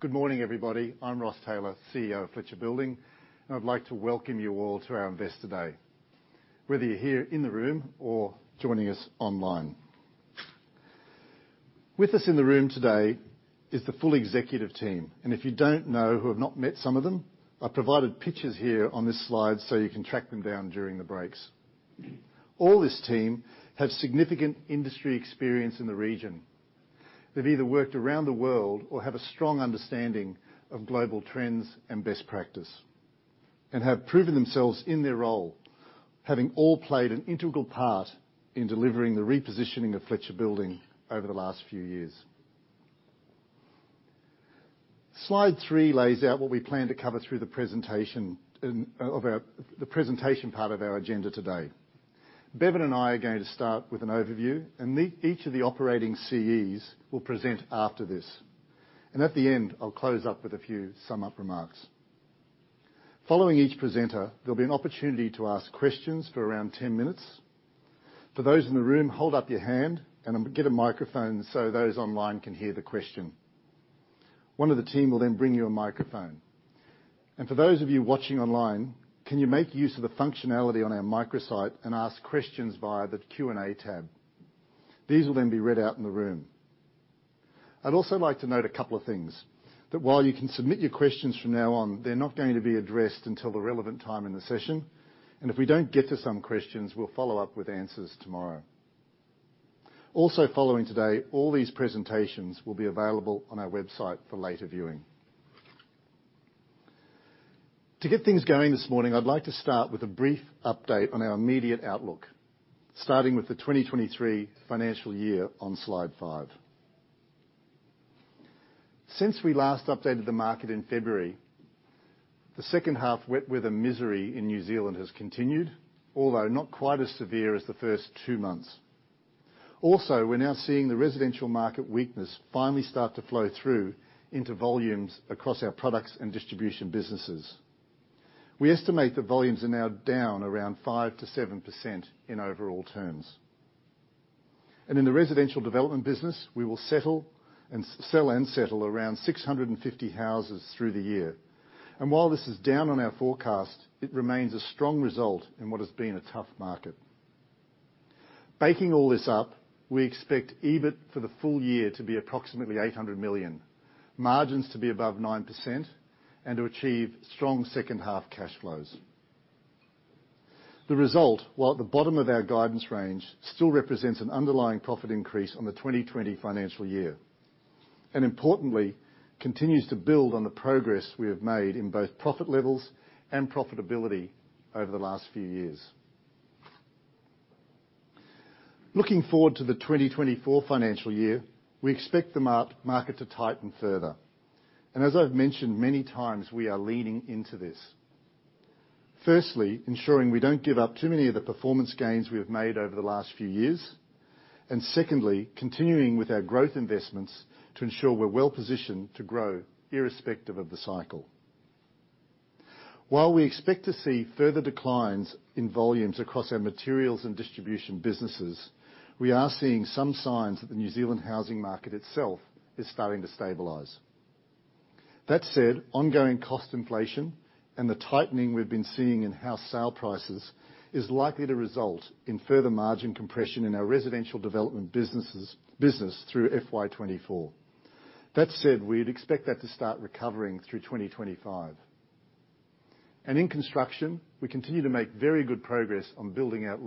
Good morning, everybody. I'm Ross Taylor, CEO of Fletcher Building, and I'd like to welcome you all to our Investor Day. Whether you're here in the room or joining us online. With us in the room today is the full executive team, and if you don't know, who have not met some of them, I've provided pictures here on this slide so you can track them down during the breaks. All this team have significant industry experience in the region. They've either worked around the world or have a strong understanding of global trends and best practice, and have proven themselves in their role, having all played an integral part in delivering the repositioning of Fletcher Building over the last few years. Slide three lays out what we plan to cover through the presentation part of our agenda today. Bevan and I are going to start with an overview, and each of the operating CEs will present after this. At the end, I'll close up with a few sum-up remarks. Following each presenter, there'll be an opportunity to ask questions for around 10 minutes. For those in the room, hold up your hand, get a microphone so those online can hear the question. One of the team will then bring you a microphone. For those of you watching online, can you make use of the functionality on our microsite and ask questions via the Q&A tab? These will then be read out in the room. I'd also like to note a couple of things, that while you can submit your questions from now on, they're not going to be addressed until the relevant time in the session. If we don't get to some questions, we'll follow up with answers tomorrow. Following today, all these presentations will be available on our website for later viewing. To get things going this morning, I'd like to start with a brief update on our immediate outlook, starting with the 2023 financial year on slide five. Since we last updated the market in February, the second half wet weather misery in New Zealand has continued, although not quite as severe as the first two months. We're now seeing the residential market weakness finally start to flow through into volumes across our products and distribution businesses. We estimate the volumes are now down around 5%-7% in overall terms. In the residential development business, we will sell and settle around 650 houses through the year. While this is down on our forecast, it remains a strong result in what has been a tough market. Baking all this up, we expect EBIT for the full year to be approximately 800 million, margins to be above 9%, and to achieve strong second-half cash flows. The result, while at the bottom of our guidance range, still represents an underlying profit increase on the 2020 financial year. Importantly, continues to build on the progress we have made in both profit levels and profitability over the last few years. Looking forward to the 2024 financial year, we expect the market to tighten further. As I've mentioned many times, we are leaning into this. Firstly, ensuring we don't give up too many of the performance gains we have made over the last few years. Secondly, continuing with our growth investments to ensure we're well positioned to grow irrespective of the cycle. While we expect to see further declines in volumes across our materials and distribution businesses, we are seeing some signs that the New Zealand housing market itself is starting to stabilize. That said, ongoing cost inflation and the tightening we've been seeing in house sale prices is likely to result in further margin compression in our residential development business through FY 2024. That said, we'd expect that to start recovering through 2025. In construction, we continue to make very good progress on building out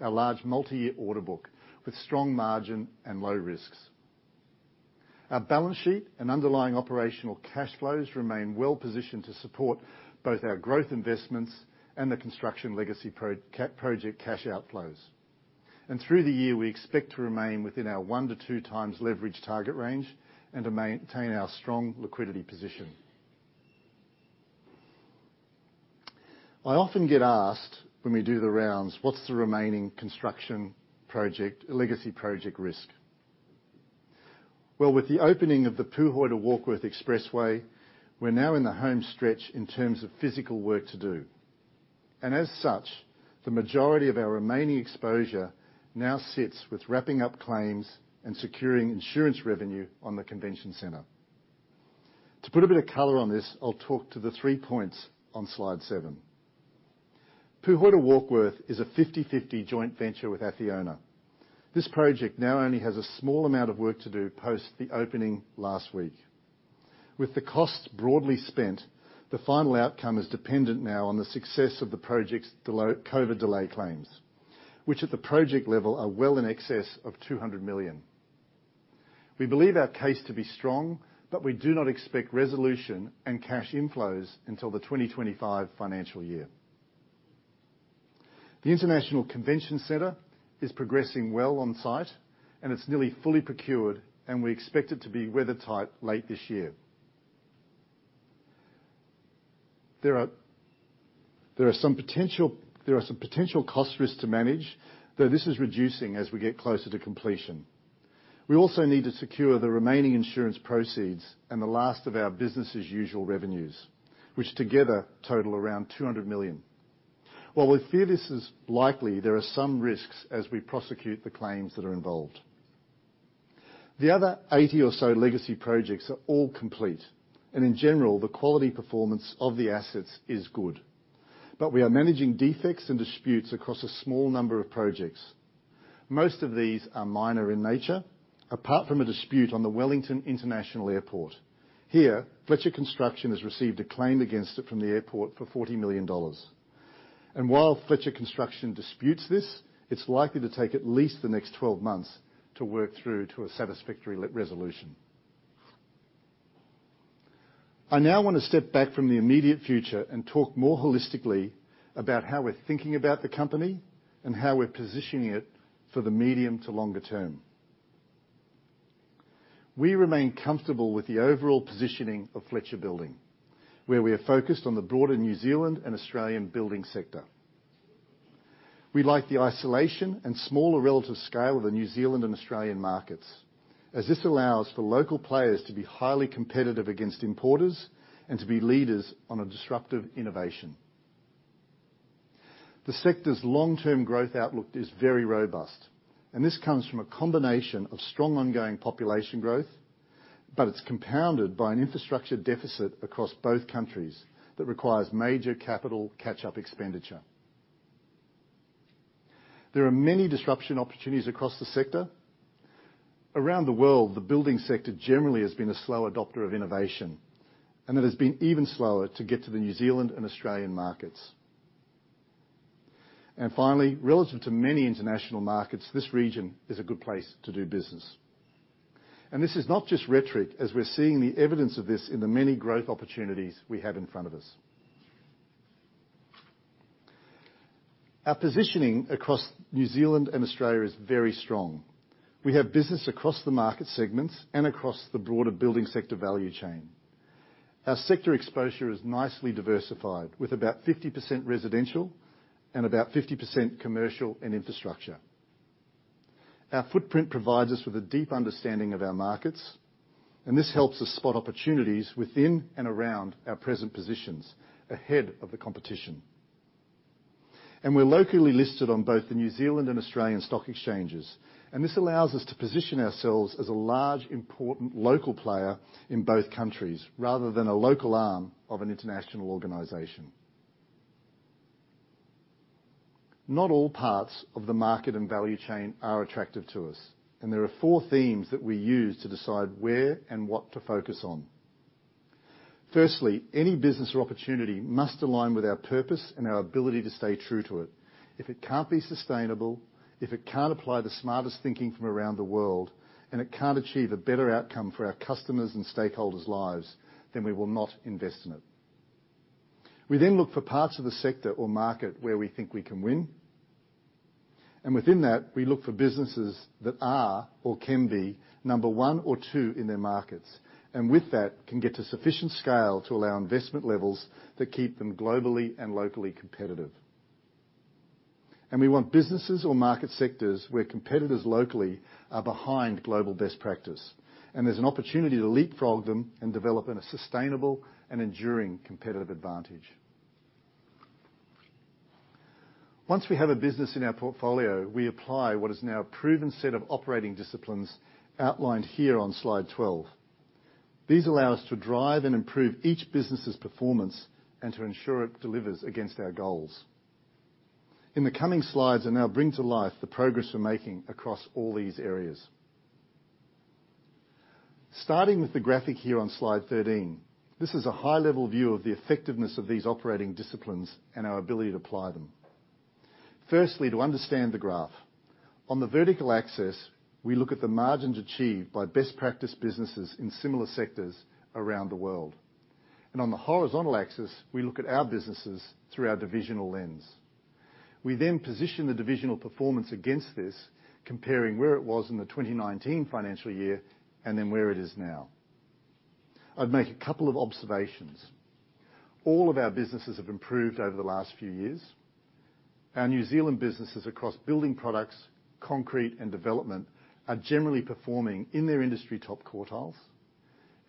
our large multi-year order book, with strong margin and low risks. Our balance sheet and underlying operational cash flows remain well positioned to support both our growth investments and the construction legacy project cash outflows. Through the year, we expect to remain within our 1x-2x leverage target range and to maintain our strong liquidity position. I often get asked when we do the rounds, "What's the remaining construction project, legacy project risk?" Well, with the opening of the Pūhoi to Warkworth Expressway, we're now in the home stretch in terms of physical work to do. As such, the majority of our remaining exposure now sits with wrapping up claims and securing insurance revenue on the Convention Center. To put a bit of color on this, I'll talk to the 3 points on slide seven. Pūhoi to Warkworth is a 50/50 joint venture with Acciona. This project now only has a small amount of work to do post the opening last week. With the costs broadly spent, the final outcome is dependent now on the success of the COVID delay claims, which at the project level, are well in excess of 200 million. We believe our case to be strong, but we do not expect resolution and cash inflows until the 2025 financial year. The International Convention Center is progressing well on site, and it's nearly fully procured, and we expect it to be weather tight late this year. There are some potential cost risks to manage, though this is reducing as we get closer to completion. We also need to secure the remaining insurance proceeds and the last of our business' usual revenues, which together total around 200 million. While we feel this is likely, there are some risks as we prosecute the claims that are involved. The other 80 or so legacy projects are all complete, and in general, the quality performance of the assets is good. We are managing defects and disputes across a small number of projects. Most of these are minor in nature, apart from a dispute on the Wellington International Airport. Here, Fletcher Construction has received a claim against it from the airport for 40 million dollars. While Fletcher Construction disputes this, it's likely to take at least the next 12 months to work through to a satisfactory lit resolution. I now want to step back from the immediate future and talk more holistically about how we're thinking about the company, and how we're positioning it for the medium to longer term. We remain comfortable with the overall positioning of Fletcher Building, where we are focused on the broader New Zealand and Australian building sector. We like the isolation and smaller relative scale of the New Zealand and Australian markets, as this allows for local players to be highly competitive against importers and to be leaders on a disruptive innovation. This comes from a combination of strong ongoing population growth, but it's compounded by an infrastructure deficit across both countries that requires major capital catch-up expenditure. There are many disruption opportunities across the sector. Around the world, the building sector generally has been a slow adopter of innovation. It has been even slower to get to the New Zealand and Australian markets. Finally, relative to many international markets, this region is a good place to do business. This is not just rhetoric, as we're seeing the evidence of this in the many growth opportunities we have in front of us. Our positioning across New Zealand and Australia is very strong. We have business across the market segments and across the broader building sector value chain. Our sector exposure is nicely diversified, with about 50% residential and about 50% commercial and infrastructure. Our footprint provides us with a deep understanding of our markets, and this helps us spot opportunities within and around our present positions ahead of the competition. We're locally listed on both the New Zealand and Australian stock exchanges, and this allows us to position ourselves as a large, important local player in both countries, rather than a local arm of an international organization. Not all parts of the market and value chain are attractive to us. There are four themes that we use to decide where and what to focus on. Firstly, any business or opportunity must align with our purpose and our ability to stay true to it. If it can't be sustainable, if it can't apply the smartest thinking from around the world. It can't achieve a better outcome for our customers' and stakeholders' lives, then we will not invest in it. We then look for parts of the sector or market where we think we can win. Within that, we look for businesses that are or can be number one or two in their markets. With that, can get to sufficient scale to allow investment levels that keep them globally and locally competitive. We want businesses or market sectors where competitors locally are behind global best practice, and there's an opportunity to leapfrog them and develop in a sustainable and enduring competitive advantage. Once we have a business in our portfolio, we apply what is now a proven set of operating disciplines outlined here on slide 12. These allow us to drive and improve each business's performance and to ensure it delivers against our goals. In the coming slides, I now bring to life the progress we're making across all these areas. Starting with the graphic here on slide 13, this is a high-level view of the effectiveness of these operating disciplines and our ability to apply them. Firstly, to understand the graph, on the vertical axis, we look at the margins achieved by best practice businesses in similar sectors around the world, and on the horizontal axis, we look at our businesses through our divisional lens. We position the divisional performance against this, comparing where it was in the 2019 financial year and then where it is now. I'd make a couple of observations. All of our businesses have improved over the last few years. Our New Zealand businesses across building products, concrete, and development are generally performing in their industry top quartiles.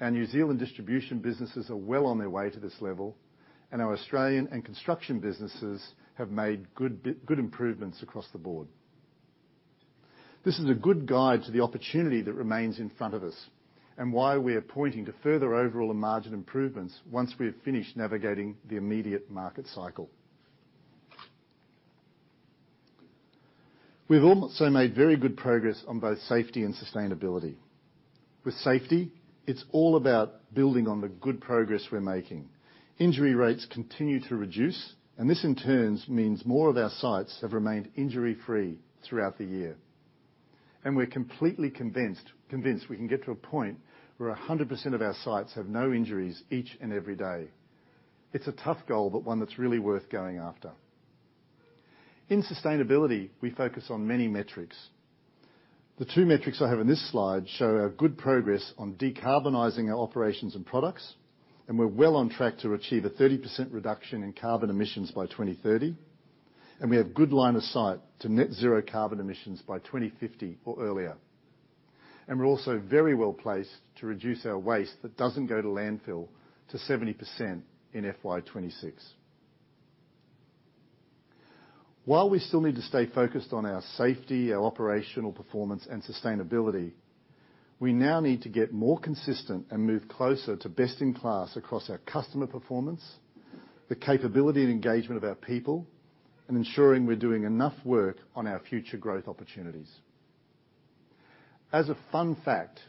Our New Zealand distribution businesses are well on their way to this level, and our Australian and construction businesses have made good improvements across the board. This is a good guide to the opportunity that remains in front of us, and why we are pointing to further overall and margin improvements once we have finished navigating the immediate market cycle. We've also made very good progress on both safety and sustainability. With safety, it's all about building on the good progress we're making. Injury rates continue to reduce, and this, in turn, means more of our sites have remained injury-free throughout the year. We're completely convinced we can get to a point where 100% of our sites have no injuries each and every day. It's a tough goal, but one that's really worth going after. In sustainability, we focus on many metrics. The two metrics I have on this slide show our good progress on decarbonizing our operations and products. We're well on track to achieve a 30% reduction in carbon emissions by 2030. We have good line of sight to net zero carbon emissions by 2050 or earlier. We're also very well-placed to reduce our waste that doesn't go to landfill to 70% in FY 2026. While we still need to stay focused on our safety, our operational performance, and sustainability, we now need to get more consistent and move closer to best in class across our customer performance, the capability and engagement of our people, and ensuring we're doing enough work on our future growth opportunities. As a fun fact,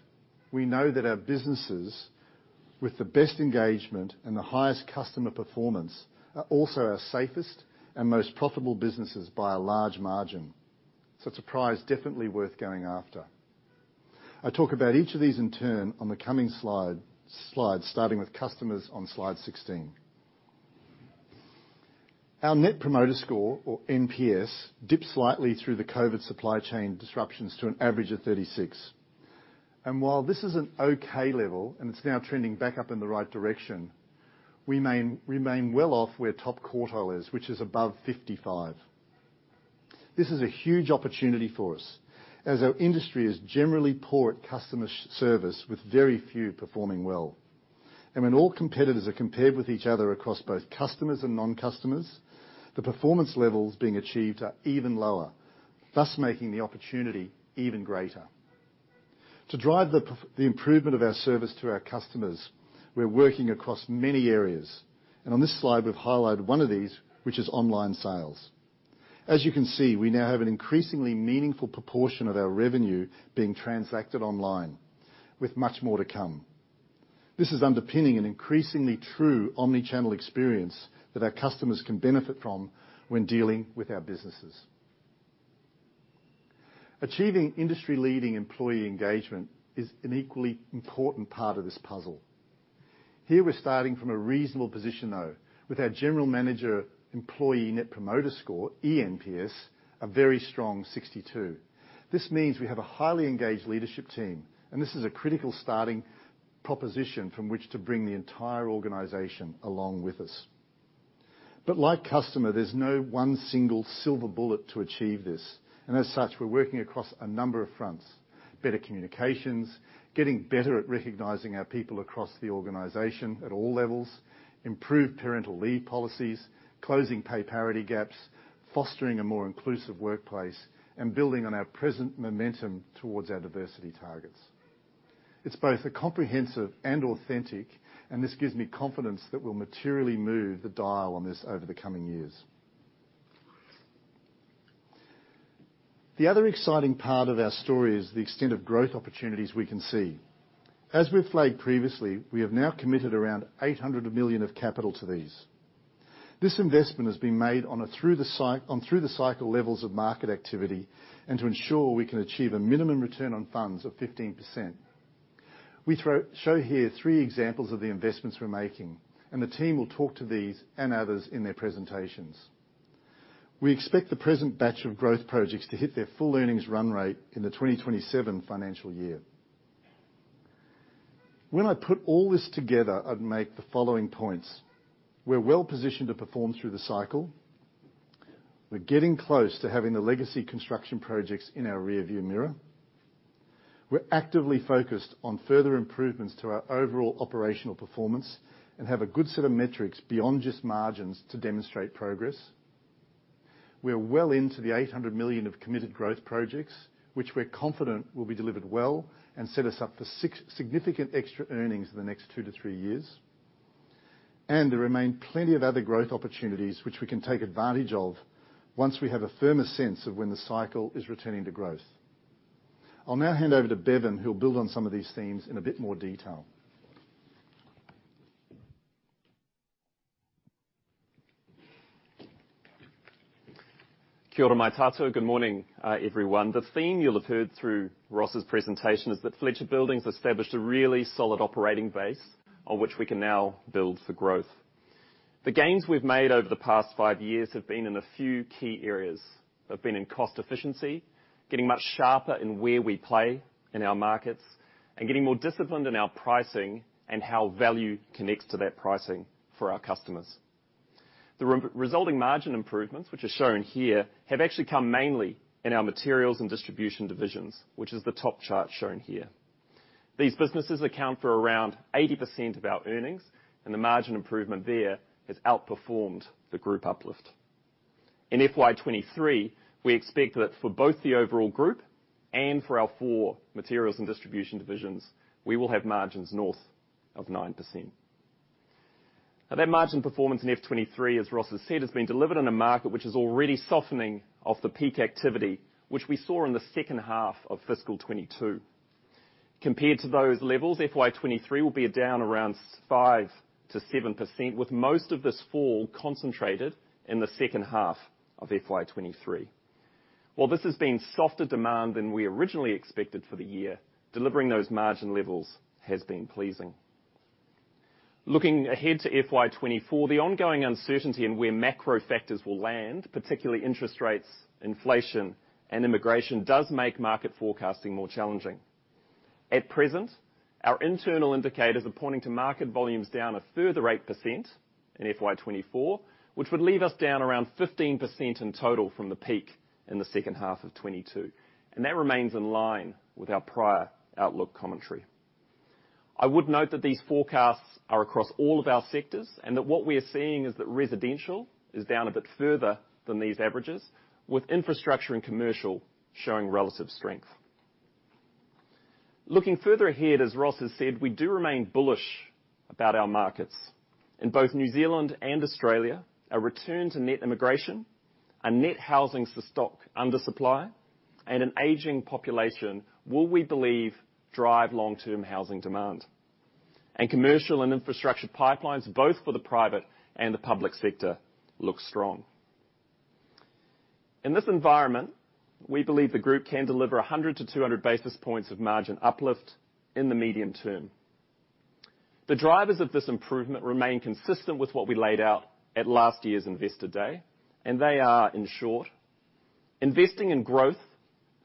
we know that our businesses with the best engagement and the highest customer performance are also our safest and most profitable businesses by a large margin, so it's a prize definitely worth going after. I talk about each of these in turn on the coming slide, starting with customers on slide 16. Our Net Promoter Score, or NPS, dipped slightly through the COVID supply chain disruptions to an average of 36. While this is an okay level, and it's now trending back up in the right direction, we remain well off where top quartile is, which is above 55. This is a huge opportunity for us, as our industry is generally poor at customer service, with very few performing well. When all competitors are compared with each other across both customers and non-customers, the performance levels being achieved are even lower, thus making the opportunity even greater. To drive the improvement of our service to our customers, we're working across many areas, and on this slide, we've highlighted one of these, which is online sales. As you can see, we now have an increasingly meaningful proportion of our revenue being transacted online, with much more to come. This is underpinning an increasingly true omni-channel experience that our customers can benefit from when dealing with our businesses. Achieving industry-leading employee engagement is an equally important part of this puzzle. Here, we're starting from a reasonable position, though, with our general manager employee Net Promoter Score, eNPS, a very strong 62. This means we have a highly engaged leadership team, and this is a critical starting proposition from which to bring the entire organization along with us. Like customer, there's no one single silver bullet to achieve this, and as such, we're working across a number of fronts: better communications, getting better at recognizing our people across the organization at all levels, improved parental leave policies, closing pay parity gaps, fostering a more inclusive workplace, and building on our present momentum towards our diversity targets. It's both comprehensive and authentic, and this gives me confidence that we'll materially move the dial on this over the coming years. The other exciting part of our story is the extent of growth opportunities we can see. As we've flagged previously, we have now committed around 800 million of capital to these. This investment has been made on through the cycle levels of market activity, to ensure we can achieve a minimum return on funds of 15%. We show here three examples of the investments we're making, the team will talk to these and others in their presentations. We expect the present batch of growth projects to hit their full earnings run rate in the 2027 financial year. When I put all this together, I'd make the following points: We're well positioned to perform through the cycle. We're getting close to having the legacy construction projects in our rearview mirror. We're actively focused on further improvements to our overall operational performance and have a good set of metrics beyond just margins to demonstrate progress. We are well into the 800 million of committed growth projects, which we're confident will be delivered well and set us up for significant extra earnings in the next two to three years. There remain plenty of other growth opportunities which we can take advantage of once we have a firmer sense of when the cycle is returning to growth. I'll now hand over to Bevan, who will build on some of these themes in a bit more detail. Kia ora mai tatou. Good morning, everyone. The theme you'll have heard through Ross's presentation is that Fletcher Building's established a really solid operating base on which we can now build for growth. The gains we've made over the past five years have been in a few key areas. They've been in cost efficiency, getting much sharper in where we play in our markets, and getting more disciplined in our pricing and how value connects to that pricing for our customers. The resulting margin improvements, which are shown here, have actually come mainly in our materials and distribution divisions, which is the top chart shown here. These businesses account for around 80% of our earnings, and the margin improvement there has outperformed the group uplift. In FY 2023, we expect that for both the overall group and for our four materials and distribution divisions, we will have margins north of 9%. That margin performance in FY 2023, as Ross has said, has been delivered in a market which is already softening off the peak activity, which we saw in the second half of fiscal 2022. Compared to those levels, FY 2023 will be down around 5%-7%, with most of this fall concentrated in the second half of FY 2023. While this has been softer demand than we originally expected for the year, delivering those margin levels has been pleasing. Looking ahead to FY 2024, the ongoing uncertainty in where macro factors will land, particularly interest rates, inflation, and immigration, does make market forecasting more challenging. At present. Our internal indicators are pointing to market volumes down a further 8% in FY 2024, which would leave us down around 15% in total from the peak in the second half of 2022, and that remains in line with our prior outlook commentary. I would note that these forecasts are across all of our sectors, and that what we are seeing is that residential is down a bit further than these averages, with infrastructure and commercial showing relative strength. Looking further ahead, as Ross has said, we do remain bullish about our markets. In both New Zealand and Australia, a return to net immigration, a net housing for stock undersupply, and an aging population will, we believe, drive long-term housing demand. Commercial and infrastructure pipelines, both for the private and the public sector, look strong. In this environment, we believe the group can deliver 100 to 200 basis points of margin uplift in the medium term. The drivers of this improvement remain consistent with what we laid out at last year's Investor Day, and they are, in short, investing in growth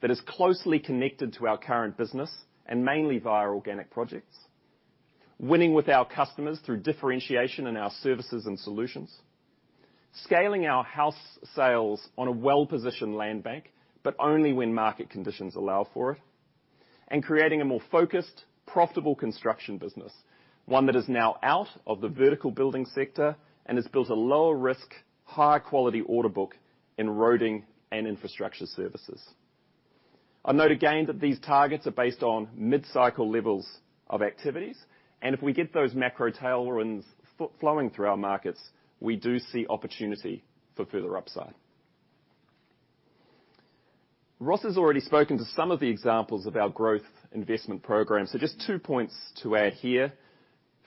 that is closely connected to our current business and mainly via organic projects, winning with our customers through differentiation in our services and solutions, scaling our house sales on a well-positioned land bank, but only when market conditions allow for it, and creating a more focused, profitable construction business, one that is now out of the vertical building sector and has built a lower risk, higher quality order book in roading and infrastructure services. I'll note again that these targets are based on mid-cycle levels of activities, and if we get those macro tailwinds flowing through our markets, we do see opportunity for further upside. Ross has already spoken to some of the examples of our growth investment program, so just two points to add here.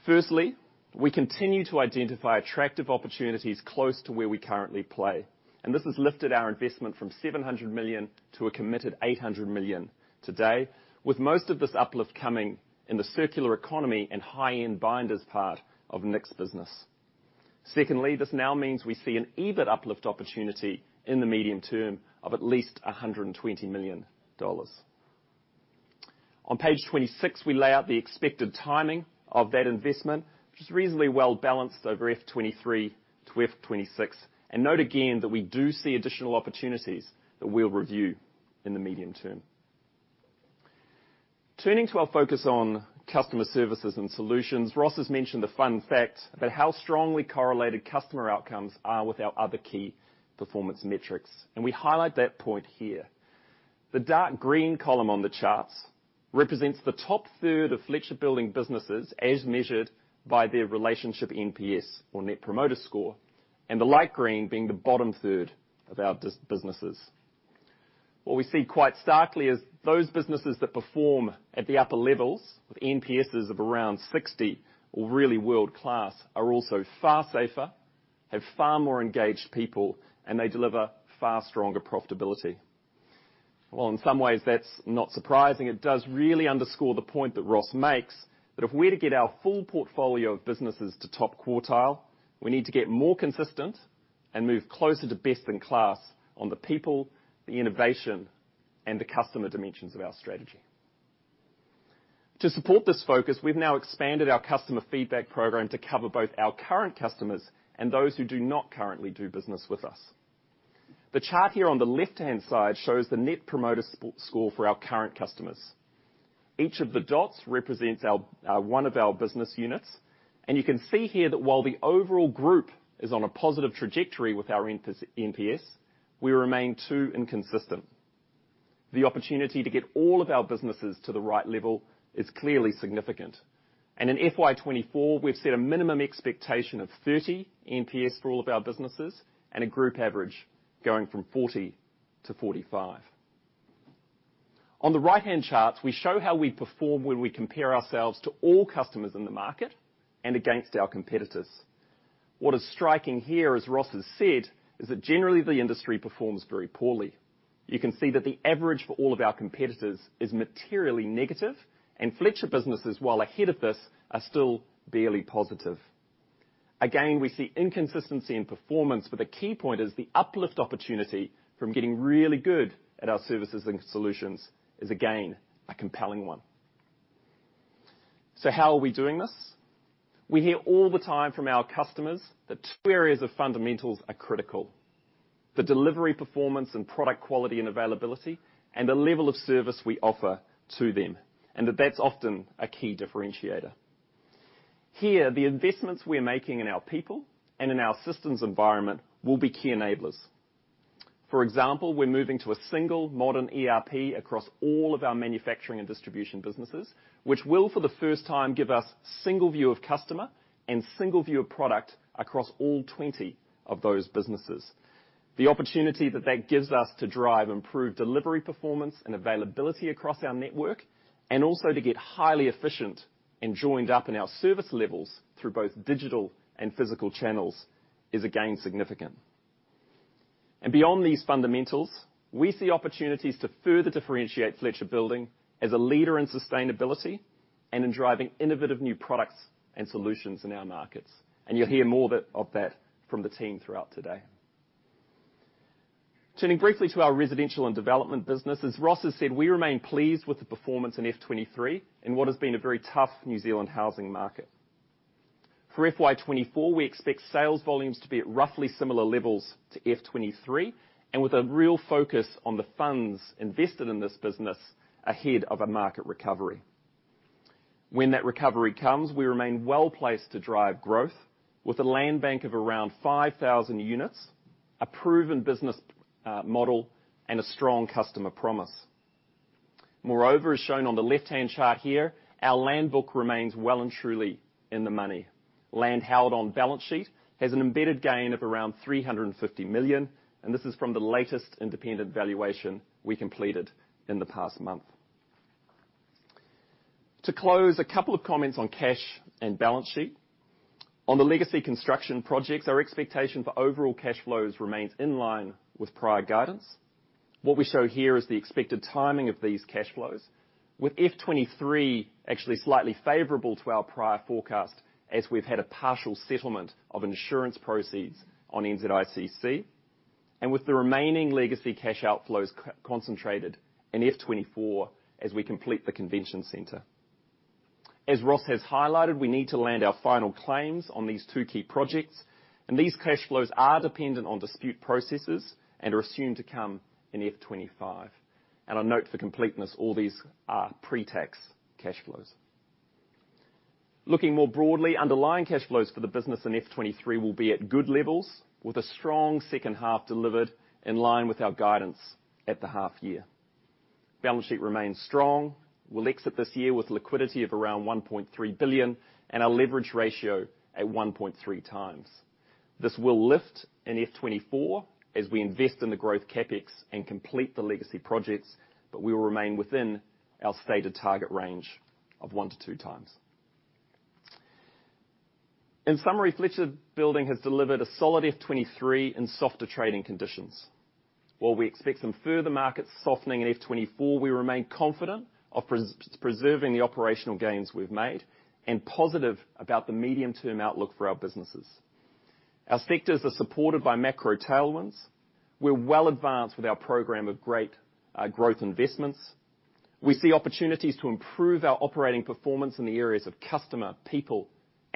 Firstly, we continue to identify attractive opportunities close to where we currently play, and this has lifted our investment from 700 million to a committed 800 million today, with most of this uplift coming in the circular economy and high-end binders part of Nick's business. Secondly, this now means we see an EBIT uplift opportunity in the medium term of at least 120 million dollars. On page 26, we lay out the expected timing of that investment, which is reasonably well balanced over FY 2023 to FY 2026. Note again that we do see additional opportunities that we'll review in the medium term. Turning to our focus on customer services and solutions, Ross has mentioned the fun fact about how strongly correlated customer outcomes are with our other key performance metrics, and we highlight that point here. The dark green column on the charts represents the top third of Fletcher Building businesses, as measured by their relationship NPS, or Net Promoter Score, and the light green being the bottom third of our businesses. What we see quite starkly is those businesses that perform at the upper levels, with NPSs of around 60 or really world-class, are also far safer, have far more engaged people, and they deliver far stronger profitability. Well, in some ways, that's not surprising. It does really underscore the point that Ross makes, that if we're to get our full portfolio of businesses to top quartile, we need to get more consistent and move closer to best in class on the people, the innovation, and the customer dimensions of our strategy. To support this focus, we've now expanded our customer feedback program to cover both our current customers and those who do not currently do business with us. The chart here on the left-hand side shows the Net Promoter Score for our current customers. Each of the dots represents our one of our business units, and you can see here that while the overall group is on a positive trajectory with our NPS, we remain too inconsistent. The opportunity to get all of our businesses to the right level is clearly significant. In FY 2024, we've set a minimum expectation of 30 NPS for all of our businesses and a group average going from 40-45. On the right-hand charts, we show how we perform when we compare ourselves to all customers in the market and against our competitors. What is striking here, as Ross has said, is that generally, the industry performs very poorly. You can see that the average for all of our competitors is materially negative, and Fletcher businesses, while ahead of this, are still barely positive. Again, we see inconsistency in performance, but the key point is the uplift opportunity from getting really good at our services and solutions is, again, a compelling one. How are we doing this? We hear all the time from our customers that two areas of fundamentals are critical: the delivery, performance and product quality and availability, and the level of service we offer to them, and that that's often a key differentiator. Here, the investments we're making in our people and in our systems environment will be key enablers. For example, we're moving to a single modern ERP across all of our manufacturing and distribution businesses, which will, for the first time, give us single view of customer and single view of product across all 20 of those businesses. The opportunity that that gives us to drive improved delivery, performance, and availability across our network, and also to get highly efficient and joined up in our service levels through both digital and physical channels, is again significant. Beyond these fundamentals, we see opportunities to further differentiate Fletcher Building as a leader in sustainability and in driving innovative new products and solutions in our markets. You'll hear more of that from the team throughout today. Turning briefly to our residential and development business. As Ross has said, we remain pleased with the performance in FY 2023, in what has been a very tough New Zealand housing market. For FY 2024, we expect sales volumes to be at roughly similar levels to FY 2023, and with a real focus on the funds invested in this business ahead of a market recovery. When that recovery comes, we remain well-placed to drive growth, with a land bank of around 5,000 units, a proven business model, and a strong customer promise. Moreover, as shown on the left-hand chart here, our land book remains well and truly in the money. Land held on balance sheet has an embedded gain of around 350 million, and this is from the latest independent valuation we completed in the past month. To close, a couple of comments on cash and balance sheet. On the legacy construction projects, our expectation for overall cash flows remains in line with prior guidance. What we show here is the expected timing of these cash flows, with FY 2023 actually slightly favorable to our prior forecast, as we've had a partial settlement of insurance proceeds on NZICC, and with the remaining legacy cash outflows concentrated in FY 2024 as we complete the convention center. As Ross has highlighted, we need to land our final claims on these two key projects, these cash flows are dependent on dispute processes and are assumed to come in FY 2025. I note for completeness, all these are pre-tax cash flows. Looking more broadly, underlying cash flows for the business in FY 2023 will be at good levels, with a strong second half delivered in line with our guidance at the half year. Balance sheet remains strong. We'll exit this year with liquidity of around 1.3 billion, and our leverage ratio at 1.3x. This will lift in FY 2024 as we invest in the growth CapEx and complete the legacy projects, we will remain within our stated target range of 1x-2x. In summary, Fletcher Building has delivered a solid FY 2023 in softer trading conditions. While we expect some further market softening in FY 2024, we remain confident of preserving the operational gains we've made, and positive about the medium-term outlook for our businesses. Our sectors are supported by macro tailwinds. We're well advanced with our program of great growth investments. We see opportunities to improve our operating performance in the areas of customer, people, and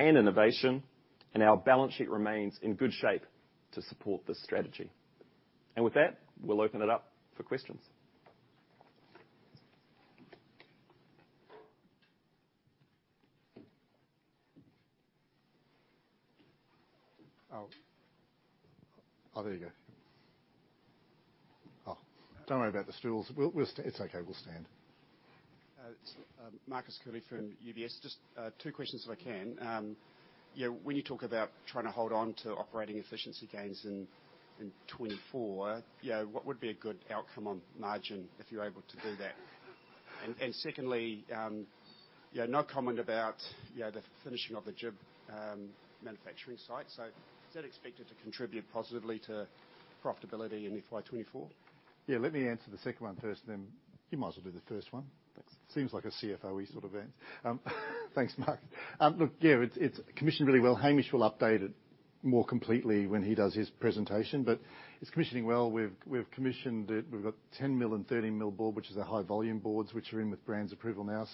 innovation, and our balance sheet remains in good shape to support this strategy. With that, we'll open it up for questions. Oh. Oh, there you go. Oh, don't worry about the stools. We'll, it's okay, we'll stand. Marcus Curley from UBS. Just two questions, if I can. When you talk about trying to hold on to operating efficiency gains in 2024, what would be a good outcome on margin if you're able to do that? Secondly, no comment about the finishing of the GIB manufacturing site. Is that expected to contribute positively to profitability in FY 2024? Yeah, let me answer the second one first, and then you might as well do the first one. Thanks. Seems like a CFO sort of event. Thanks, Mark. It's commissioned really well. Hamish will update it more completely when he does his presentation, but it's commissioning well. We've commissioned it. We've got 10 mil and 13 mil board, which is our high-volume boards, which are in with brand's approval now.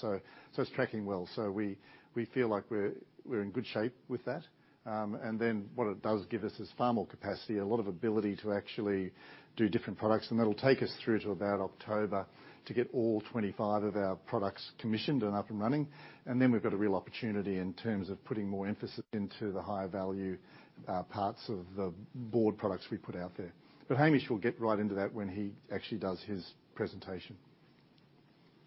It's tracking well. We feel like we're in good shape with that. What it does give us is far more capacity, a lot of ability to actually do different products, and that'll take us through to about October to get all 25 of our products commissioned and up and running. We've got a real opportunity in terms of putting more emphasis into the higher value parts of the board products we put out there. Hamish will get right into that when he actually does his presentation.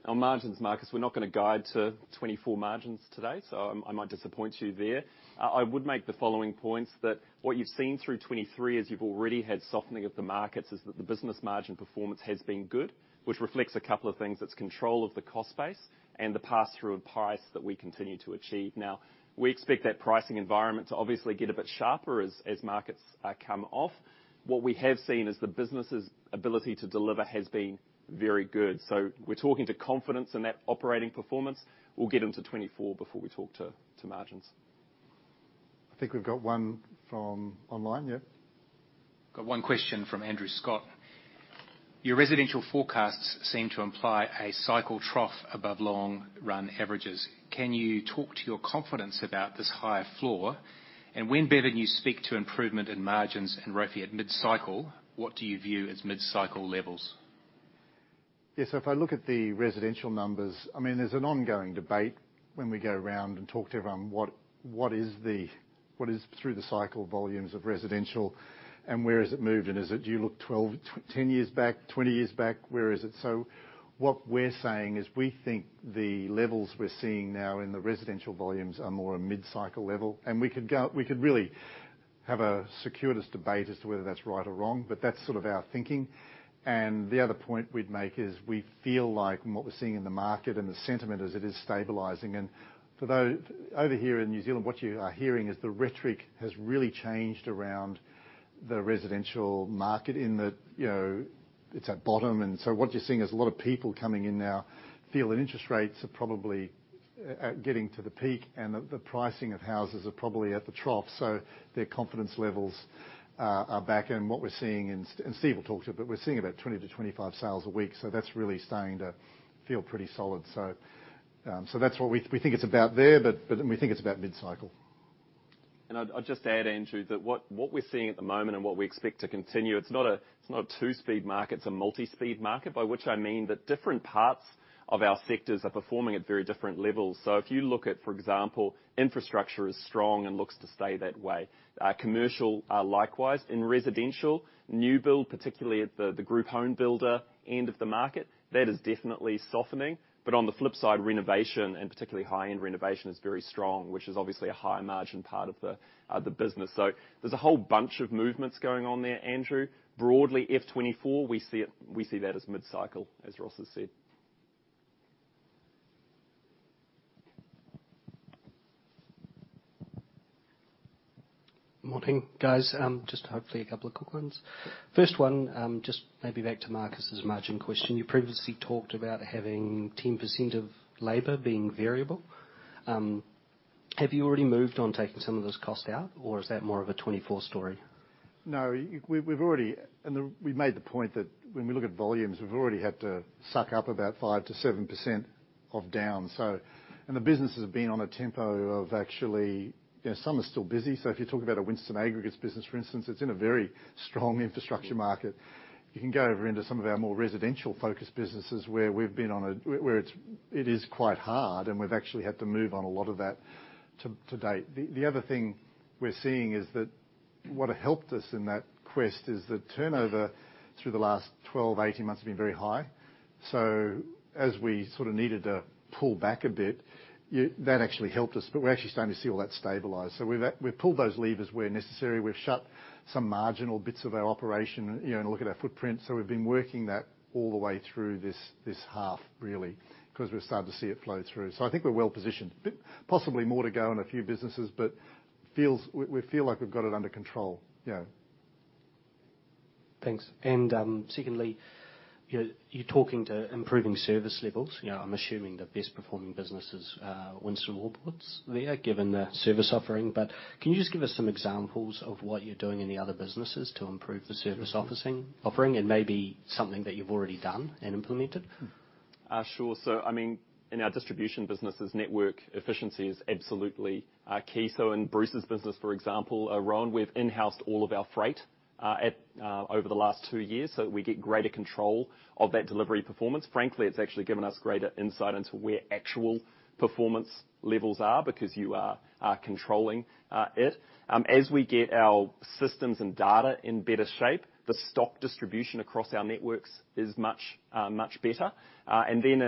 On margins, Marcus, we're not gonna guide to 2024 margins today, I might disappoint you there. I would make the following points, that what you've seen through 2023, as you've already had softening of the markets, is that the business margin performance has been good, which reflects a couple of things. That's control of the cost base and the pass-through of price that we continue to achieve. Now, we expect that pricing environment to obviously get a bit sharper as markets come off. What we have seen is the business's ability to deliver has been very good. We're talking to confidence in that operating performance. We'll get into 2024 before we talk to margins. I think we've got one from online. Yeah? Got one question from Andrew Scott: "Your residential forecasts seem to imply a cycle trough above long-run averages. Can you talk to your confidence about this higher floor? When Bevan you speak to improvement in margins and ROFE at mid-cycle, what do you view as mid-cycle levels? If I look at the residential numbers, I mean, there's an ongoing debate when we go around and talk to everyone, what is through-the-cycle volumes of residential, and where has it moved? Is it, do you look 12, 10 years back, 20 years back? Where is it? What we're saying is, we think the levels we're seeing now in the residential volumes are more a mid-cycle level. We could really have a semantic debate as to whether that's right or wrong, but that's sort of our thinking. The other point we'd make is, we feel like what we're seeing in the market and the sentiment as it is stabilizing, and for those over here in New Zealand, what you are hearing is the rhetoric has really changed around the residential market in that, you know. it's at bottom. What you're seeing is a lot of people coming in now feel that interest rates are probably getting to the peak, and the pricing of houses are probably at the trough. Their confidence levels are back. What we're seeing, and Steve will talk to it, but we're seeing about 20-25 sales a week. That's really starting to feel pretty solid. That's what we think it's about there. Then we think it's about mid-cycle. I'd just add, Andrew, that what we're seeing at the moment and what we expect to continue, it's not a two-speed market, it's a multi-speed market, by which I mean that different parts of our sectors are performing at very different levels. If you look at, for example, infrastructure is strong and looks to stay that way. Commercial, likewise. In residential, new build, particularly at the group home builder end of the market, that is definitely softening. On the flip side, renovation, and particularly high-end renovation, is very strong, which is obviously a higher margin part of the business. There's a whole bunch of movements going on there, Andrew. Broadly, FY 2024, we see that as mid-cycle, as Ross has said. Morning, guys. Just hopefully a couple of quick ones. First one, just maybe back to Marcus's margin question. You previously talked about having 10% of labor being variable. Have you already moved on taking some of those costs out, or is that more of a 2024 story? No, we've already. We made the point that when we look at volumes, we've already had to suck up about 5%-7% of down, so. The business has been on a tempo of actually, you know, some are still busy. So if you talk about a Winstone Aggregates business, for instance, it's in a very strong infrastructure market. You can go over into some of our more residential-focused businesses, where we've been on a, where it's quite hard, and we've actually had to move on a lot of that to date. The other thing we're seeing is that what has helped us in that quest is that turnover through the last 12, 18 months has been very high. As we sort of needed to pull back a bit, that actually helped us, but we're actually starting to see all that stabilize. We've pulled those levers where necessary. We've shut some marginal bits of our operation, you know, and look at our footprint, so we've been working that all the way through this half, really, 'cause we're starting to see it flow through. I think we're well positioned. Possibly more to go in a few businesses, but feels, we feel like we've got it under control, yeah. Thanks. Secondly, you know, you're talking to improving service levels. You know, I'm assuming the best performing business is Winstone Wallboards there, given the service offering. Can you just give us some examples of what you're doing in the other businesses to improve the service offering, and maybe something that you've already done and implemented? Sure. I mean, in our distribution businesses, network efficiency is absolutely key. In Bruce's business, for example, Rohan, we've in-housed all of our freight over the last two years, so we get greater control of that delivery performance. Frankly, it's actually given us greater insight into where actual performance levels are, because you are controlling it. As we get our systems and data in better shape, the stock distribution across our networks is much better. Then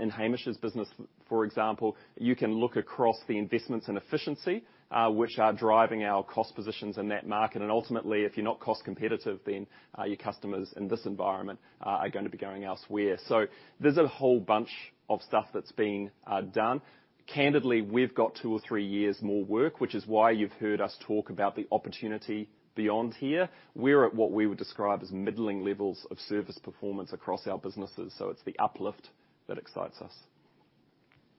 in Hamish's business, for example, you can look across the investments in efficiency, which are driving our cost positions in that market. Ultimately, if you're not cost competitive, then your customers in this environment are going to be going elsewhere. There's a whole bunch of stuff that's being done. Candidly, we've got two or three years more work, which is why you've heard us talk about the opportunity beyond here. We're at what we would describe as middling levels of service performance across our businesses, so it's the uplift that excites us.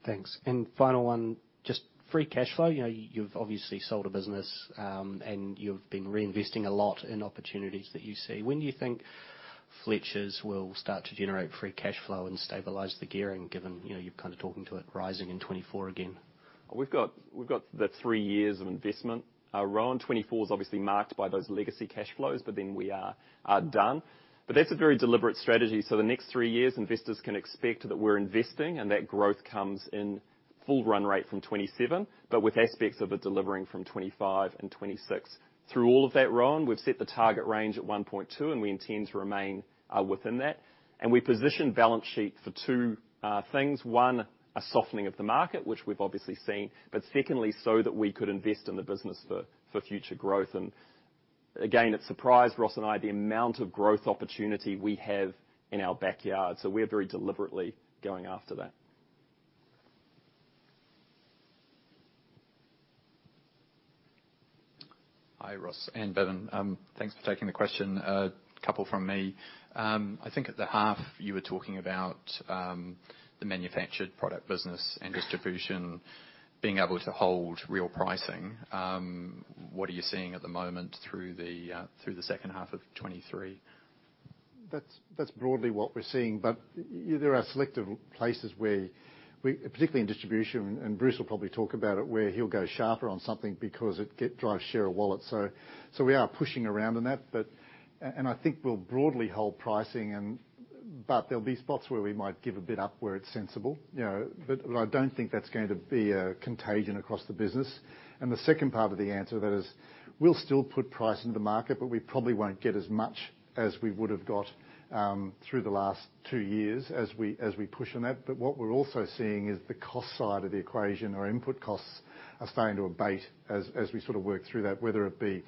Thanks. Final one, just free cashflow. You know, you've obviously sold a business, and you've been reinvesting a lot in opportunities that you see. When do you think Fletchers will start to generate free cashflow and stabilize the gearing, given, you know, you're kind of talking to it rising in 2024 again? We've got the three years of investment. Rohan, 2024 is obviously marked by those legacy cash flows, then we are done. That's a very deliberate strategy. The next three years, investors can expect that we're investing, and that growth comes in full run rate from 2027, but with aspects of it delivering from 2025 and 2026. Through all of that, Rohan, we've set the target range at 1.2, and we intend to remain within that. We've positioned balance sheet for two things. One, a softening of the market, which we've obviously seen. Secondly, so that we could invest in the business for future growth. Again, it surprised Ross and I, the amount of growth opportunity we have in our backyard, so we're very deliberately going after that. Hi, Ross and Bevan. Thanks for taking the question. A couple from me. I think at H1, you were talking about the manufactured product business and distribution being able to hold real pricing. What are you seeing at the moment through the second half of 2023? That's broadly what we're seeing, but there are selective places where we, particularly in Distribution, and Bruce will probably talk about it, where he'll go sharper on something because it drives share of wallet. We are pushing around on that, but I think we'll broadly hold pricing and, but there'll be spots where we might give a bit up where it's sensible, you know? I don't think that's going to be a contagion across the business. The second part of the answer to that is, we'll still put price into the market, but we probably won't get as much as we would've got through the last two years as we push on that. What we're also seeing is the cost side of the equation, our input costs, are starting to abate as we sort of work through that, whether it be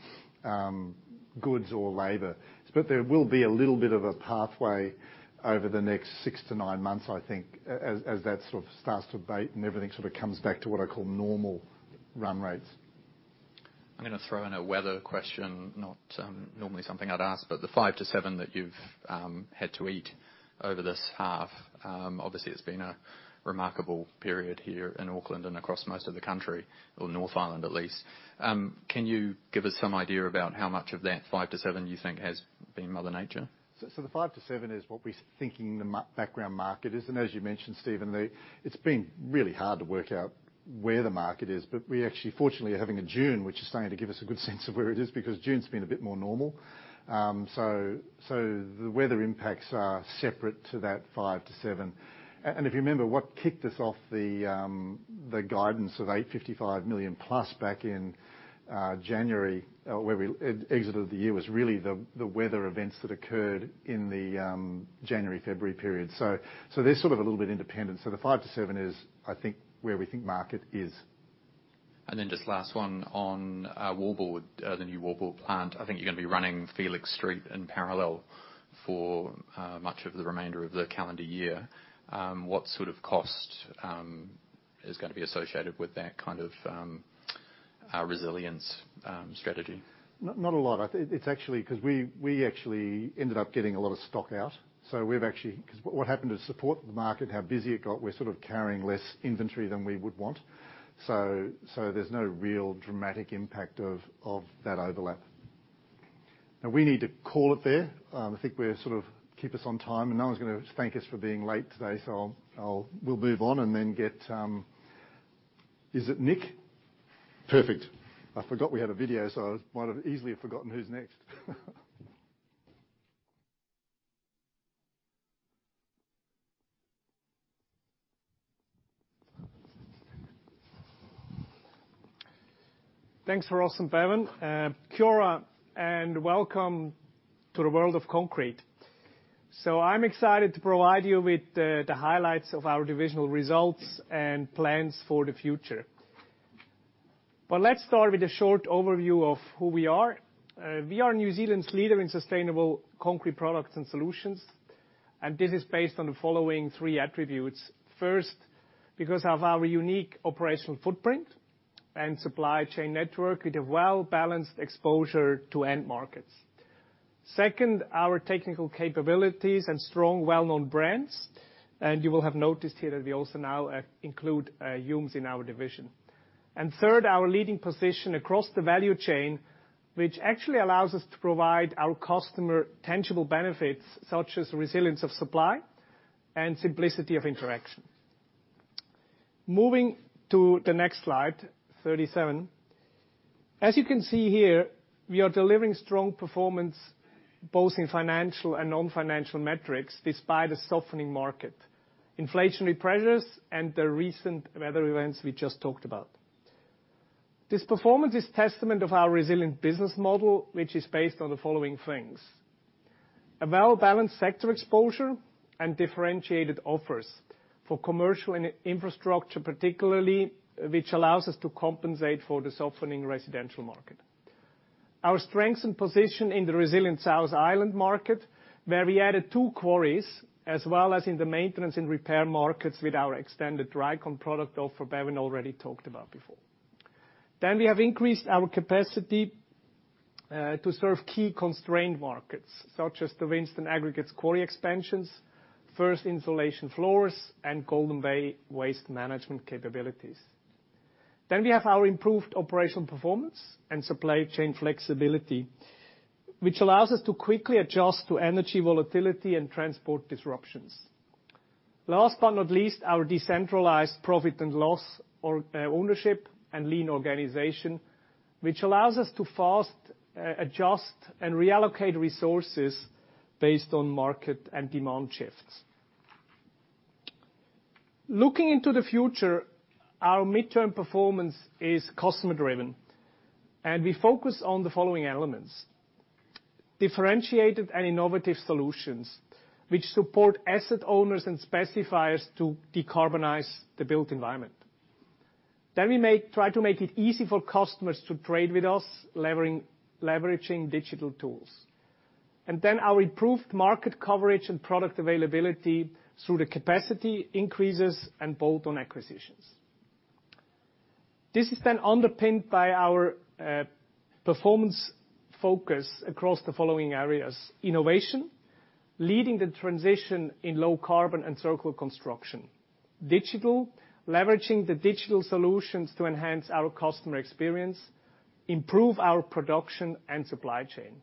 goods or labor. There will be a little bit of a pathway over the next six-nine months, I think, as that sort of starts to abate and everything sort of comes back to what I call normal run rates. I'm gonna throw in a weather question, not normally something I'd ask, but the 5-7 that you've had to eat over this half, obviously, it's been a remarkable period here in Auckland and across most of the country, or North Island, at least. Can you give us some idea about how much of that 5-7 you think has been Mother Nature? The 5-7 is what we're thinking the background market is, and as you mentioned, Steven, it's been really hard to work out where the market is, but we actually fortunately are having a June, which is starting to give us a good sense of where it is, because June's been a bit more normal. The weather impacts are separate to that 5-7. If you remember, what kicked us off the guidance of 855 million+ back in January, where we exit of the year, was really the weather events that occurred in the January, February period. They're sort of a little bit independent. The 5-7 is, I think, where we think market is. Just last one on Wallboard, the new Wallboard plant. I think you're going to be running Felix Street in parallel for much of the remainder of the calendar year. What sort of cost is going to be associated with that kind of resilience strategy? Not a lot. I think it's actually. Cause we actually ended up getting a lot of stock out, so we've actually, cause what happened to support the market, how busy it got, we're sort of carrying less inventory than we would want. There's no real dramatic impact of that overlap. We need to call it there. I think we're sort of keep us on time. No one's gonna thank us for being late today, so I'll we'll move on, and then get. Is it Nick? Perfect. I forgot we had a video, so I might have easily have forgotten who's next. Thanks for Ross and Bevan. Kia ora, welcome to the world of concrete. I'm excited to provide you with the highlights of our divisional results and plans for the future. Let's start with a short overview of who we are. We are New Zealand's leader in sustainable concrete products and solutions. This is based on the following three attributes: First, because of our unique operational footprint and supply chain network with a well-balanced exposure to end markets. Second, our technical capabilities and strong, well-known brands. You will have noticed here that we also now include Humes in our division. Third, our leading position across the value chain, which actually allows us to provide our customer tangible benefits, such as resilience of supply and simplicity of interaction. Moving to the next slide, 37. As you can see here, we are delivering strong performance, both in financial and non-financial metrics, despite a softening market, inflationary pressures, and the recent weather events we just talked about. This performance is testament of our resilient business model, which is based on the following things: A well-balanced sector exposure and differentiated offers for commercial and infrastructure, particularly, which allows us to compensate for the softening residential market. Our strength and position in the resilient South Island market, where we added two quarries, as well as in the maintenance and repair markets with our extended Dricon product, though for Bevan already talked about before. We have increased our capacity to serve key constrained markets, such as the Winstone Aggregates quarry expansions, Firth insulation floors, and Golden Bay waste management capabilities. We have our improved operational performance and supply chain flexibility, which allows us to quickly adjust to energy volatility and transport disruptions. Last but not least, our decentralized profit and loss or ownership and lean organization, which allows us to fast adjust and reallocate resources based on market and demand shifts. Looking into the future, our midterm performance is customer driven, and we focus on the following elements: Differentiated and innovative solutions, which support asset owners and specifiers to decarbonize the built environment. We try to make it easy for customers to trade with us, leveraging digital tools. Our improved market coverage and product availability through the capacity increases and bolt-on acquisitions. This is then underpinned by our performance focus across the following areas: Innovation, leading the transition in low carbon and circular construction. Digital, leveraging the digital solutions to enhance our customer experience, improve our production and supply chain.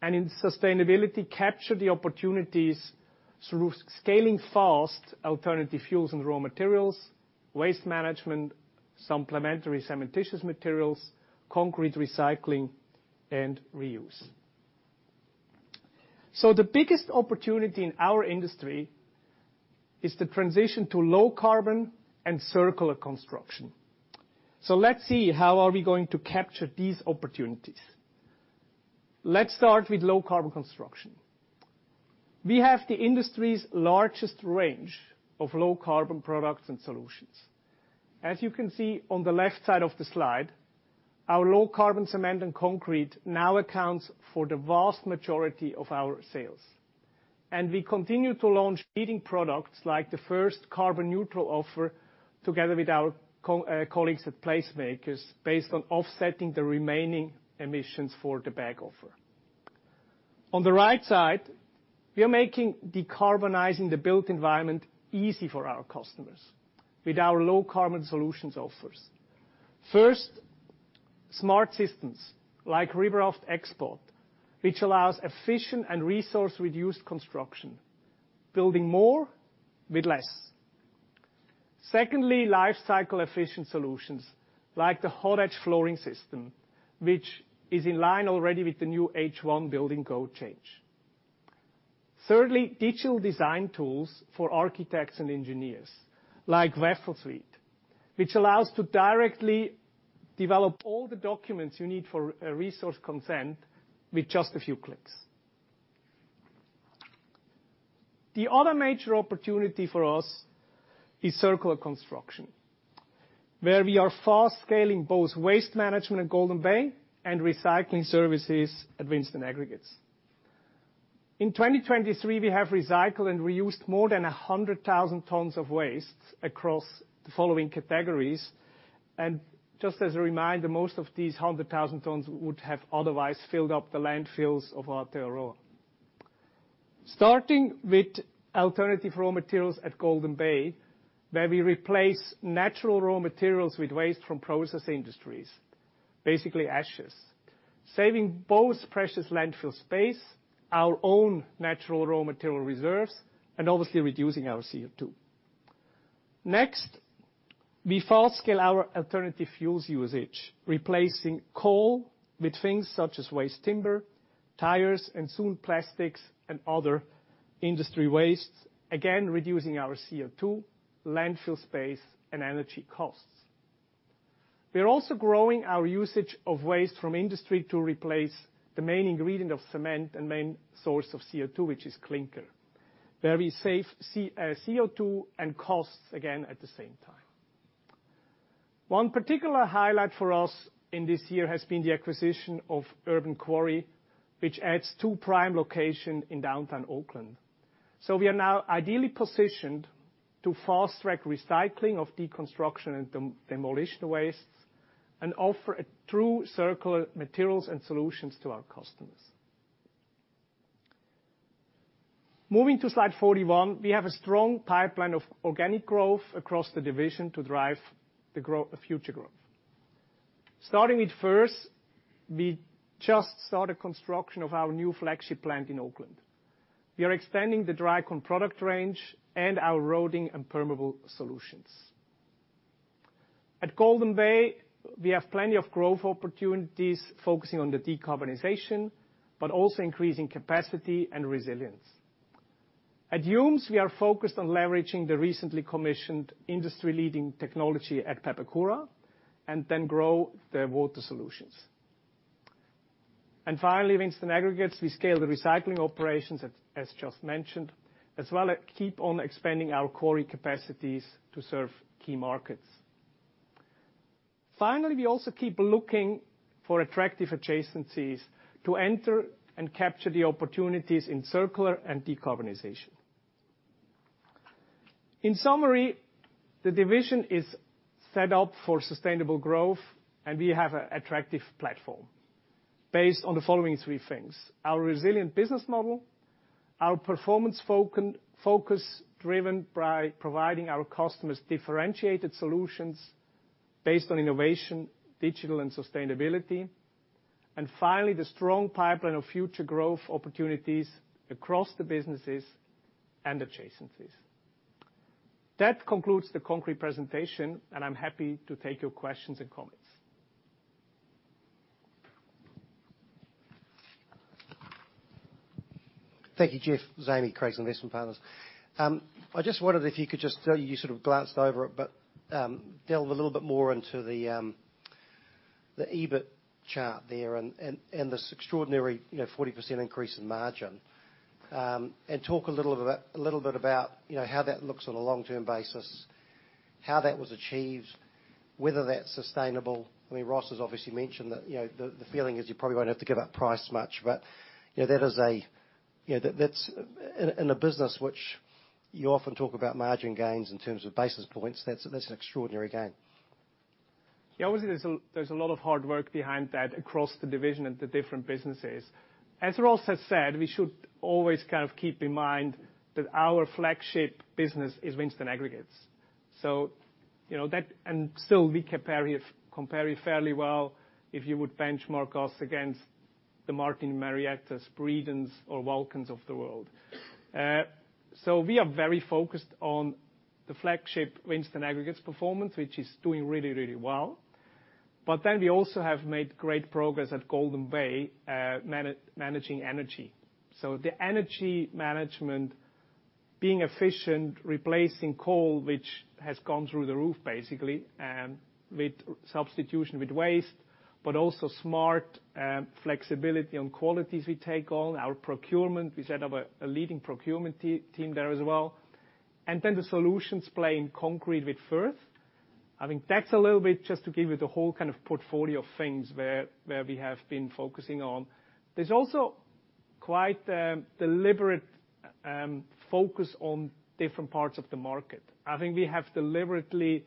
In sustainability, capture the opportunities through scaling fast alternative fuels and raw materials, waste management, supplementary cementitious materials, concrete recycling, and reuse. The biggest opportunity in our industry is the transition to low carbon and circular construction. Let's see, how are we going to capture these opportunities? Let's start with low carbon construction. We have the industry's largest range of low carbon products and solutions. As you can see on the left side of the slide, our low carbon cement and concrete now accounts for the vast majority of our sales. And we continue to launch leading products, like the first carbon neutral offer, together with our colleagues at PlaceMakers, based on offsetting the remaining emissions for the bag offer. On the right side, we are making decarbonizing the built environment easy for our customers with our low carbon solutions offers. First, smart systems, like RibRaft X-Pod, which allows efficient and resource-reduced construction, building more with less. Secondly, life cycle efficient solutions, like the HotEdge flooring system, which is in line already with the new H1 building code change. Thirdly, digital design tools for architects and engineers, like WaffleSuite, which allows to directly develop all the documents you need for a resource consent with just a few clicks. The other major opportunity for us is circular construction, where we are fast-scaling both waste management at Golden Bay and recycling services at Winstone Aggregates. In 2023, we have recycled and reused more than 100,000 tons of waste across the following categories. Just as a reminder, most of these 100,000 tons would have otherwise filled up the landfills of Aotearoa. Starting with alternative raw materials at Golden Bay, where we replace natural raw materials with waste from process industries, basically ashes, saving both precious landfill space, our own natural raw material reserves, and obviously reducing our CO2. Next, we fast scale our alternative fuels usage, replacing coal with things such as waste timber, tires, and soon, plastics and other industry wastes, again, reducing our CO2, landfill space, and energy costs. We are also growing our usage of waste from industry to replace the main ingredient of cement and main source of CO2, which is clinker, where we save CO2 and costs, again, at the same time. One particular highlight for us in this year has been the acquisition of The Urban Quarry, which adds two prime location in downtown Auckland. We are now ideally positioned to fast-track recycling of deconstruction and demolition wastes, and offer a true circular materials and solutions to our customers. Moving to slide 41, we have a strong pipeline of organic growth across the division to drive the future growth. Starting with Firth, we just started construction of our new flagship plant in Auckland. We are extending the Dricon product range and our roading and permeable solutions. At Golden Bay, we have plenty of growth opportunities, focusing on the decarbonization, but also increasing capacity and resilience. At Humes, we are focused on leveraging the recently commissioned industry-leading technology at Papakura, and then grow the water solutions. Finally, Winstone Aggregates, we scale the recycling operations, as just mentioned, as well as keep on expanding our quarry capacities to serve key markets. Finally, we also keep looking for attractive adjacencies to enter and capture the opportunities in circular and decarbonization. In summary, the division is set up for sustainable growth. We have an attractive platform based on the following three things: our resilient business model; our performance focus, driven by providing our customers differentiated solutions based on innovation, digital, and sustainability. Finally, the strong pipeline of future growth opportunities across the businesses and adjacencies. That concludes the concrete presentation. I'm happy to take your questions and comments. Thank you, Jeff. Jamie Craig, Investment Partners. I just wondered if you could You sort of glanced over it, but delve a little bit more into the EBIT chart there and this extraordinary, you know, 40% increase in margin. Talk a little bit about, you know, how that looks on a long-term basis, how that was achieved, whether that's sustainable. I mean, Ross has obviously mentioned that, you know, the feeling is you probably won't have to give up price much, but, you know, that's In a business which you often talk about margin gains in terms of basis points, that's an extraordinary gain. Yeah, obviously, there's a lot of hard work behind that across the division and the different businesses. As Ross has said, we should always kind of keep in mind that our flagship business is Winstone Aggregates. You know, and still, we compare fairly well, if you would benchmark us against the Martin Marietta, Breedon, or Vulcans of the world. We are very focused on the flagship Winstone Aggregates performance, which is doing really, really well. We also have made great progress at Golden Bay, managing energy. The energy management, being efficient, replacing coal, which has gone through the roof, basically, with substitution with waste, but also smart flexibility on qualities we take on. Our procurement, we set up a leading procurement team there as well. The solutions play in concrete with Firth. I think that's a little bit just to give you the whole kind of portfolio of things where we have been focusing on. There's also quite deliberate focus on different parts of the market. I think we have deliberately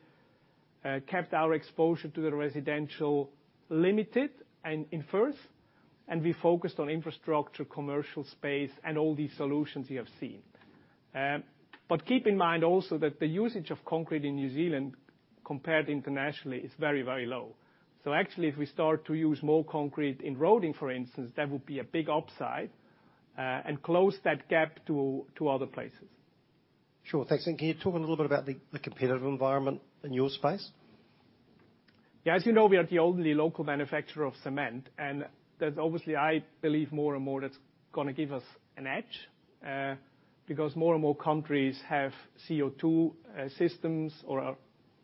kept our exposure to the residential limited and in first, and we focused on infrastructure, commercial space, and all these solutions you have seen. Keep in mind also that the usage of concrete in New Zealand, compared internationally, is very, very low. Actually, if we start to use more concrete in roading, for instance, that would be a big upside, and close that gap to other places. Sure. Thanks. Can you talk a little bit about the competitive environment in your space? Yeah, as you know, we are the only local manufacturer of cement, there's obviously, I believe, more and more that's gonna give us an edge because more and more countries have CO2 systems or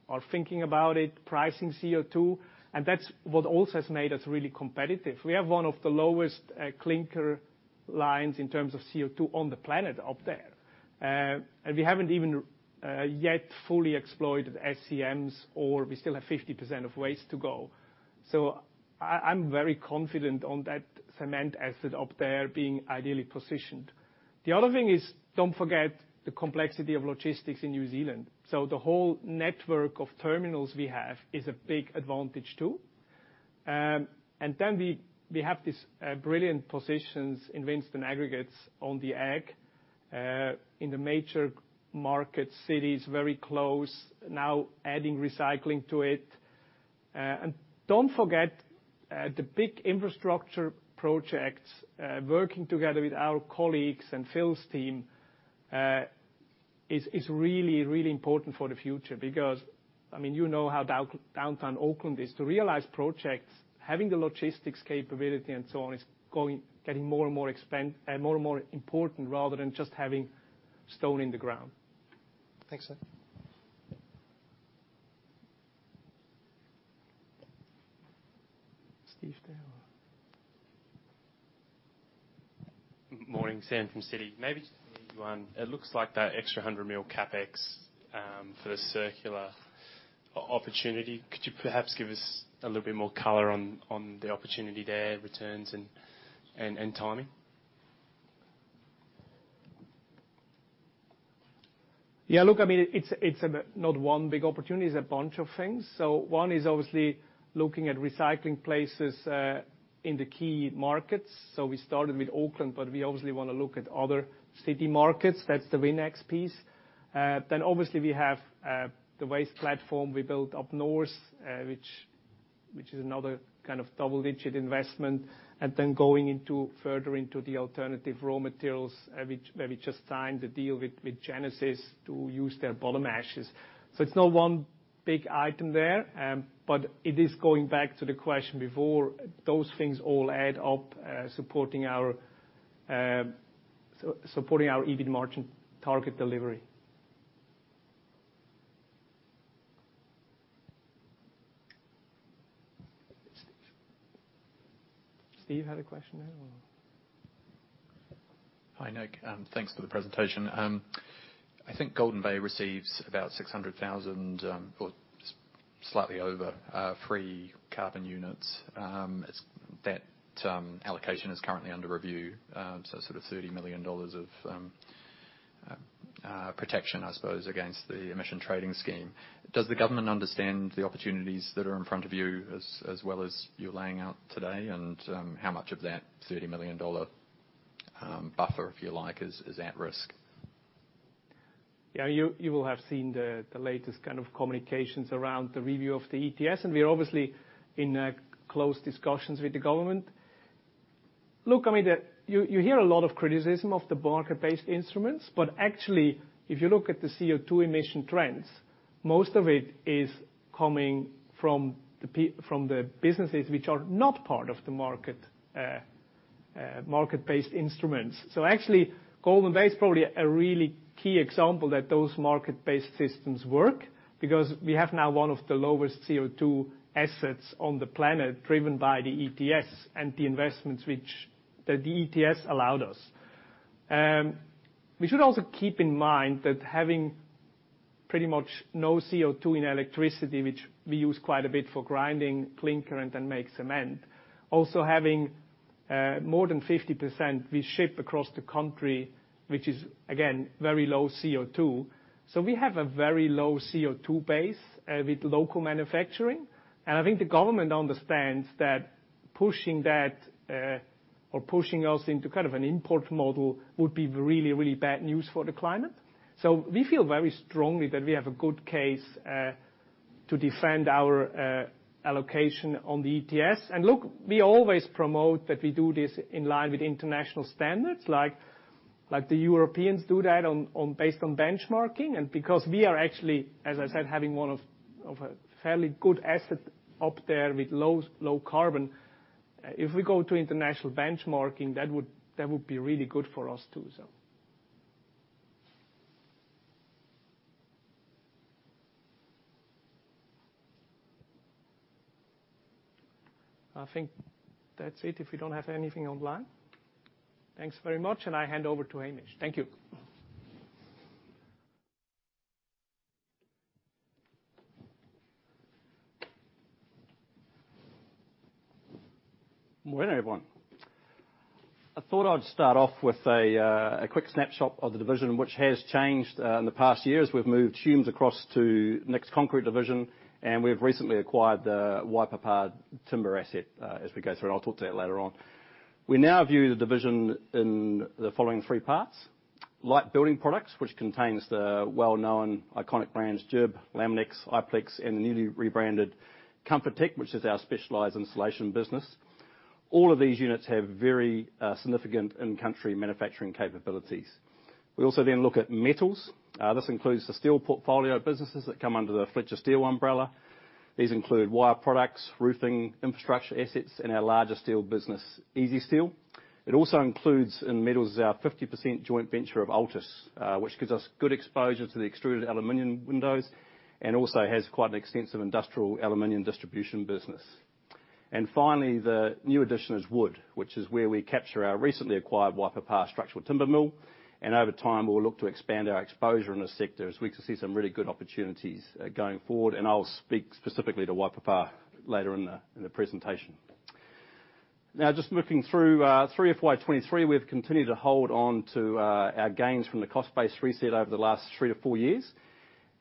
are thinking about it, pricing CO2, that's what also has made us really competitive. We have one of the lowest clinker lines in terms of CO2 on the planet up there. We haven't even yet fully exploited SCMs, or we still have 50% of ways to go. I'm very confident on that cement asset up there being ideally positioned. The other thing is, don't forget the complexity of logistics in New Zealand. The whole network of terminals we have is a big advantage, too. We have these brilliant positions in Winstone Aggregates on the ag in the major market cities, very close, now adding recycling to it. Don't forget the big infrastructure projects, working together with our colleagues and Phil's team, is really, really important for the future because, I mean, you know how downtown Auckland is. To realize projects, having the logistics capability and so on is getting more and more important rather than just having stone in the ground. Thanks, sir. Steve there or? Morning, Sam from Citi. Maybe just one. It looks like that extra 100 million CapEx for the circular opportunity, could you perhaps give us a little bit more color on the opportunity there, returns, and timing? Yeah, look, I mean, it's not one big opportunity. It's a bunch of things. One is obviously looking at recycling places in the key markets. We started with Auckland, but we obviously wanna look at other city markets. That's the Winstone piece. Obviously, we have the waste platform we built up north, which is another kind of double-digit investment, and then going further into the alternative raw materials, which where we just signed the deal with Genesis to use their bottom ashes. It's not one big item there, but it is going back to the question before, those things all add up, supporting our supporting our EBIT margin target delivery. Stephen, you had a question there or? Hi, Nick. Thanks for the presentation. I think Golden Bay receives about 600,000 or slightly over free carbon units. That allocation is currently under review, so sort of 30 million dollars of protection, I suppose, against the Emissions Trading Scheme. Does the government understand the opportunities that are in front of you as well as you're laying out today? How much of that 30 million dollar buffer, if you like, is at risk? Yeah, you will have seen the latest kind of communications around the review of the ETS. We're obviously in close discussions with the government. Look, I mean, you hear a lot of criticism of the market-based instruments, but actually, if you look at the CO2 emission trends, most of it is coming from the businesses which are not part of the market-based instruments. Actually, Golden Bay is probably a really key example that those market-based systems work because we have now one of the lowest CO2 assets on the planet, driven by the ETS and the investments which the ETS allowed us. We should also keep in mind that having pretty much no CO2 in electricity, which we use quite a bit for grinding clinker and then make cement, also having more than 50% we ship across the country, which is, again, very low CO2. We have a very low CO2 base with local manufacturing, and I think the government understands that pushing that or pushing us into kind of an import model would be really, really bad news for the climate. We feel very strongly that we have a good case to defend our allocation on the ETS. Look, we always promote that we do this in line with international standards, like the Europeans do that on based on benchmarking. Because we are actually, as I said, having one of a fairly good asset up there with low, low carbon, if we go to international benchmarking, that would really good for us, too. I think that's it, if we don't have anything online. Thanks very much, and I hand over to Hamish. Thank you. Good morning, everyone. I thought I'd start off with a quick snapshot of the division, which has changed in the past year, as we've moved Humes across to Nick's Concrete division, and we've recently acquired the Waipapa Pine asset. As we go through, and I'll talk to that later on. We now view the division in the following three parts: Light Building Products, which contains the well-known iconic brands, GIB, Laminex, Iplex, and the newly rebranded Comfortech, which is our specialized insulation business. All of these units have very significant in-country manufacturing capabilities. We also then look at Metals. This includes the steel portfolio of businesses that come under the Fletcher Steel umbrella. These include wire products, roofing, infrastructure assets, and our larger steel business, Easysteel. It also includes, in Metals, our 50% joint venture of Altus, which gives us good exposure to the extruded aluminum windows, and also has quite an extensive industrial aluminum distribution business. Finally, the new addition is Wood, which is where we capture our recently acquired Waipapa Structural Timber mill, and over time, we'll look to expand our exposure in this sector, as we can see some really good opportunities going forward, and I'll speak specifically to Waipapa later in the presentation. Just looking through three FY 2023, we've continued to hold on to our gains from the cost base reset over the last three-four years.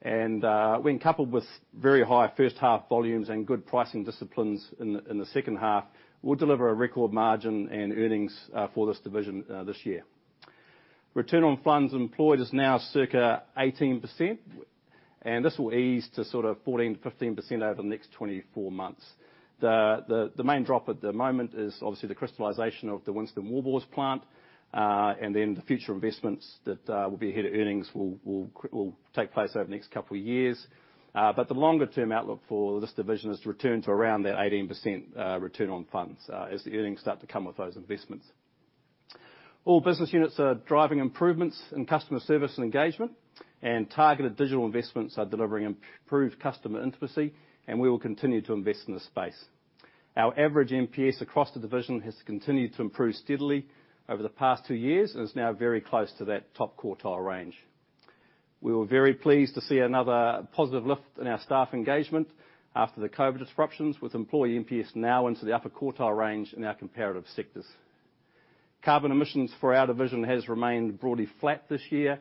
When coupled with very high first half volumes and good pricing disciplines in the second half, we'll deliver a record margin and earnings for this division this year. Return on funds employed is now circa 18%, and this will ease to sort of 14%-15% over the next 24 months. The main drop at the moment is obviously the crystallization of the Winstone Wallboards plant, and then the future investments that will be ahead of earnings will take place over the next two years. The longer-term outlook for this division is to return to around that 18%, return on funds, as the earnings start to come with those investments. All business units are driving improvements in customer service and engagement, and targeted digital investments are delivering improved customer intimacy, and we will continue to invest in this space. Our average NPS across the division has continued to improve steadily over the past two years, and is now very close to that top quartile range. We were very pleased to see another positive lift in our staff engagement after the COVID disruptions, with employee NPS now into the upper quartile range in our comparative sectors. Carbon emissions for our division has remained broadly flat this year,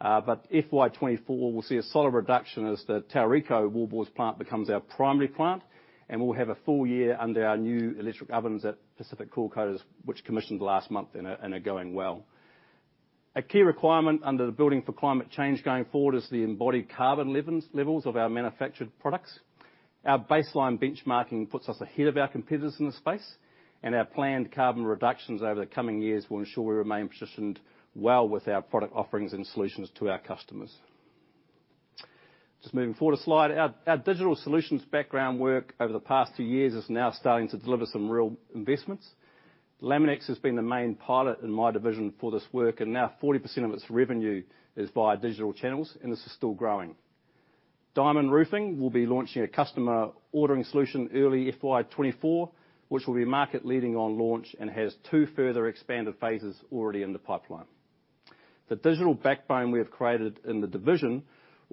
but FY 2024 will see a solid reduction as the Tauriko wallboards plant becomes our primary plant, and we'll have a full year under our new electric ovens at Pacific Coilcoaters, which commissioned last month and are going well. A key requirement under the Building for Climate Change going forward is the embodied carbon levels of our manufactured products. Our baseline benchmarking puts us ahead of our competitors in the space, and our planned carbon reductions over the coming years will ensure we remain positioned well with our product offerings and solutions to our customers. Just moving forward a slide. Our digital solutions background work over the past two years is now starting to deliver some real investments. Laminex has been the main pilot in my division for this work, and now 40% of its revenue is via digital channels, and this is still growing. Dimond Roofing will be launching a customer ordering solution early FY 2024, which will be market leading on launch and has two further expanded phases already in the pipeline. The digital backbone we have created in the division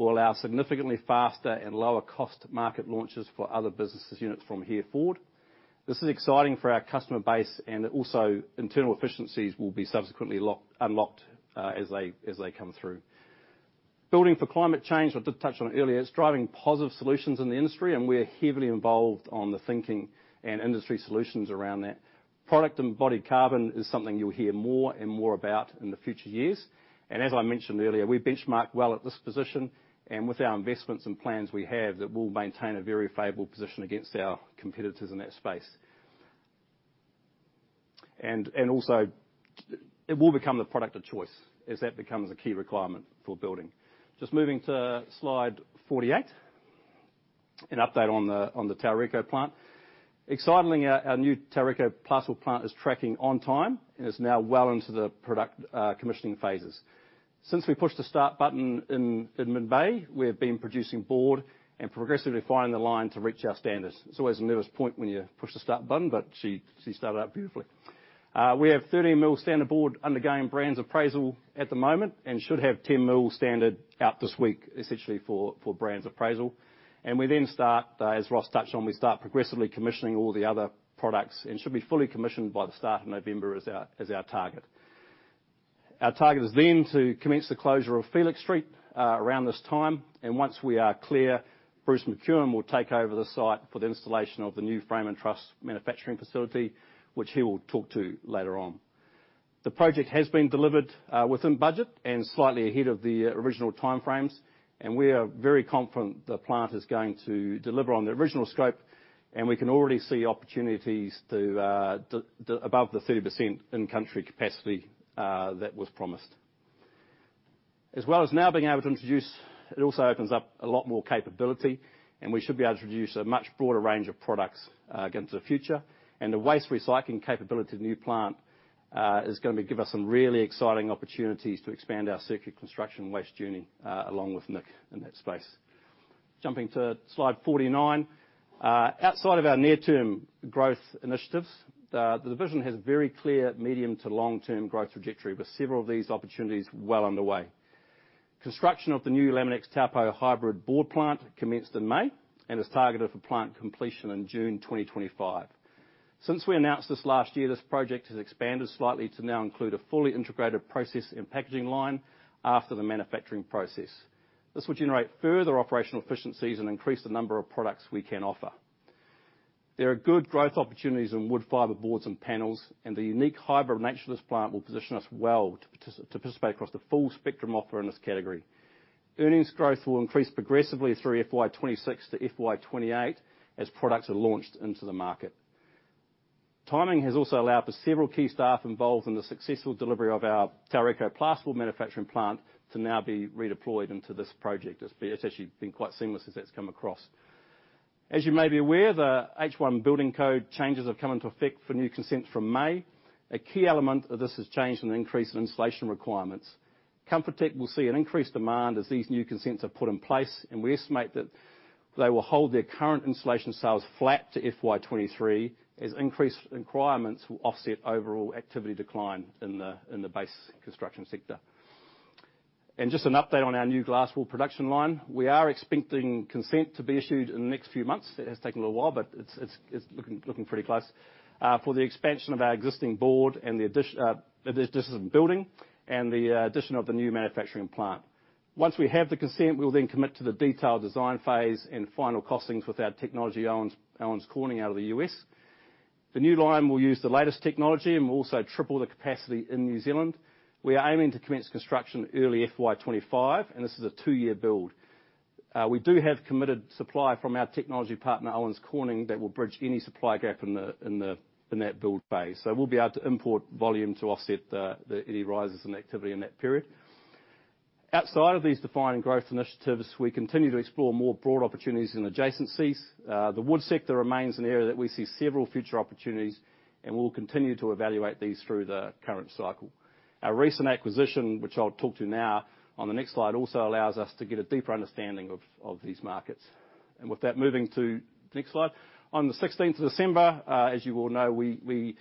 will allow significantly faster and lower cost market launches for other businesses units from here forward. This is exciting for our customer base, and also, internal efficiencies will be subsequently unlocked as they come through. Building for Climate Change, I did touch on it earlier, it's driving positive solutions in the industry, and we're heavily involved on the thinking and industry solutions around that. Product-embodied carbon is something you'll hear more and more about in the future years. As I mentioned earlier, we benchmark well at this position, and with our investments and plans we have, that we'll maintain a very favorable position against our competitors in that space. Also, it will become the product of choice as that becomes a key requirement for building. Just moving to slide 48, an update on the Tauriko plant. Excitingly, our new Tauriko plaster plant is tracking on time and is now well into the product commissioning phases. Since we pushed the start button in Auckland, we have been producing board and progressively finding the line to reach our standards. It's always a nervous point when you push the start button, but she started out beautifully. We have 13 mil standard board undergoing brands appraisal at the moment, and should have 10 mil standard out this week, essentially for brands appraisal. We then start, as Ross touched on, we start progressively commissioning all the other products and should be fully commissioned by the start of November as our, as our target. Our target is then to commence the closure of Felix Street, around this time, and once we are clear, Bruce McEwen will take over the site for the installation of the new frame and trust manufacturing facility, which he will talk to later on. The project has been delivered within budget and slightly ahead of the original timeframes, and we are very confident the plant is going to deliver on the original scope, and we can already see opportunities to the above 30% in-country capacity that was promised. It also opens up a lot more capability, and we should be able to introduce a much broader range of products going into the future. The waste recycling capability of the new plant is gonna give us some really exciting opportunities to expand our circuit construction waste journey along with Nick in that space. Jumping to slide 49. Outside of our near-term growth initiatives, the division has very clear medium to long-term growth trajectory, with several of these opportunities well underway. Construction of the new Laminex Taupo hybrid board plant commenced in May. Is targeted for plant completion in June 2025. Since we announced this last year, this project has expanded slightly to now include a fully integrated process and packaging line after the manufacturing process. This will generate further operational efficiencies and increase the number of products we can offer. There are good growth opportunities in wood fiber boards and panels. The unique hybrid nature of this plant will position us well to participate across the full spectrum offer in this category. Earnings growth will increase progressively through FY 2026 to FY 2028 as products are launched into the market. Timing has also allowed for several key staff involved in the successful delivery of our Tauriko plasterboard manufacturing plant to now be redeployed into this project. It's actually been quite seamless as that's come across. As you may be aware, the H1 building code changes have come into effect for new consents from May. A key element of this has changed in the increase in installation requirements. Comfortech will see an increased demand as these new consents are put in place, and we estimate that they will hold their current installation sales flat to FY 2023, as increased requirements will offset overall activity decline in the, in the base construction sector. Just an update on our new glass wool production line. We are expecting consent to be issued in the next few months. It has taken a little while, but it's looking pretty close for the expansion of our existing board and the addition building and the addition of the new manufacturing plant. Once we have the consent, we will commit to the detailed design phase and final costings with our technology, Owens Corning, out of the U.S. The new line will use the latest technology and will also triple the capacity in New Zealand. We are aiming to commence construction early FY 2025, and this is a two-year build. We do have committed supply from our technology partner, Owens Corning, that will bridge any supply gap in that build phase. We'll be able to import volume to offset any rises in activity in that period. Outside of these defined growth initiatives, we continue to explore more broad opportunities in adjacencies. The wood sector remains an area that we see several future opportunities, and we'll continue to evaluate these through the current cycle. Our recent acquisition, which I'll talk to now on the next slide, also allows us to get a deeper understanding of these markets. With that, moving to the next slide. On the December 16th, as you all know, we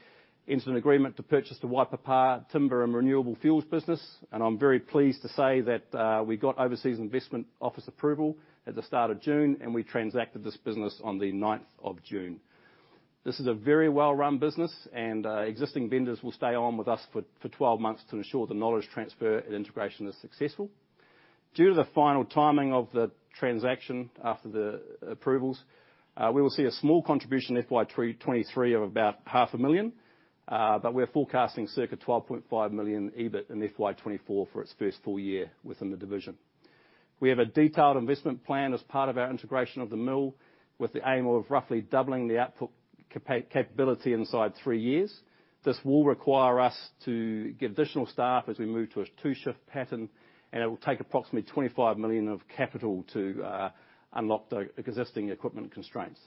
entered an agreement to purchase the Waipapa Timber and Renewable Wood Fuels business, and I'm very pleased to say that we got Overseas Investment Office approval at the start of June, and we transacted this business on the June 9th. This is a very well-run business, and existing vendors will stay on with us for 12 months to ensure the knowledge transfer and integration is successful. Due to the final timing of the transaction after the approvals, we will see a small contribution in FY 2023 of about half a million. We're forecasting circa 12.5 million EBIT in FY 2024 for its first full year within the division. We have a detailed investment plan as part of our integration of the mill, with the aim of roughly doubling the output capability inside three years. This will require us to get additional staff as we move to a two-shift pattern, and it will take approximately 25 million of capital to unlock the existing equipment constraints.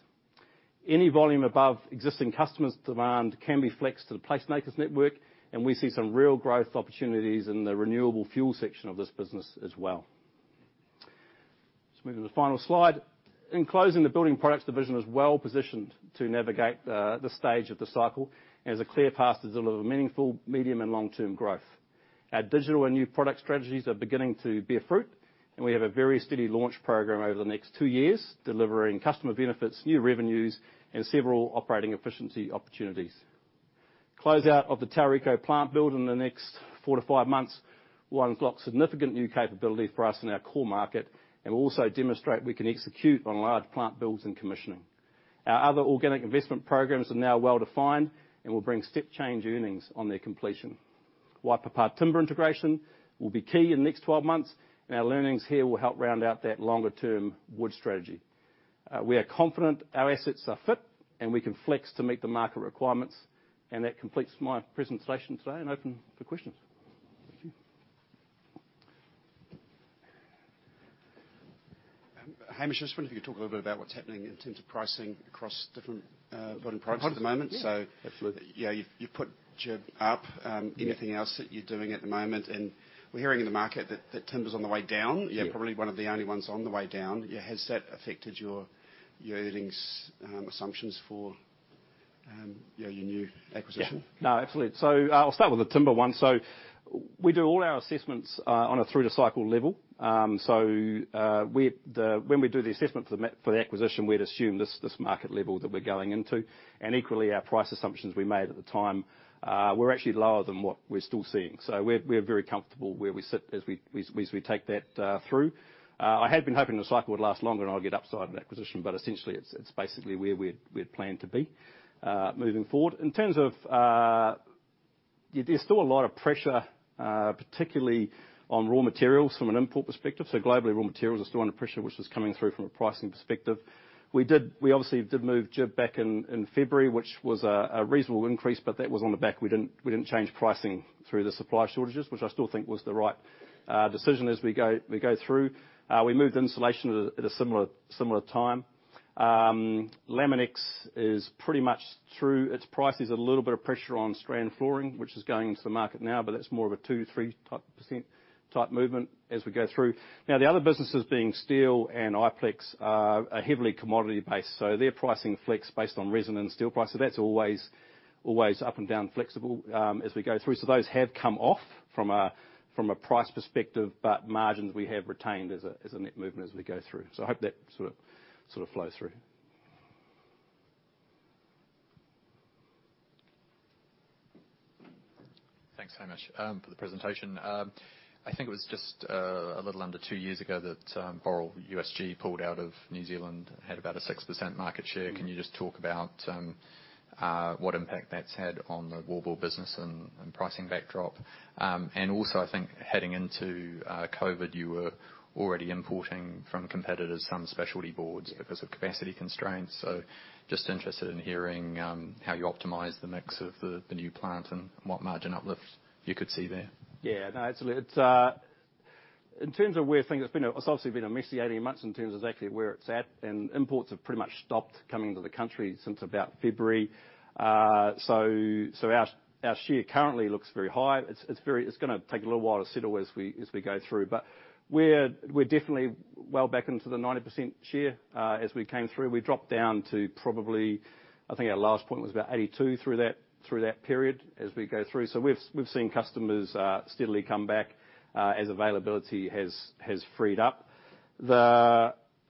Any volume above existing customers' demand can be flexed to the PlaceMakers network, and we see some real growth opportunities in the renewable fuel section of this business as well. Just moving to the final slide. In closing, the Building Products division is well positioned to navigate this stage of the cycle, and has a clear path to deliver meaningful medium and long-term growth. Our digital and new product strategies are beginning to bear fruit, and we have a very steady launch program over the next two years, delivering customer benefits, new revenues, and several operating efficiency opportunities. Closeout of the Tauriko plant build in the next four-five months will unlock significant new capability for us in our core market, and will also demonstrate we can execute on large plant builds and commissioning. Our other organic investment programs are now well-defined and will bring step change earnings on their completion. Waipapa Pine integration will be key in the next 12 months, and our learnings here will help round out that longer-term wood strategy. We are confident our assets are fit, and we can flex to meet the market requirements. That completes my presentation today, and open for questions. Thank you. Hamish, I just wonder if you could talk a little bit about what's happening in terms of pricing across different, building products at the moment? Okay. Yeah. Yeah, you put GIB up. Anything else that you're doing at the moment? We're hearing in the market that timber's on the way down. Yeah. Probably one of the only ones on the way down. Yeah, has that affected your earnings assumptions for your new acquisition? Yeah. No, absolutely. I'll start with the timber one. We do all our assessments on a through-to-cycle level. When we do the assessment for the acquisition, we'd assume this market level that we're going into, and equally, our price assumptions we made at the time were actually lower than what we're still seeing. We're very comfortable where we sit as we take that through. I had been hoping the cycle would last longer and I'd get upside in acquisition, but essentially, it's basically where we'd planned to be moving forward. In terms of. There's still a lot of pressure particularly on raw materials from an import perspective. Globally, raw materials are still under pressure, which is coming through from a pricing perspective. We obviously did move GIB back in February, which was a reasonable increase, but that was on the back. We didn't change pricing through the supply shortages, which I still think was the right decision as we go through. We moved insulation at a similar time. Laminex is pretty much through its prices, a little bit of pressure on strand flooring, which is going into the market now, but that's more of a 2%-3% type movement as we go through. The other businesses being steel and Iplex are heavily commodity-based, so their pricing flex based on resin and steel price, so that's always up and down, flexible as we go through. Those have come off from a price perspective, but margins we have retained as a net movement as we go through. I hope that sort of flows through. Thanks so much for the presentation. I think it was just a little under two years ago that USG Boral pulled out of New Zealand, had about a 6% market share. Can you just talk about what impact that's had on the wallboard business and pricing backdrop? Also, I think heading into COVID, you were already importing from competitors, some specialty boards because of capacity constraints. Just interested in hearing, how you optimize the mix of the new plant and what margin uplifts you could see there. Absolutely. It's obviously been a messy 18 months in terms of exactly where it's at, and imports have pretty much stopped coming into the country since about February. Our share currently looks very high. It's going to take a little while to settle as we go through. We're definitely well back into the 90% share. As we came through, we dropped down to probably, I think our last point was about 82 through that period as we go through. We've seen customers steadily come back as availability has freed up.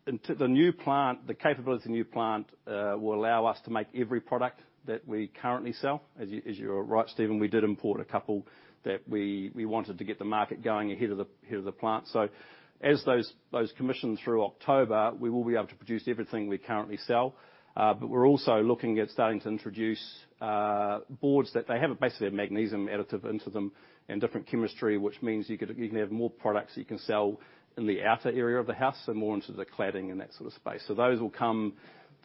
Into the new plant, the capability of the new plant will allow us to make every product that we currently sell. As you're right, Steven, we did import a couple that we wanted to get the market going ahead of the plant. As those commission through October, we will be able to produce everything we currently sell. We're also looking at starting to introduce boards that they have basically a magnesium additive into them and different chemistry, which means you can have more products you can sell in the outer area of the house and more into the cladding and that sort of space. Those will come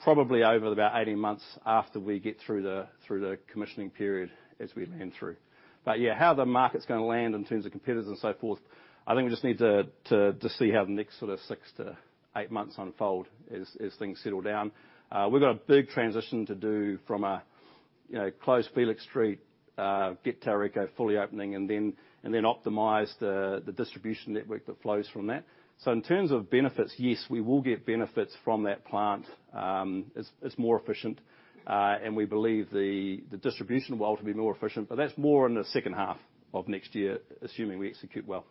probably over about 18 months after we get through the commissioning period as we land through. Yeah, how the market's gonna land in terms of competitors and so forth, I think we just need to see how the next sort of six-eight months unfold as things settle down. We've got a big transition to do from a, you know, close Felix Street, get Tauriko fully opening and then optimize the distribution network that flows from that. In terms of benefits, yes, we will get benefits from that plant. It's more efficient, and we believe the distribution will ultimately be more efficient, but that's more in the second half of next year, assuming we execute well.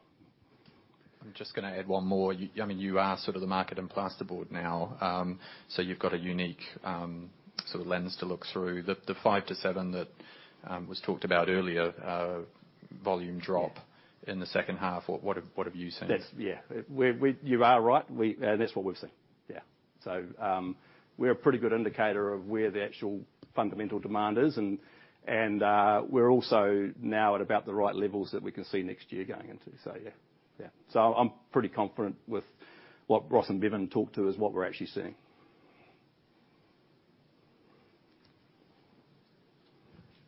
I'm just gonna add one more. I mean, you are sort of the market and plasterboard now, so you've got a unique sort of lens to look through. The five to seven that was talked about earlier, volume drop in the second half, what have you seen? That's, yeah. You are right. That's what we've seen. Yeah. We're a pretty good indicator of where the actual fundamental demand is, and we're also now at about the right levels that we can see next year going into. Yeah. I'm pretty confident with what Ross and Bevan talked to is what we're actually seeing.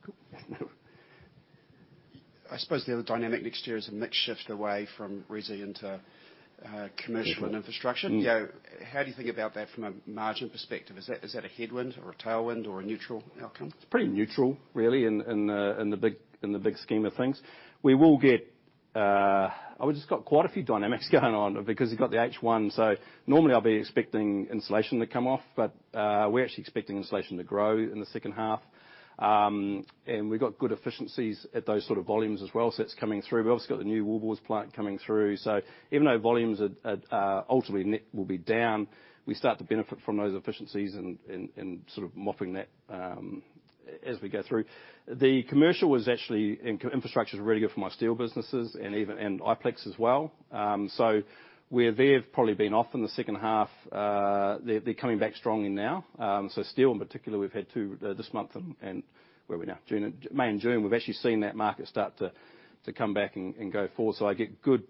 Cool. I suppose the other dynamic next year is a mix shift away from resi into commercial infrastructure. You know, how do you think about that from a margin perspective? Is that a headwind or a tailwind or a neutral outcome? It's pretty neutral, really, in the, in the big, in the big scheme of things. We just got quite a few dynamics going on because you've got the H1. Normally I'll be expecting insulation to come off, but we're actually expecting insulation to grow in the second half. And we've got good efficiencies at those sort of volumes as well, so it's coming through. We've obviously got the new Wallboards plant coming through, so even though volumes are ultimately net will be down, we start to benefit from those efficiencies and sort of mopping that as we go through. The commercial was actually, infrastructure is really good for my steel businesses and even, and Iplex as well. Where they've probably been off in the second half, they're coming back strongly now. Steel in particular, we've had two this month and where we're now, June, May and June, we've actually seen that market start to come back and go forward. I get good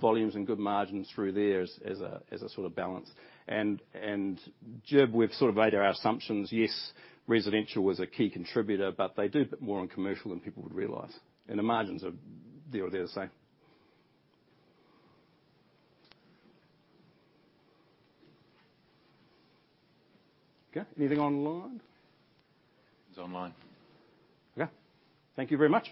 volumes and good margins through there as a sort of balance. GIB, we've sort of made our assumptions. Yes, residential was a key contributor, but they do a bit more on commercial than people would realize, and the margins are, they're the same. Okay. Anything online? It's online. Okay. Thank you very much.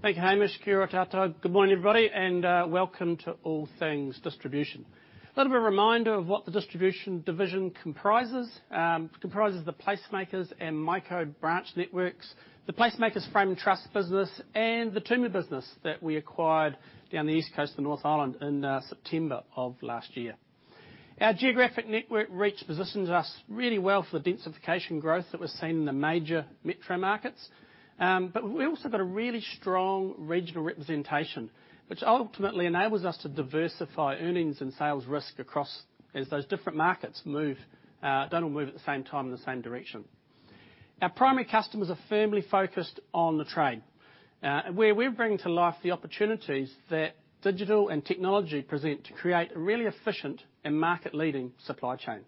Thank you, Hamish. Kia ora koutou. Good morning, everybody, and welcome to All Things Distribution. A little bit of a reminder of what the Distribution division comprises. Comprises the PlaceMakers and Mico branch networks, the PlaceMakers Frame and Truss business, and the Timber business that we acquired down the East Coast North Island in September of last year. Our geographic network reach positions us really well for the densification growth that was seen in the major metro markets. We've also got a really strong regional representation, which ultimately enables us to diversify earnings and sales risk across as those different markets move, don't all move at the same time in the same direction. Our primary customers are firmly focused on the trade, where we're bringing to life the opportunities that digital and technology present to create a really efficient and market-leading supply chain.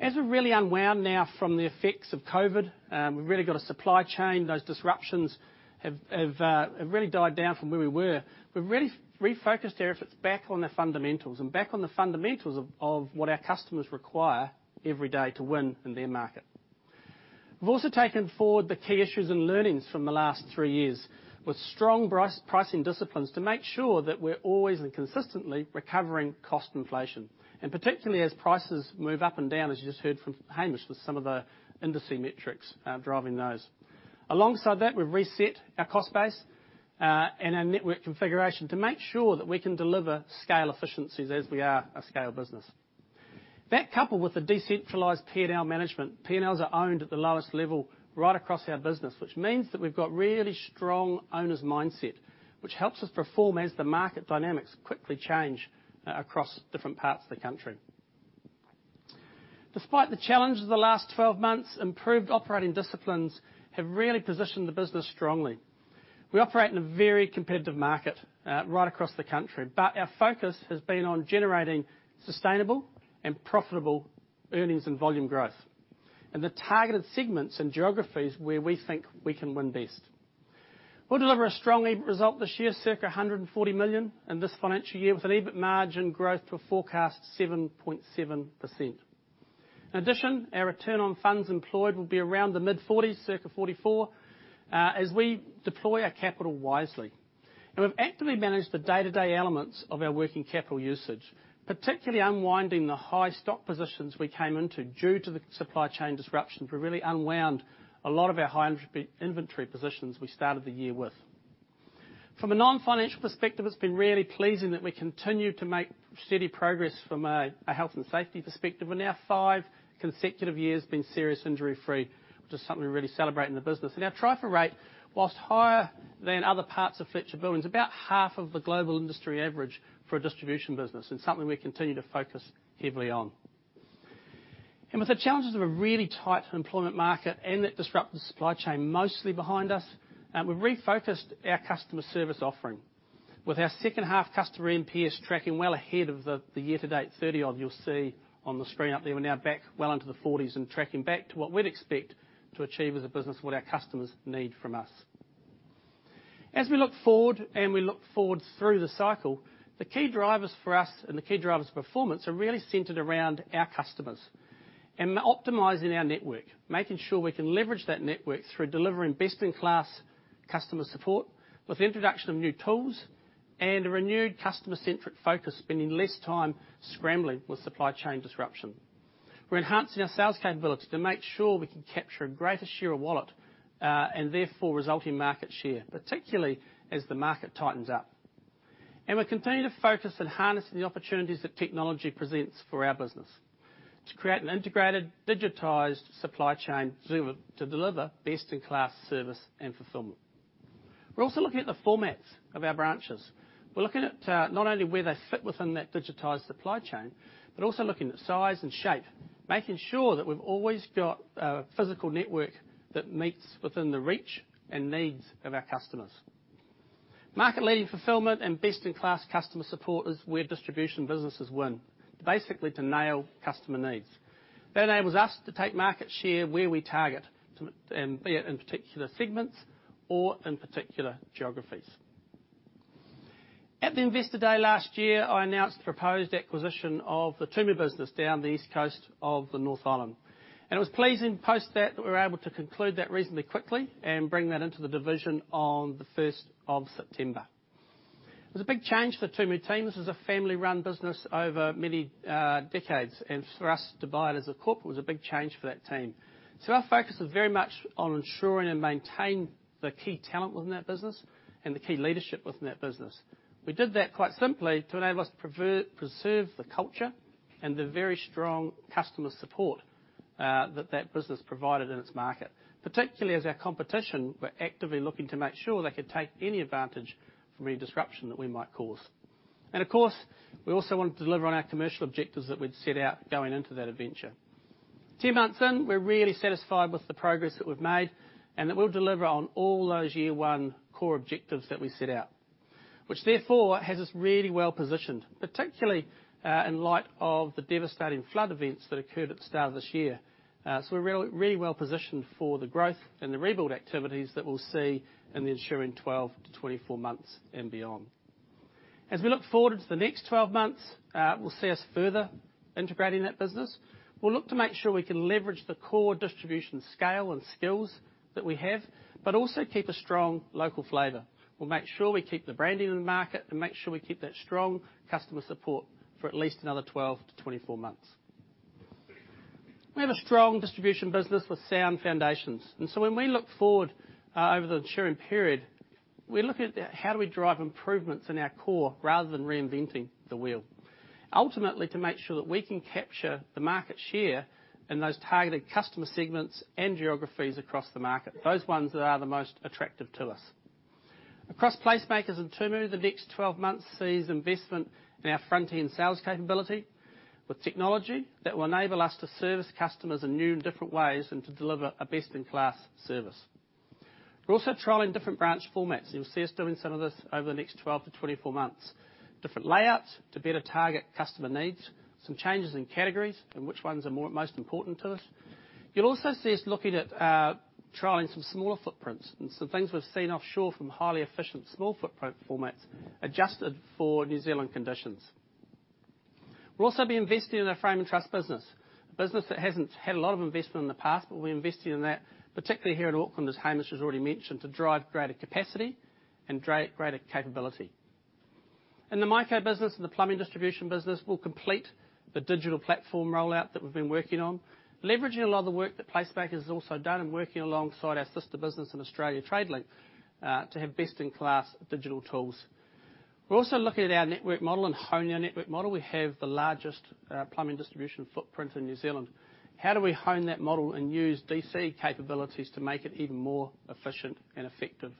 As we're really unwound now from the effects of COVID, we've really got a supply chain. Those disruptions have really died down from where we were. We've really refocused their efforts back on the fundamentals and back on the fundamentals of what our customers require every day to win in their market. We've also taken forward the key issues and learnings from the last three years, with strong pricing disciplines to make sure that we're always and consistently recovering cost inflation, and particularly as prices move up and down, as you just heard from Hamish, with some of the industry metrics driving those. Alongside that, we've reset our cost base and our network configuration to make sure that we can deliver scale efficiencies as we are a scale business. That, coupled with the decentralized P&L management. P&Ls are owned at the lowest level right across our business, which means that we've got really strong owners' mindset, which helps us perform as the market dynamics quickly change across different parts of the country. Despite the challenges of the last 12 months, improved operating disciplines have really positioned the business strongly. We operate in a very competitive market right across the country, but our focus has been on generating sustainable and profitable earnings and volume growth in the targeted segments and geographies where we think we can win best. We'll deliver a strong EBIT result this year, circa 140 million in this financial year, with an EBIT margin growth to a forecast 7.7%. In addition, our return on funds employed will be around the mid-40s, circa 44, as we deploy our capital wisely. We've actively managed the day-to-day elements of our working capital usage, particularly unwinding the high stock positions we came into due to the supply chain disruptions. We really unwound a lot of our high inventory positions we started the year with. From a non-financial perspective, it's been really pleasing that we continue to make steady progress from a health and safety perspective. We're now five consecutive years being serious injury-free, which is something we really celebrate in the business. Our TRIFR, whilst higher than other parts of Fletcher Building, about half of the global industry average for a distribution business, and something we continue to focus heavily on. With the challenges of a really tight employment market and that disrupted supply chain mostly behind us, we've refocused our customer service offering. With our second half customer NPS tracking well ahead of the year-to-date 30 odd you'll see on the screen up there. We're now back well into the 40s and tracking back to what we'd expect to achieve as a business, what our customers need from us. As we look forward, and we look forward through the cycle, the key drivers for us and the key drivers of performance are really centered around our customers and optimizing our network, making sure we can leverage that network through delivering best-in-class customer support, with the introduction of new tools and a renewed customer-centric focus, spending less time scrambling with supply chain disruption. We're enhancing our sales capability to make sure we can capture a greater share of wallet, and therefore, resulting market share, particularly as the market tightens up. We're continuing to focus on harnessing the opportunities that technology presents for our business to create an integrated, digitized supply chain to deliver best-in-class service and fulfillment. We're also looking at the formats of our branches. We're looking at not only where they fit within that digitized supply chain, but also looking at size and shape, making sure that we've always got a physical network that meets within the reach and needs of our customers. Market-leading fulfillment and best-in-class customer support is where distribution businesses win, basically to nail customer needs. That enables us to take market share where we target, and be it in particular segments or in particular geographies. At the Investor Day last year, I announced the proposed acquisition of the Tumu business down the east coast of the North Island. It was pleasing post that we were able to conclude that reasonably quickly and bring that into the division on the first of September. It was a big change for the Tumu team. This was a family-run business over many decades, for us to buy it as a corp was a big change for that team. Our focus was very much on ensuring and maintain the key talent within that business and the key leadership within that business. We did that quite simply to enable us to preserve the culture and the very strong customer support that that business provided in its market, particularly as our competition were actively looking to make sure they could take any advantage from any disruption that we might cause. Of course, we also wanted to deliver on our commercial objectives that we'd set out going into that adventure. 10 months in, we're really satisfied with the progress that we've made and that we'll deliver on all those year one core objectives that we set out, which therefore has us really well positioned, particularly, in light of the devastating flood events that occurred at the start of this year. We're really, really well positioned for the growth and the rebuild activities that we'll see in the ensuing 12-24 months and beyond. As we look forward into the next 12 months, we'll see us further integrating that business. We'll look to make sure we can leverage the core distribution scale and skills that we have, but also keep a strong local flavor. We'll make sure we keep the branding in the market and make sure we keep that strong customer support for at least another 12-24 months. We have a strong distribution business with sound foundations. When we look forward, over the ensuring period, we're looking at how do we drive improvements in our core rather than reinventing the wheel, ultimately, to make sure that we can capture the market share in those targeted customer segments and geographies across the market, those ones that are the most attractive to us. Across PlaceMakers and Tumu, the next 12 months sees investment in our front-end sales capability, with technology that will enable us to service customers in new and different ways and to deliver a best-in-class service. We're also trialing different branch formats. You'll see us doing some of this over the next 12-24 months. Different layouts to better target customer needs, some changes in categories and which ones are most important to us. You'll also see us looking at, trialing some smaller footprints and some things we've seen offshore from highly efficient, small footprint formats, adjusted for New Zealand conditions. We'll also be investing in our frame and truss business, a business that hasn't had a lot of investment in the past, but we're investing in that, particularly here in Auckland, as Hamish has already mentioned, to drive greater capacity and greater capability. In the Mico business and the plumbing distribution business, we'll complete the digital platform rollout that we've been working on, leveraging a lot of the work that PlaceMakers has also done, and working alongside our sister business in Australia, Tradelink, to have best-in-class digital tools. We're also looking at our network model and hone our network model. We have the largest plumbing distribution footprint in New Zealand. How do we hone that model and use D.C. capabilities to make it even more efficient and effective?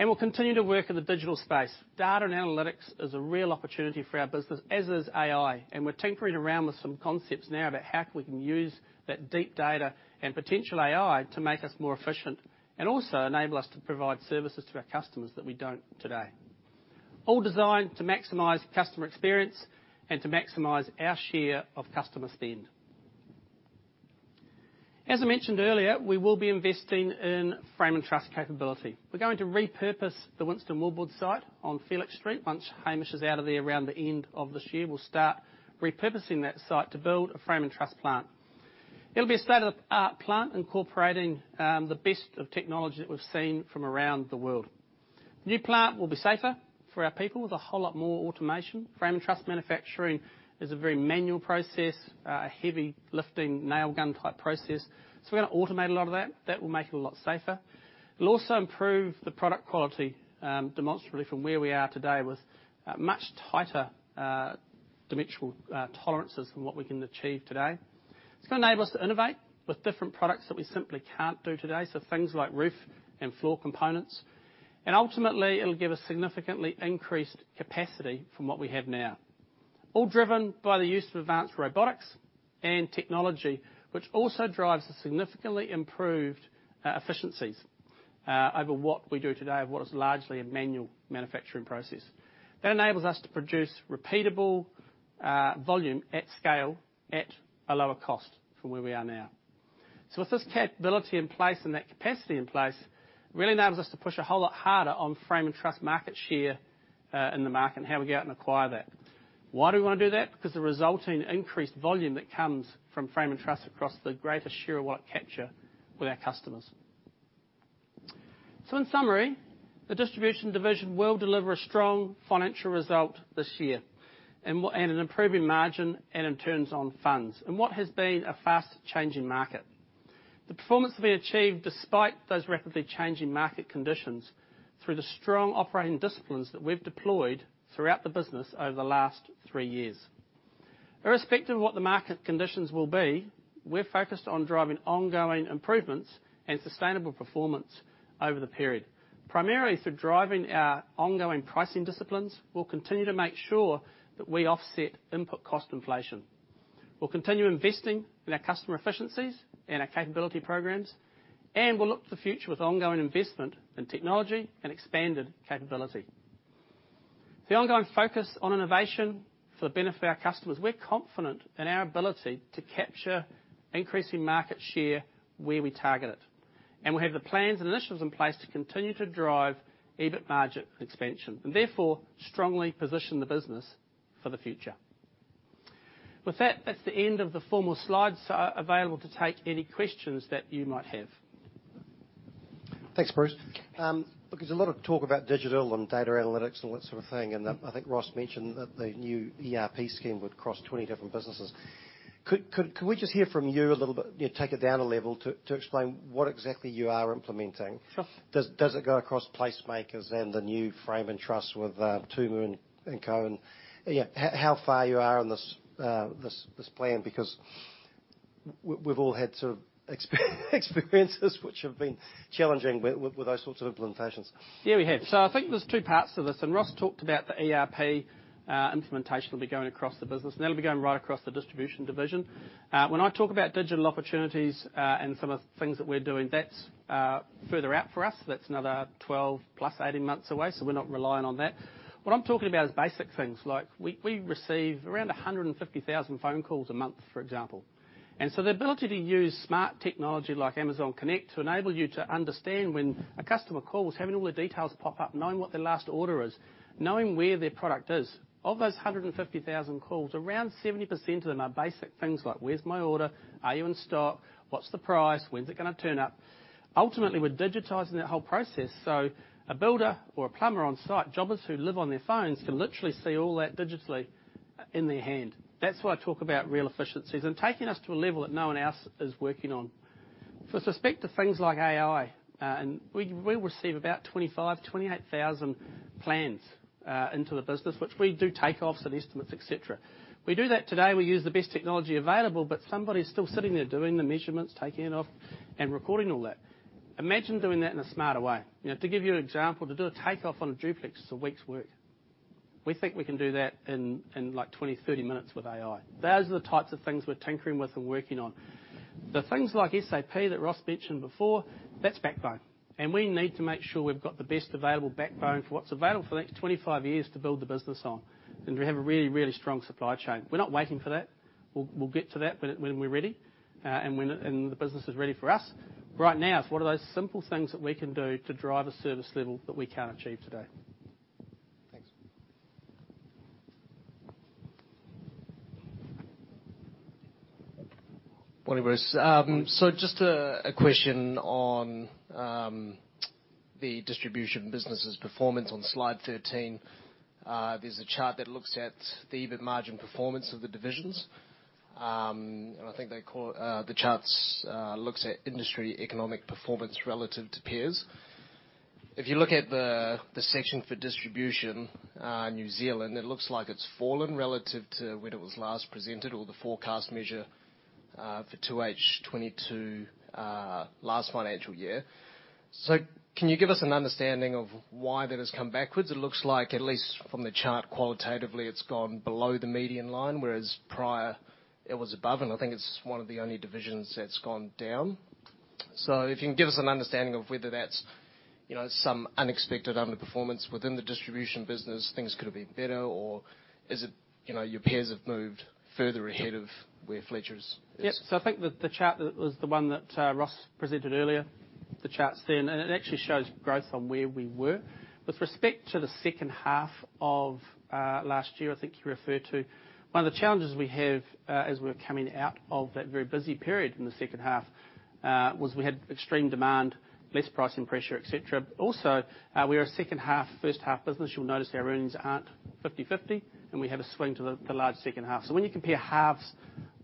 We'll continue to work in the digital space. Data and analytics is a real opportunity for our business, as is AI, and we're tinkering around with some concepts now about how we can use that deep data and potential AI to make us more efficient, and also enable us to provide services to our customers that we don't today. All designed to maximize customer experience and to maximize our share of customer spend. As I mentioned earlier, we will be investing in frame and truss capability. We're going to repurpose the Winstone Wallboards site on Felix Street. Once Hamish is out of there, around the end of this year, we'll start repurposing that site to build a frame and truss plant. It'll be a state-of-the-art plant, incorporating the best of technology that we've seen from around the world. New plant will be safer for our people, with a whole lot more automation. Frame and truss manufacturing is a very manual process, a heavy lifting, nail gun type process, so we're gonna automate a lot of that. That will make it a lot safer. It'll also improve the product quality, demonstrably from where we are today, with much tighter dimensional tolerances than what we can achieve today. It's gonna enable us to innovate with different products that we simply can't do today, so things like roof and floor components, and ultimately, it'll give us significantly increased capacity from what we have now. All driven by the use of advanced robotics and technology, which also drives the significantly improved efficiencies over what we do today, and what is largely a manual manufacturing process. That enables us to produce repeatable volume at scale, at a lower cost from where we are now. With this capability in place and that capacity in place, it really enables us to push a whole lot harder on frame and trust market share in the market, and how we go out and acquire that. Why do we want to do that? The resulting increased volume that comes from frame and trust across the greater share of wallet capture with our customers. In summary, the distribution division will deliver a strong financial result this year, and an improving margin and in turns on funds, in what has been a fast-changing market. The performance will be achieved despite those rapidly changing market conditions, through the strong operating disciplines that we've deployed throughout the business over the last three years. Irrespective of what the market conditions will be, we're focused on driving ongoing improvements and sustainable performance over the period. Primarily through driving our ongoing pricing disciplines, we'll continue to make sure that we offset input cost inflation. We'll continue investing in our customer efficiencies and our capability programs, and we'll look to the future with ongoing investment in technology and expanded capability. The ongoing focus on innovation for the benefit of our customers, we're confident in our ability to capture increasing market share where we target it, and we have the plans and initiatives in place to continue to drive EBIT margin expansion, and therefore, strongly position the business for the future. With that's the end of the formal slides. Available to take any questions that you might have. Thanks, Bruce. look, there's a lot of talk about digital and data analytics and that sort of thing, and I think Ross mentioned that the new ERP scheme would cross 20 different businesses. Could we just hear from you a little bit, you know, take it down a level to explain what exactly you are implementing? Sure. Does it go across PlaceMakers and the new frame and trust with Two Moon and Co, and, yeah, how far you are in this plan? We've all had sort of experiences which have been challenging with those sorts of implementations. Yeah, we have. I think there's two parts to this, Ross talked about the ERP implementation will be going across the business, and that'll be going right across the distribution division. When I talk about digital opportunities, and some of the things that we're doing, that's further out for us. That's another 12, plus 18 months away, so we're not relying on that. What I'm talking about is basic things, like we receive around 150,000 phone calls a month, for example. The ability to use smart technology like Amazon Connect to enable you to understand when a customer calls, having all their details pop up, knowing what their last order is, knowing where their product is. Of those 150,000 calls, around 70% of them are basic things like: Where's my order? Are you in stock? What's the price? When's it gonna turn up? Ultimately, we're digitizing that whole process, so a builder or a plumber on site, jobbers who live on their phones, can literally see all that digitally in their hand. That's why I talk about real efficiencies and taking us to a level that no one else is working on. With respect to things like AI, we receive about 25,000-28,000 plans into the business, which we do takeoffs and estimates, et cetera. We do that today, we use the best technology available, but somebody's still sitting there doing the measurements, taking it off, and recording all that. Imagine doing that in a smarter way. You know, to give you an example, to do a takeoff on a duplex is a week's work. We think we can do that in, like, 20, 30 minutes with AI. Those are the types of things we're tinkering with and working on. The things like SAP that Ross mentioned before, that's backbone, and we need to make sure we've got the best available backbone for what's available for the next 25 years to build the business on, and we have a really, really strong supply chain. We're not waiting for that. We'll get to that when we're ready, and when the business is ready for us. Right now, it's what are those simple things that we can do to drive a service level that we can't achieve today? Thanks. Morning, Bruce. Just a question on the distribution business's performance on slide 13. There's a chart that looks at the EBIT margin performance of the divisions. I think they call it, the chart looks at industry economic performance relative to peers. If you look at the section for Distribution, New Zealand, it looks like it's fallen relative to when it was last presented, or the forecast measure for 2H 2022, last financial year. Can you give us an understanding of why that has come backwards? It looks like, at least from the chart, qualitatively, it's gone below the median line, whereas prior it was above, and I think it's one of the only divisions that's gone down. If you can give us an understanding of whether that's, you know, some unexpected underperformance within the distribution business, things could have been better, or is it, you know, your peers have moved further ahead of where Fletchers is? Yep. I think the chart that was the one that Ross presented earlier, the charts then, and it actually shows growth on where we were. With respect to the second half of last year, I think you refer to, one of the challenges we have as we're coming out of that very busy period in the second half, was we had extreme demand, less pricing pressure, et cetera. Also, we are a second half, first half business. You'll notice our earnings aren't 50-50, and we have a swing to the large second half. When you compare halves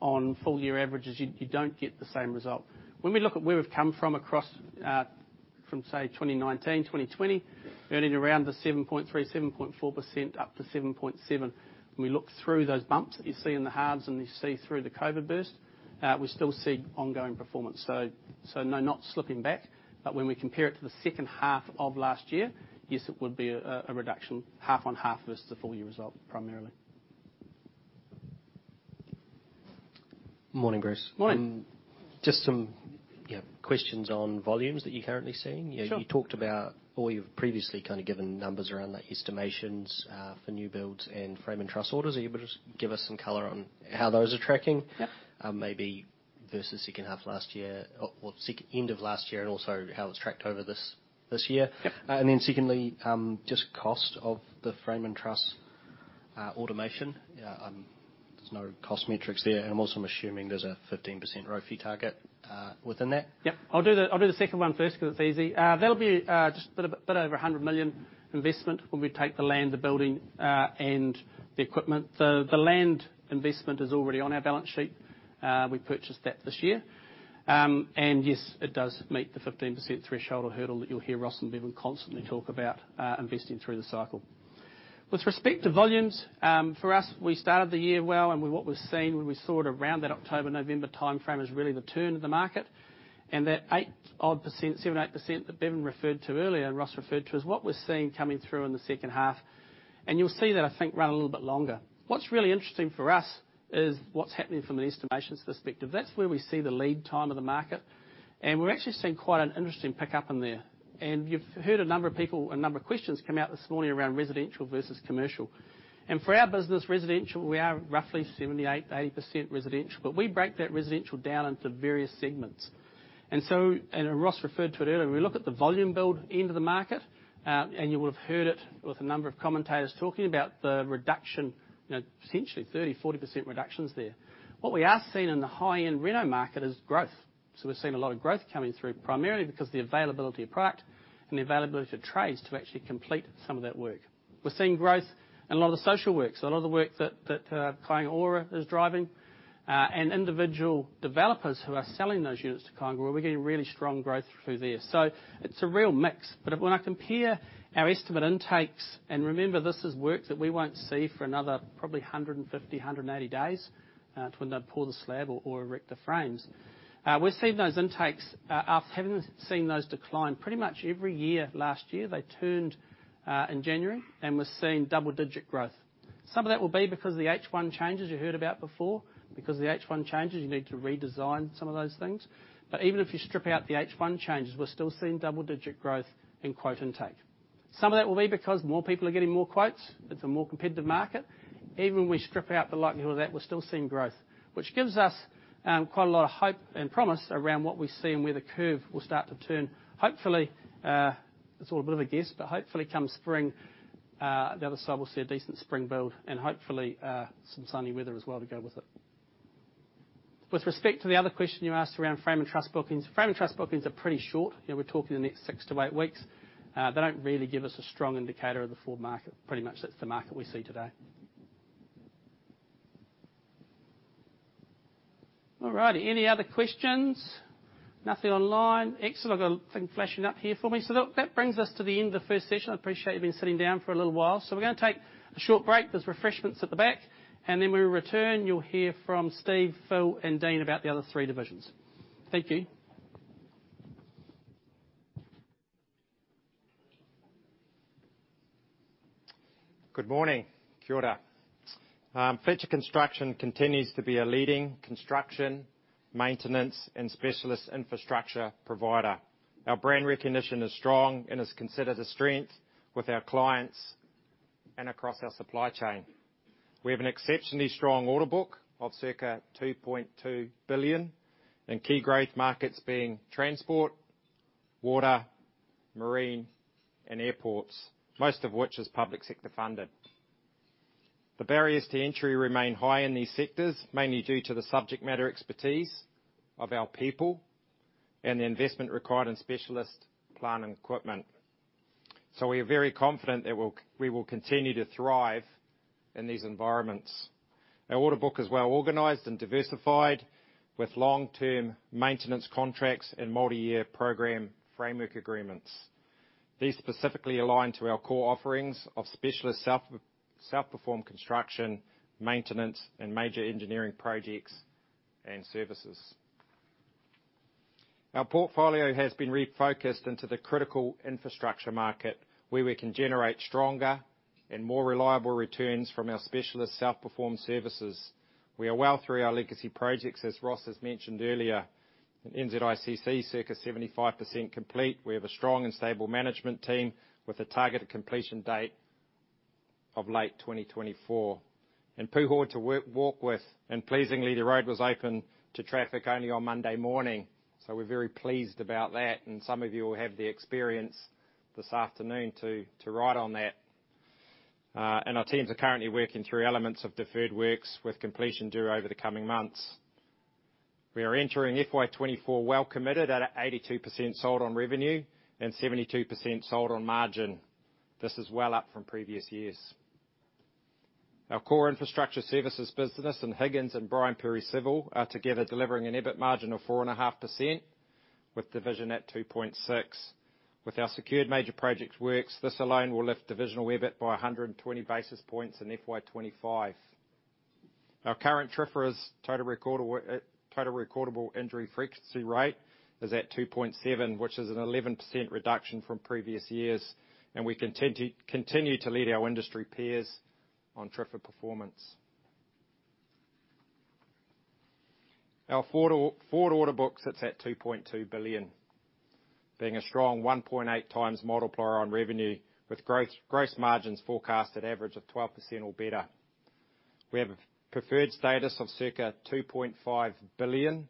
on full year averages, you don't get the same result. When we look at where we've come from across from, say, 2019, 2020, earning around the 7.3%, 7.4%, up to 7.7%. When we look through those bumps that you see in the halves and you see through the COVID burst, we still see ongoing performance. No, not slipping back, but when we compare it to the second half of last year, yes, it would be a reduction, half on half versus the full year result, primarily. Morning, Bruce. Morning. Just some questions on volumes that you're currently seeing. Sure. You talked about, or you've previously kind of given numbers around the estimations, for new builds and frame and truss orders. Are you able to just give us some color on how those are tracking? Yeah. Maybe versus second half last year or end of last year, and also how it's tracked over this year. Yep. Secondly, just cost of the frame and truss automation. There's no cost metrics there, and I'm also assuming there's a 15% ROFE target within that. Yep. I'll do the second one first because it's easy. That'll be just a bit over 100 million investment when we take the land, the building, and the equipment. The land investment is already on our balance sheet. We purchased that this year. Yes, it does meet the 15% threshold or hurdle that you'll hear Ross and Bevan constantly talk about, investing through the cycle. With respect to volumes, for us, we started the year well, with what we've seen when we saw it around that October-November timeframe, is really the turn of the market. That 8 odd percent, 7%, 8% that Bevan referred to earlier and Ross referred to, is what we're seeing coming through in the second half, and you'll see that, I think, run a little bit longer. What's really interesting for us is what's happening from an estimations perspective. That's where we see the lead time of the market, we're actually seeing quite an interesting pickup in there. You've heard a number of people, a number of questions come out this morning around residential versus commercial. For our business, residential, we are roughly 78%-80% residential, but we break that residential down into various segments. Ross Taylor referred to it earlier, we look at the volume build end of the market, you would have heard it with a number of commentators talking about the reduction, you know, potentially 30%-40% reductions there. What we are seeing in the high-end reno market is growth. We've seen a lot of growth coming through, primarily because of the availability of product and the availability of trades to actually complete some of that work. We're seeing growth in a lot of the social work, so a lot of the work that Kāinga Ora is driving, and individual developers who are selling those units to Kāinga Ora, we're getting really strong growth through there. It's a real mix. When I compare our estimate intakes, and remember, this is work that we won't see for another probably 150, 180 days, when they pull the slab or erect the frames. We're seeing those intakes, after having seen those decline pretty much every year. Last year, they turned in January, and we're seeing double-digit growth. Some of that will be because of the H1 changes you heard about before. The H1 changes, you need to redesign some of those things. Even if you strip out the H1 changes, we're still seeing double-digit growth in quote intake. Some of that will be because more people are getting more quotes. It's a more competitive market. Even when we strip out the likelihood of that, we're still seeing growth, which gives us quite a lot of hope and promise around what we see and where the curve will start to turn. Hopefully, it's all a bit of a guess, but hopefully come spring, the other side, we'll see a decent spring build and hopefully, some sunny weather as well to go with it. With respect to the other question you asked around frame and truss bookings, frame and truss bookings are pretty short. You know, we're talking the next six to eight weeks. They don't really give us a strong indicator of the full market. Pretty much that's the market we see today. All right, any other questions? Nothing online. Excellent. I've got a thing flashing up here for me. Look, that brings us to the end of the first session. I appreciate you've been sitting down for a little while. We're going to take a short break. There's refreshments at the back, and then when we return, you'll hear from Steve, Phil, and Dean about the other three divisions. Thank you. Good morning. Kia ora. Fletcher Construction continues to be a leading construction, maintenance, and specialist infrastructure provider. Our brand recognition is strong and is considered a strength with our clients and across our supply chain. We have an exceptionally strong order book of circa 2.2 billion, and key growth markets being transport, water, marine, and airports, most of which is public sector funded. The barriers to entry remain high in these sectors, mainly due to the subject matter expertise of our people and the investment required in specialist plant and equipment. We are very confident that we will continue to thrive in these environments. Our order book is well organized and diversified, with long-term maintenance contracts and multi-year program framework agreements. These specifically align to our core offerings of specialist self-performed construction, maintenance, and major engineering projects and services. Our portfolio has been refocused into the critical infrastructure market, where we can generate stronger and more reliable returns from our specialist self-performed services. We are well through our legacy projects, as Ross has mentioned earlier, and NZICC circa 75% complete. We have a strong and stable management team with a targeted completion date of late 2024. Pūhoi to Warkworth, and pleasingly, the road was open to traffic only on Monday morning, so we're very pleased about that, and some of you will have the experience this afternoon to ride on that. Our teams are currently working through elements of deferred works with completion due over the coming months. We are entering FY 2024 well committed at 82% sold on revenue and 72% sold on margin. This is well up from previous years. Our core infrastructure services business in Higgins and Brian Perry Civil are together delivering an EBIT margin of 4.5%, with division at 2.6%. With our secured major project works, this alone will lift divisional EBIT by 120 basis points in FY 2025. Our current TRIRs, total recordable injury frequency rate, is at 2.7, which is an 11% reduction from previous years, and we continue to lead our industry peers on TRIR performance. Our forward order book sits at 2.2 billion, being a strong 1.8x multiplier on revenue, with gross margins forecast at average of 12% or better. We have a preferred status of circa 2.5 billion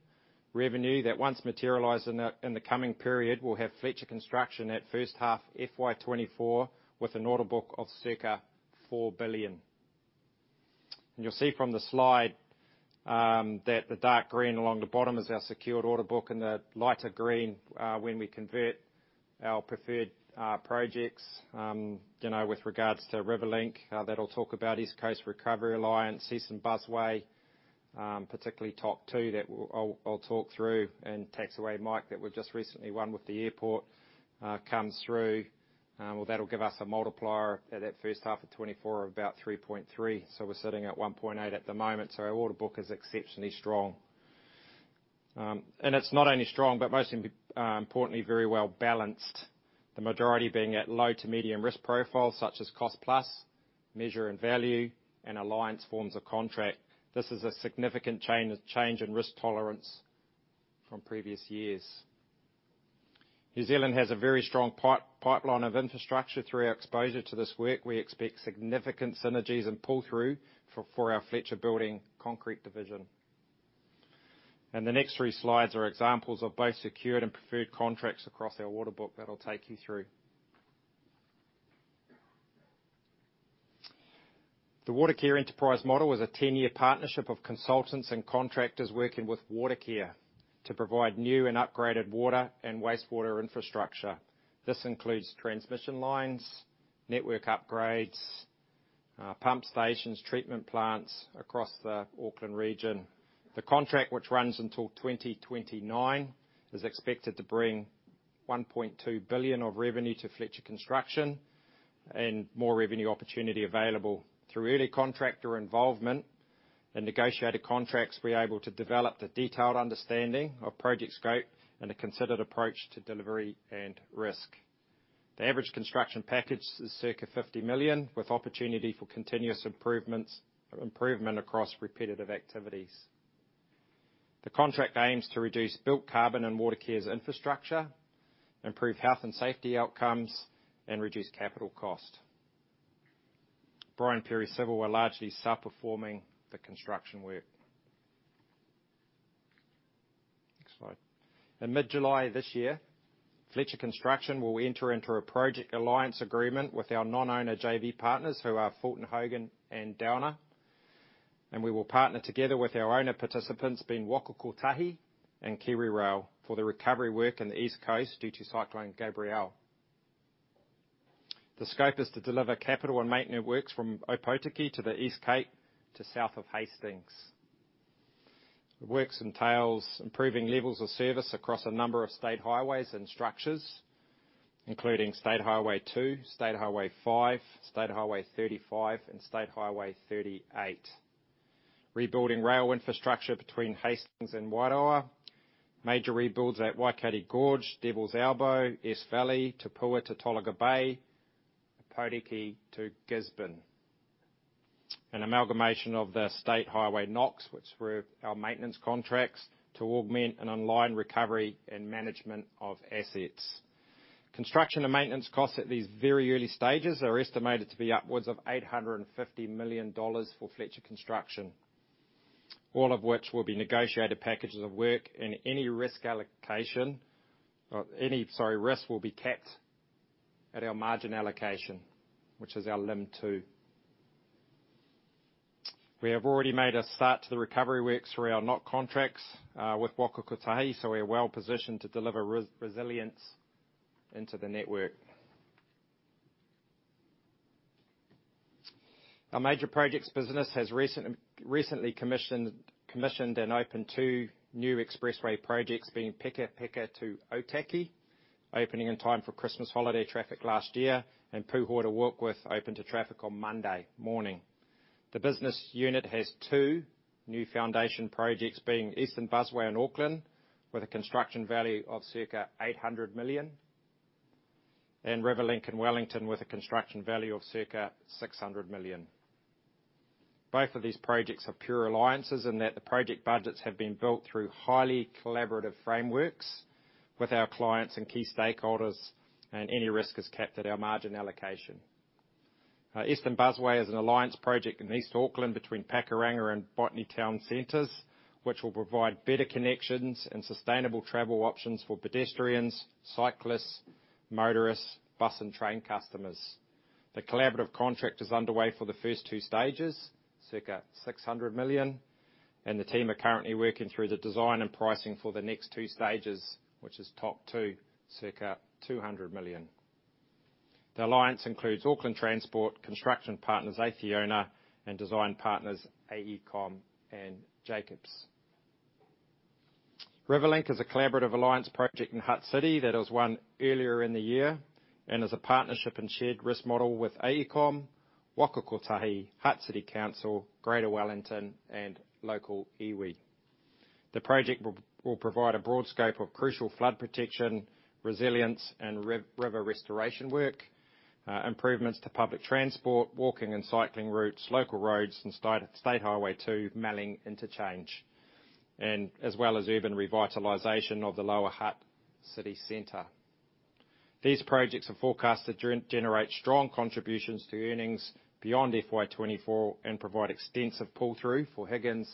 revenue, that once materialized in the coming period, will have Fletcher Construction at first half FY 2024, with an order book of circa 4 billion. You'll see from the slide, that the dark green along the bottom is our secured order book, and the lighter green, when we convert our preferred projects. You know, with regards to Riverlink, that I'll talk about East Coast Recovery Alliance, Eastern Busway, particularly top two, that I'll talk through, and taxiway Mike, that we've just recently won with the airport, comes through. Well, that'll give us a multiplier at that first half of 2024 of about 3.3. We're sitting at 1.8 at the moment, so our order book is exceptionally strong. It's not only strong, but most importantly, very well balanced. The majority being at low to medium risk profile, such as cost plus, measure and value, and alliance forms of contract. This is a significant change in risk tolerance from previous years. New Zealand has a very strong pipeline of infrastructure. Through our exposure to this work, we expect significant synergies and pull-through for our Fletcher Building concrete division. The next three slides are examples of both secured and preferred contracts across our order book that I'll take you through. The Watercare enterprise model is a 10-year partnership of consultants and contractors working with Watercare to provide new and upgraded water and wastewater infrastructure. This includes transmission lines, network upgrades, pump stations, treatment plants across the Auckland region. The contract, which runs until 2029, is expected to bring 1.2 billion of revenue to Fletcher Construction. More revenue opportunity available. Through early contractor involvement and negotiated contracts, we're able to develop a detailed understanding of project scope and a considered approach to delivery and risk. The average construction package is circa 50 million, with opportunity for continuous improvements, or improvement, across repetitive activities. The contract aims to reduce built carbon in Watercare's infrastructure, improve health and safety outcomes, and reduce capital cost. Brian Perry Civil are largely self-performing the construction work. Next slide. In mid-July this year, Fletcher Construction will enter into a project alliance agreement with our non-owner JV partners, who are Fulton Hogan and Downer. We will partner together with our owner participants, being Waka Kotahi and KiwiRail, for the recovery work in the East Coast due to Cyclone Gabrielle. The scope is to deliver capital and maintenance works from Opotiki to the East Cape to south of Hastings. The works entails improving levels of service across a number of state highways and structures, including State Highway 2, State Highway 5, State Highway 35, and State Highway 38. Rebuilding rail infrastructure between Hastings and Wairoa. Major rebuilds at Waikare Gorge, Devils Elbow, Esk Valley, Te Puia to Tolaga Bay, Opotiki to Gisborne. an amalgamation of the State Highway NOCs, which were our maintenance contracts, to augment an online recovery and management of assets. Construction and maintenance costs at these very early stages are estimated to be upwards of 850 million dollars for Fletcher Construction, all of which will be negotiated packages of work and any risk allocation, or any, sorry, risk will be capped at our margin allocation, which is our LIM 2. We have already made a start to the recovery works for our NOC contracts with Waka Kotahi. We are well positioned to deliver resilience into the network. Our major projects business has recently commissioned and opened two new expressway projects, being Peka Peka to Ōtaki, opening in time for Christmas holiday traffic last year, and Pūhoi to Warkworth opened to traffic on Monday morning. The business unit has two new foundation projects, being Eastern Busway in Auckland, with a construction value of circa 800 million, and Riverlink in Wellington, with a construction value of circa 600 million. Both of these projects are pure alliances, in that the project budgets have been built through highly collaborative frameworks with our clients and key stakeholders, and any risk is capped at our margin allocation. Eastern Busway is an alliance project in East Auckland, between Pakuranga and Botany Town Centres, which will provide better connections and sustainable travel options for pedestrians, cyclists, motorists, bus and train customers. The collaborative contract is underway for the first two stages, circa 600 million, and the team are currently working through the design and pricing for the next two stages, which is top two, circa 200 million. The alliance includes Auckland Transport, construction partners, Acciona, and design partners, AECOM and Jacobs. Riverlink is a collaborative alliance project in Hutt City that was won earlier in the year, and is a partnership and shared risk model with AECOM, Waka Kotahi, Hutt City Council, Greater Wellington, and local iwi. The project will provide a broad scope of crucial flood protection, resilience, and river restoration work, improvements to public transport, walking and cycling routes, local roads, and State Highway 2, Melling Interchange, and as well as urban revitalization of the Lower Hutt City center. These projects are forecast to generate strong contributions to earnings beyond FY 2024 and provide extensive pull-through for Higgins,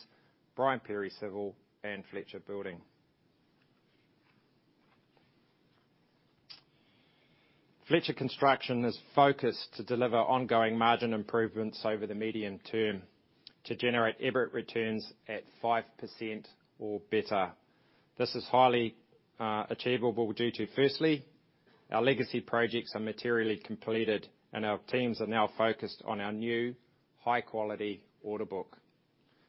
Brian Perry Civil, and Fletcher Building. Fletcher Construction is focused to deliver ongoing margin improvements over the medium term to generate EBIT returns at 5% or better. This is highly achievable due to, firstly, our legacy projects are materially completed, and our teams are now focused on our new, high-quality order book.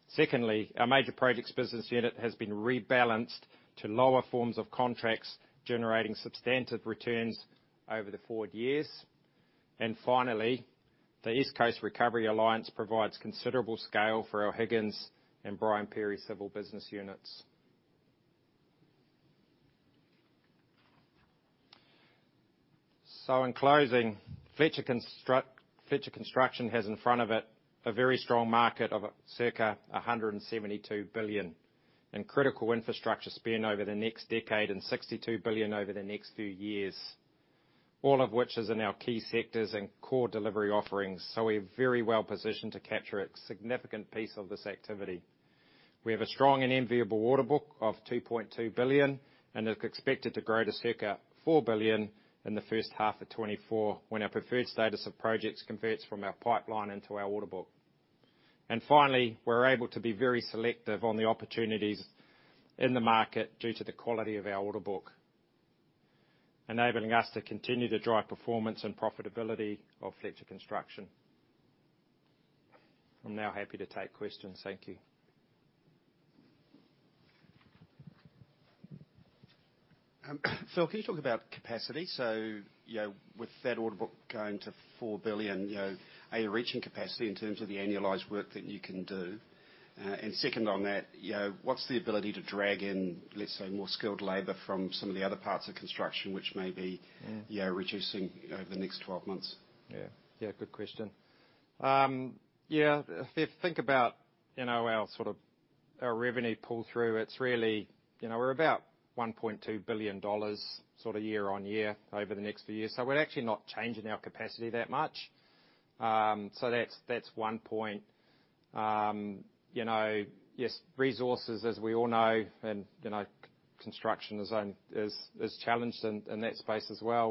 Secondly, our major projects business unit has been rebalanced to lower forms of contracts, generating substantive returns over the forward years. Finally, the East Coast Recovery Alliance provides considerable scale for our Higgins and Brian Perry Civil business units. In closing, Fletcher Construction has in front of it a very strong market of circa 172 billion in critical infrastructure spending over the next decade, and 62 billion over the next few years. All of which is in our key sectors and core delivery offerings, so we're very well positioned to capture a significant piece of this activity. We have a strong and enviable order book of 2.2 billion, and is expected to grow to circa 4 billion in the first half of 2024, when our preferred status of projects converts from our pipeline into our order book. Finally, we're able to be very selective on the opportunities in the market due to the quality of our order book, enabling us to continue to drive performance and profitability of Fletcher Construction. I'm now happy to take questions. Thank you. Phil, can you talk about capacity? You know, with that order book going to 4 billion, you know, are you reaching capacity in terms of the annualized work that you can do? Second on that, you know, what's the ability to drag in, let's say, more skilled labor from some of the other parts of construction? Yeah, reducing over the next 12 months? Yeah, good question. If you think about, you know, our revenue pull-through, it's really. You know, we're about 1.2 billion dollars, sort of year-on-year, over the next few years. We're actually not changing our capacity that much. That's one point. You know, yes, resources, as we all know, and, you know, construction is challenged in that space as well.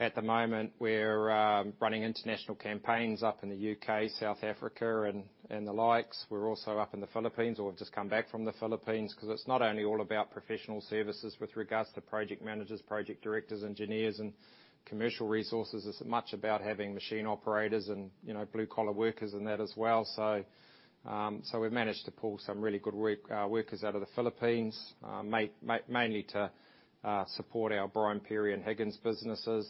At the moment, we're running international campaigns up in the U.K., South Africa, and the likes. We're also up in the Philippines, or we've just come back from the Philippines, 'cause it's not only all about professional services with regards to project managers, project directors, engineers, and commercial resources. It's much about having machine operators and, you know, blue-collar workers in that as well. We've managed to pull some really good work, workers out of the Philippines, mainly to support our Brian Perry and Higgins businesses.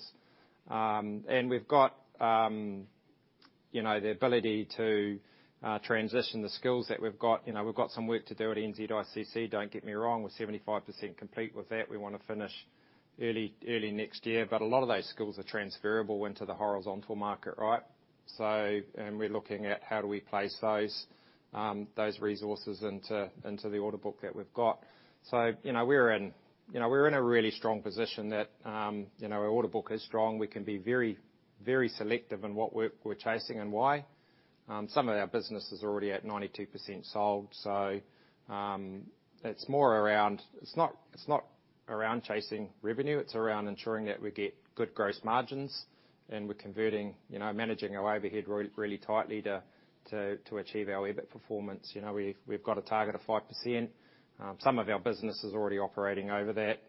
We've got, you know, the ability to transition the skills that we've got. You know, we've got some work to do at NZICC, don't get me wrong. We're 75% complete with that. We want to finish early next year. A lot of those skills are transferable into the horizontal market, right? And we're looking at how do we place those resources into the order book that we've got. You know, we're in, you know, we're in a really strong position that, you know, our order book is strong. We can be very, very selective in what we're chasing and why. Some of our business is already at 92% sold. It's not around chasing revenue, it's around ensuring that we get good gross margins, and we're converting, you know, managing our overhead really, really tightly to achieve our EBIT performance. You know, we've got a target of 5%. Some of our business is already operating over that.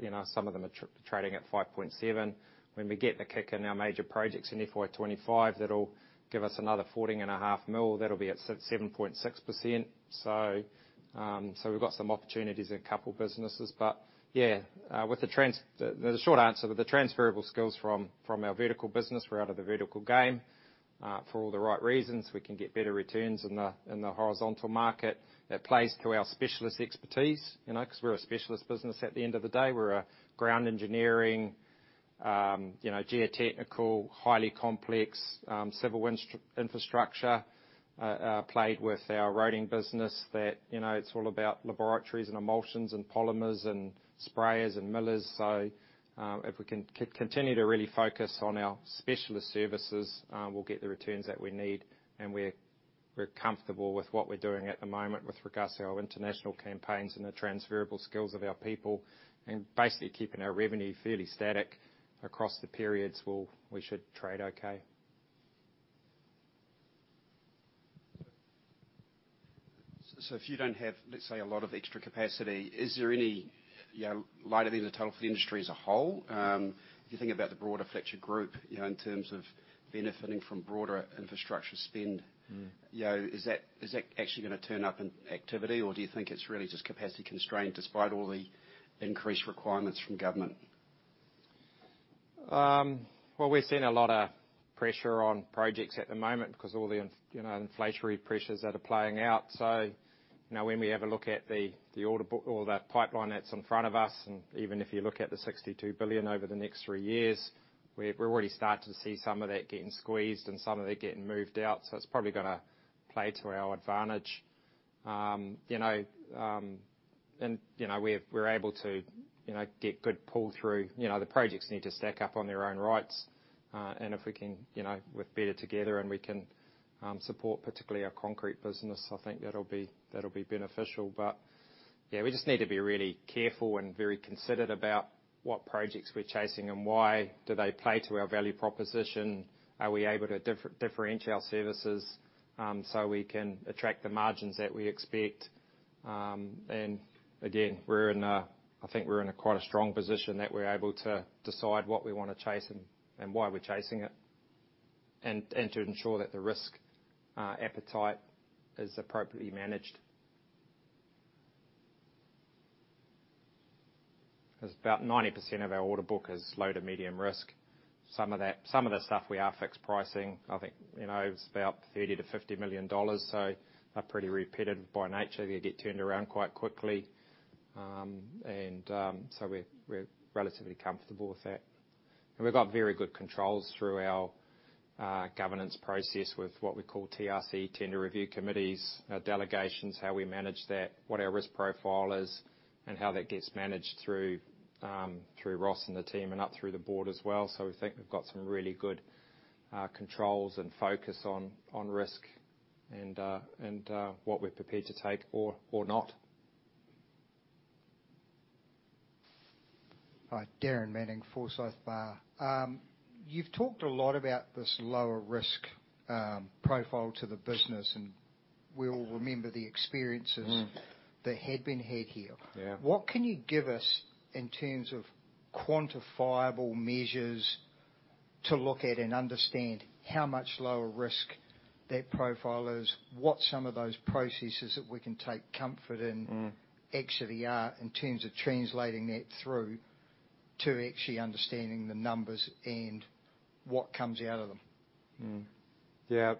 You know, some of them are trading at 5.7%. When we get the kick in our major projects in FY 2025, that'll give us another 14.5 million. That'll be at 7.6%. We've got some opportunities in a couple businesses. Yeah, with the short answer, with the transferable skills from our vertical business, we're out of the vertical game for all the right reasons. We can get better returns in the horizontal market. That plays to our specialist expertise, you know, 'cause we're a specialist business at the end of the day. We're a ground engineering, you know, geotechnical, highly complex, civil infrastructure, played with our roading business that, you know, it's all about laboratories and emulsions and polymers and sprayers and millers. If we can continue to really focus on our specialist services, we'll get the returns that we need, and we're comfortable with what we're doing at the moment with regards to our international campaigns and the transferable skills of our people, and basically keeping our revenue fairly static across the periods, we should trade okay. If you don't have, let's say, a lot of extra capacity, is there any, you know, light at the end of the tunnel for the industry as a whole? If you think about the broader Fletcher Group, you know, in terms of benefiting from broader infrastructure spend. You know, is that, is that actually gonna turn up in activity, or do you think it's really just capacity constrained, despite all the increased requirements from government? Well, we've seen a lot of pressure on projects at the moment because all the, you know, inflationary pressures that are playing out. You know, when we have a look at the order book or the pipeline that's in front of us, and even if you look at the 62 billion over the next three years, we're already starting to see some of that getting squeezed and some of it getting moved out, so it's probably gonna play to our advantage. You know, and, you know, we're able to, you know, get good pull-through. You know, the projects need to stack up on their own rights. And if we can, you know, with better together and we can support particularly our concrete business, I think that'll be, that'll be beneficial. Yeah, we just need to be really careful and very considerate about what projects we're chasing and why do they play to our value proposition? Are we able to differentiate our services so we can attract the margins that we expect? Again, I think we're in a quite a strong position that we're able to decide what we want to chase and why we're chasing it, and to ensure that the risk appetite is appropriately managed. Because about 90% of our order book is low to medium risk. Some of the stuff we are fixed pricing, I think, you know, is about 30 million-50 million dollars, so are pretty repetitive by nature. They get turned around quite quickly. So we're relatively comfortable with that. We've got very good controls through our governance process with what we call TRC, Tender Review Committees, delegations, how we manage that, what our risk profile is, and how that gets managed through through Ross and the team, and up through the board as well. We think we've got some really good controls and focus on risk, and what we're prepared to take or not. Hi, Darren Manning, Forsyth Barr. You've talked a lot about this lower risk, profile to the business, and we all remember the experiences that had been had here. Yeah. What can you give us in terms of quantifiable measures to look at and understand how much lower risk that profile is? What some of those processes that we can take comfort in, actually are, in terms of translating that through to actually understanding the numbers and what comes out of them? Yeah,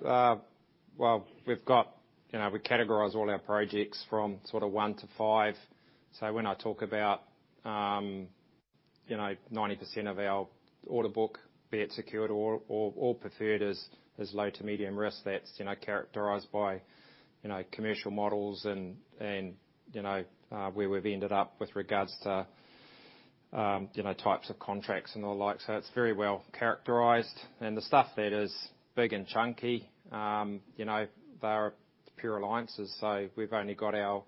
well, you know, we categorize all our projects from sort of one-five. When I talk about, you know, 90% of our order book, be it secured or preferred, as is low to medium risk, that's, you know, characterized by, you know, commercial models and, you know, where we've ended up with regards to, you know, types of contracts and all like. It's very well characterized, and the stuff that is big and chunky, you know, there are pure alliances, so we've only got our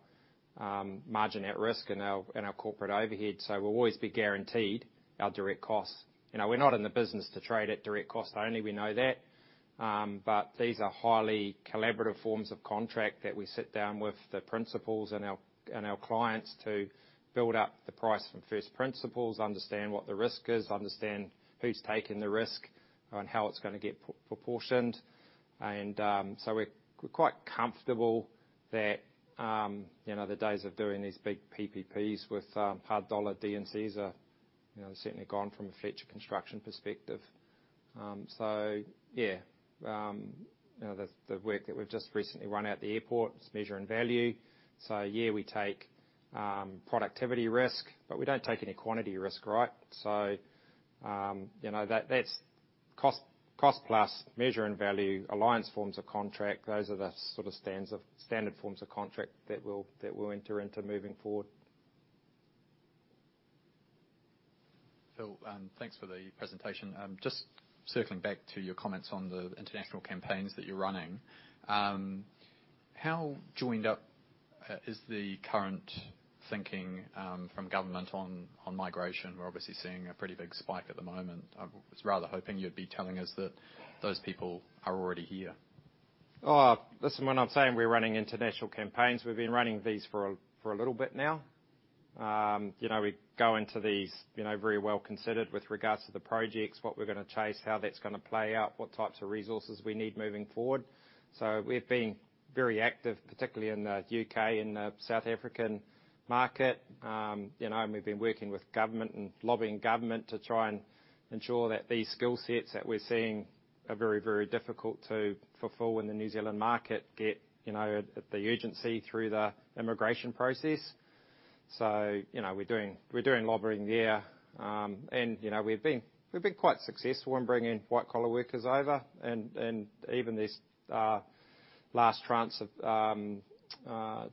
margin at risk and our corporate overhead, so we'll always be guaranteed our direct costs. You know, we're not in the business to trade at direct costs only, we know that. These are highly collaborative forms of contract that we sit down with the principals and our, and our clients to build up the price from first principles, understand what the risk is, understand who's taking the risk, and how it's gonna get proportioned. So we're quite comfortable that, you know, the days of doing these big PPPs with hard dollar DMCs are, you know, certainly gone from a Fletcher Construction perspective. So yeah, the work that we've just recently run at the airport is measure and value. Yeah, we take productivity risk, but we don't take any quantity risk, right? You know, that's cost plus measure and value. Alliance forms a contract. Those are the sort of standard forms of contract that we'll enter into moving forward. Phil, thanks for the presentation. Just circling back to your comments on the international campaigns that you're running, how joined up is the current thinking from government on migration? We're obviously seeing a pretty big spike at the moment. I was rather hoping you'd be telling us that those people are already here. Oh, listen, when I'm saying we're running international campaigns, we've been running these for a little bit now. You know, we go into these, you know, very well-considered with regards to the projects, what we're gonna chase, how that's gonna play out, what types of resources we need moving forward. We've been very active, particularly in the U.K. and the South African market. You know, and we've been working with government and lobbying government to try and ensure that these skill sets that we're seeing are very, very difficult to fulfill in the New Zealand market, get, you know, the urgency through the immigration process. You know, we're doing lobbying there. You know, we've been quite successful in bringing white-collar workers over, and even this last tranche of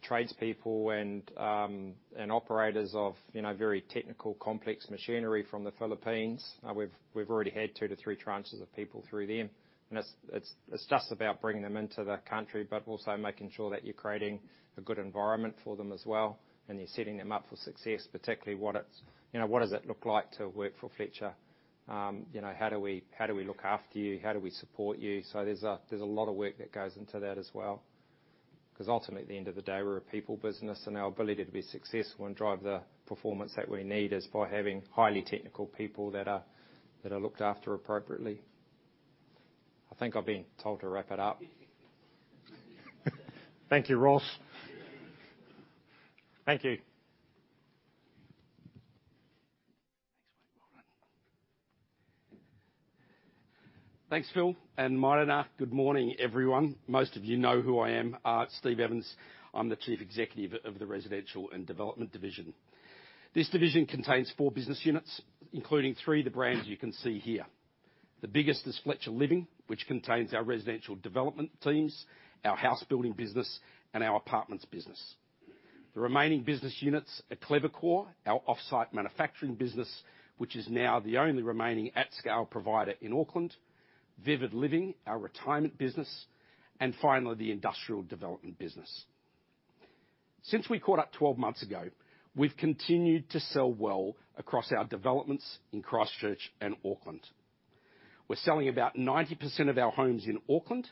tradespeople and operators of, you know, very technical, complex machinery from the Philippines. We've already had two to three tranches of people through them, and it's just about bringing them into the country, but also making sure that you're creating a good environment for them as well, and you're setting them up for success, particularly what it's. You know, what does it look like to work for Fletcher? You know, how do we look after you? How do we support you? There's a lot of work that goes into that as well. Ultimately, at the end of the day, we're a people business, and our ability to be successful and drive the performance that we need is by having highly technical people that are looked after appropriately. I think I've been told to wrap it up. Thank you, Ross. Thank you. Thanks, mate. Well done. Thanks, Phil, and Mōrena. Good morning, everyone. Most of you know who I am, Steve Evans. I'm the Chief Executive of the Residential and Development Division. This division contains four business units, including three of the brands you can see here. The biggest is Fletcher Living, which contains our residential development teams, our house building business, and our apartments business. The remaining business units are Clever Core, our off-site manufacturing business, which is now the only remaining at-scale provider in Auckland, Vivid Living, our retirement business, and finally, the industrial development business. Since we caught up 12 months ago, we've continued to sell well across our developments in Christchurch and Auckland. We're selling about 90% of our homes in Auckland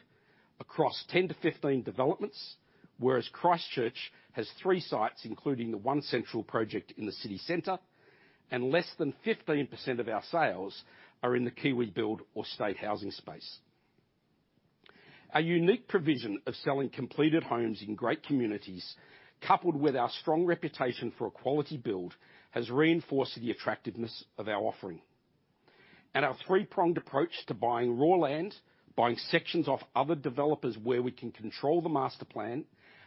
across 10-15 developments, whereas Christchurch has three sites, including the One Central project in the city center, and less than 15% of our sales are in the KiwiBuild or state housing space. Our unique provision of selling completed homes in great communities, coupled with our strong reputation for a quality build, has reinforced the attractiveness of our offering. Our three-pronged approach to buying raw land, buying sections off other developers where we can control the master plan,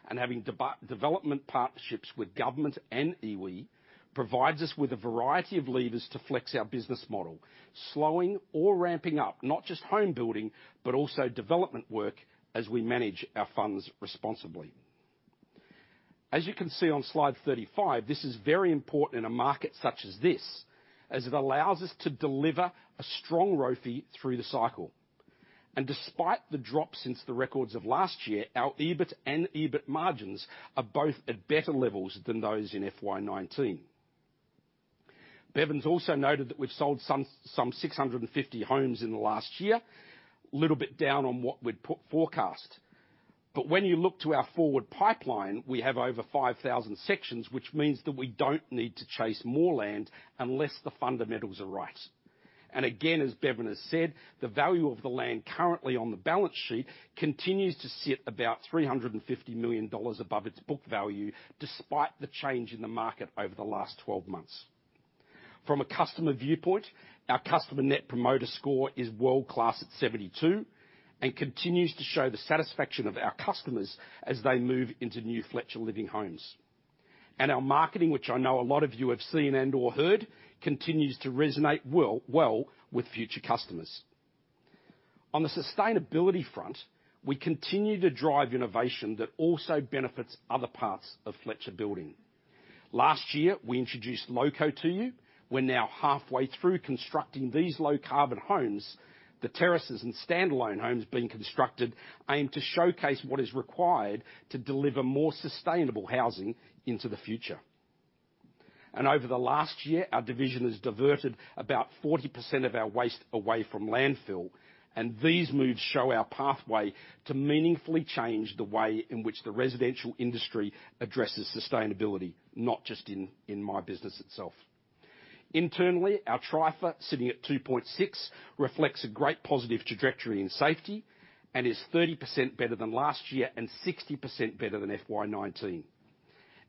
and having development partnerships with government and iwi, provides us with a variety of levers to flex our business model, slowing or ramping up not just home building, but also development work as we manage our funds responsibly. As you can see on slide 35, this is very important in a market such as this, as it allows us to deliver a strong ROFE through the cycle. Despite the drop since the records of last year, our EBIT and EBIT margins are both at better levels than those in FY 2019. Bevan's also noted that we've sold some 650 homes in the last year, little bit down on what we'd put forecast. When you look to our forward pipeline, we have over 5,000 sections, which means that we don't need to chase more land unless the fundamentals are right. Again, as Bevan has said, the value of the land currently on the balance sheet continues to sit about 350 million dollars above its book value, despite the change in the market over the last 12 months. From a customer viewpoint, our customer Net Promoter Score is world-class at 72 and continues to show the satisfaction of our customers as they move into new Fletcher Living homes. Our marketing, which I know a lot of you have seen and/or heard, continues to resonate well with future customers. On the sustainability front, we continue to drive innovation that also benefits other parts of Fletcher Building. Last year, we introduced LowCO to you. We're now halfway through constructing these low-carbon homes. The terraces and standalone homes being constructed aim to showcase what is required to deliver more sustainable housing into the future. Over the last year, our division has diverted about 40% of our waste away from landfill, and these moves show our pathway to meaningfully change the way in which the residential industry addresses sustainability, not just in my business itself. Internally, our TRIFR, sitting at 2.6, reflects a great positive trajectory in safety and is 30% better than last year and 60% better than FY19.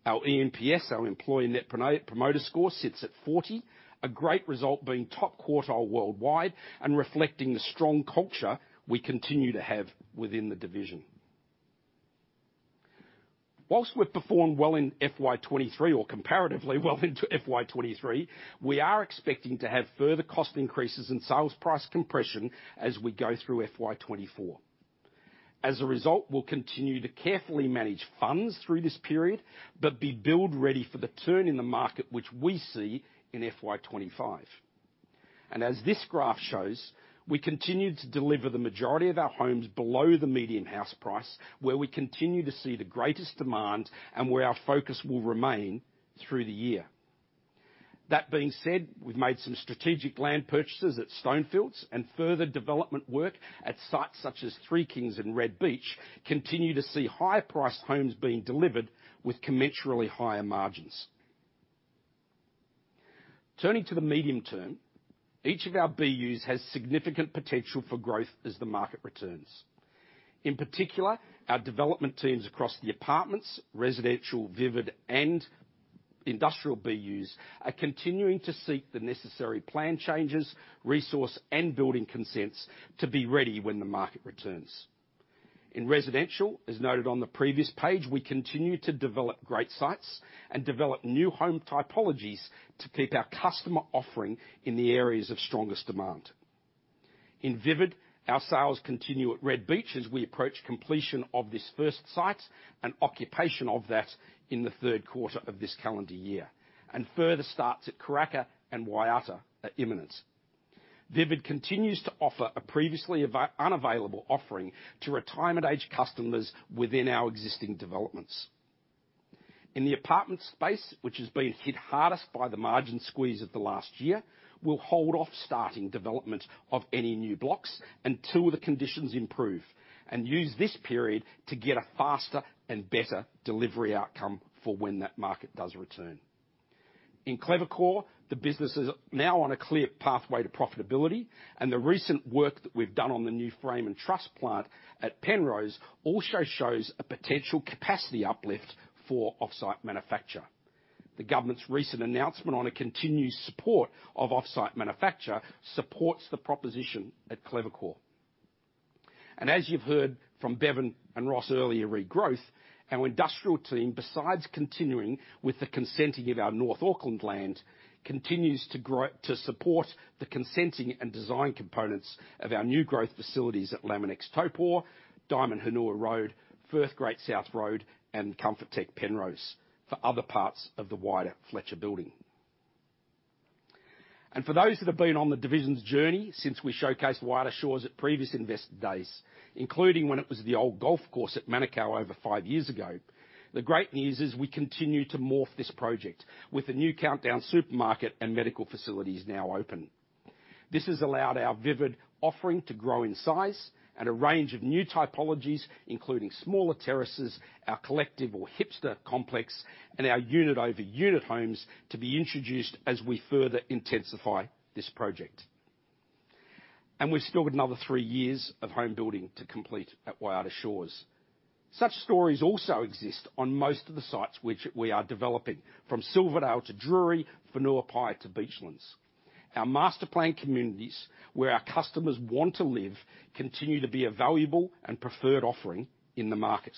Our eNPS, our Employee Net Promoter Score, sits at 40, a great result being top quartile worldwide and reflecting the strong culture we continue to have within the division. While we've performed well in FY 2023, or comparatively well into FY 2023, we are expecting to have further cost increases and sales price compression as we go through FY 2024. As a result, we'll continue to carefully manage funds through this period, but be build ready for the turn in the market, which we see in FY 2025. As this graph shows, we continued to deliver the majority of our homes below the median house price, where we continue to see the greatest demand and where our focus will remain through the year. That being said, we've made some strategic land purchases at Stonefields, and further development work at sites such as Three Kings and Red Beach continue to see higher priced homes being delivered with commensurately higher margins. Turning to the medium term, each of our BUs has significant potential for growth as the market returns. In particular, our development teams across the apartments, residential, Vivid, and industrial BUs are continuing to seek the necessary plan changes, resource, and building consents to be ready when the market returns. In residential, as noted on the previous page, we continue to develop great sites and develop new home typologies to keep our customer offering in the areas of strongest demand. In Vivid, our sales continue at Red Beach as we approach completion of this first site and occupation of that in the third quarter of this calendar year, and further starts at Karaka and Waiata are imminent. Vivid continues to offer a previously unavailable offering to retirement-age customers within our existing developments. In the apartment space, which has been hit hardest by the margin squeeze of the last year, we'll hold off starting development of any new blocks until the conditions improve, and use this period to get a faster and better delivery outcome for when that market does return. In Clever Core, the business is now on a clear pathway to profitability, the recent work that we've done on the new frame and trust plant at Penrose also shows a potential capacity uplift for off-site manufacture. The government's recent announcement on a continued support of off-site manufacture supports the proposition at Clever Core. As you've heard from Bevan and Ross earlier, re: Growth, our industrial team, besides continuing with the consenting of our North Auckland land, continues to support the consenting and design components of our new growth facilities at Laminex, Topore, Diamond Henua Road, Firth Great South Road, and Comfortech Penrose for other parts of the wider Fletcher Building. For those that have been on the division's journey since we showcased Waiata Shores at previous investor days, including when it was the old golf course at Manukau over five years ago, the great news is we continue to morph this project with the new Countdown supermarket and medical facilities now open. This has allowed our Vivid offering to grow in size and a range of new typologies, including smaller terraces, our collective or hipster complex, and our unit-over-unit homes to be introduced as we further intensify this project. We've still got another three years of home building to complete at Waiata Shores. Such stories also exist on most of the sites which we are developing, from Silverdale to Drury, Whenuapai to Beachlands. Our master plan communities, where our customers want to live, continue to be a valuable and preferred offering in the market.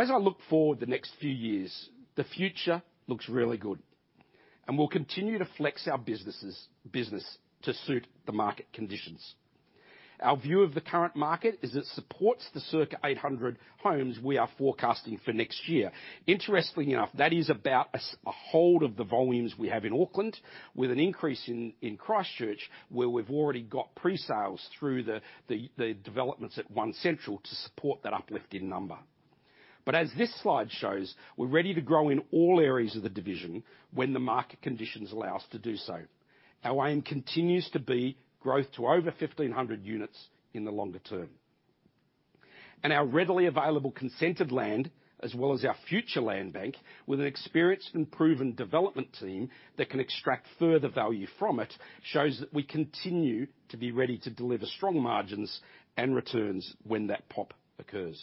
As I look forward the next few years, the future looks really good, and we'll continue to flex our business to suit the market conditions. Our view of the current market is it supports the circa 800 homes we are forecasting for next year. Interestingly enough, that is about a hold of the volumes we have in Auckland, with an increase in Christchurch, where we've already got pre-sales through the developments at One Central to support that uplift in number. As this slide shows, we're ready to grow in all areas of the division when the market conditions allow us to do so. Our aim continues to be growth to over 1,500 units in the longer term. Our readily available consented land, as well as our future land bank, with an experienced and proven development team that can extract further value from it, shows that we continue to be ready to deliver strong margins and returns when that pop occurs.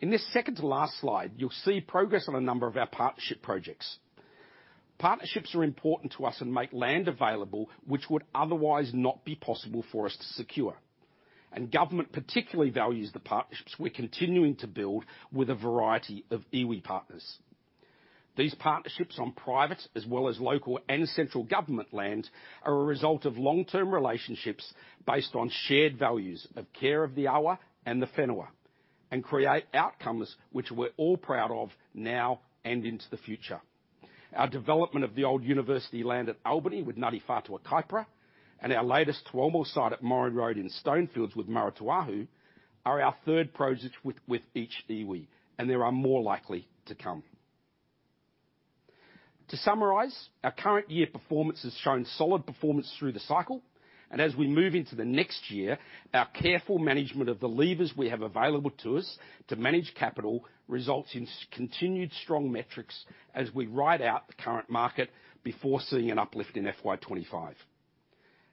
In this second to last slide, you'll see progress on a number of our partnership projects. Partnerships are important to us and make land available, which would otherwise not be possible for us to secure. Government particularly values the partnerships we're continuing to build with a variety of iwi partners. These partnerships on private as well as local and central government lands, are a result of long-term relationships based on shared values of care of the awa and the whenua, and create outcomes which we're all proud of now and into the future. Our development of the old university land at Albany with Ngāti Whātua o Kaipara, and our latest Tauoma site at Morrin Road in Stonefields with Marutūāhu, are our third projects with each iwi, and there are more likely to come. To summarize, our current year performance has shown solid performance through the cycle, and as we move into the next year, our careful management of the levers we have available to us to manage capital results in continued strong metrics as we ride out the current market before seeing an uplift in FY 2025.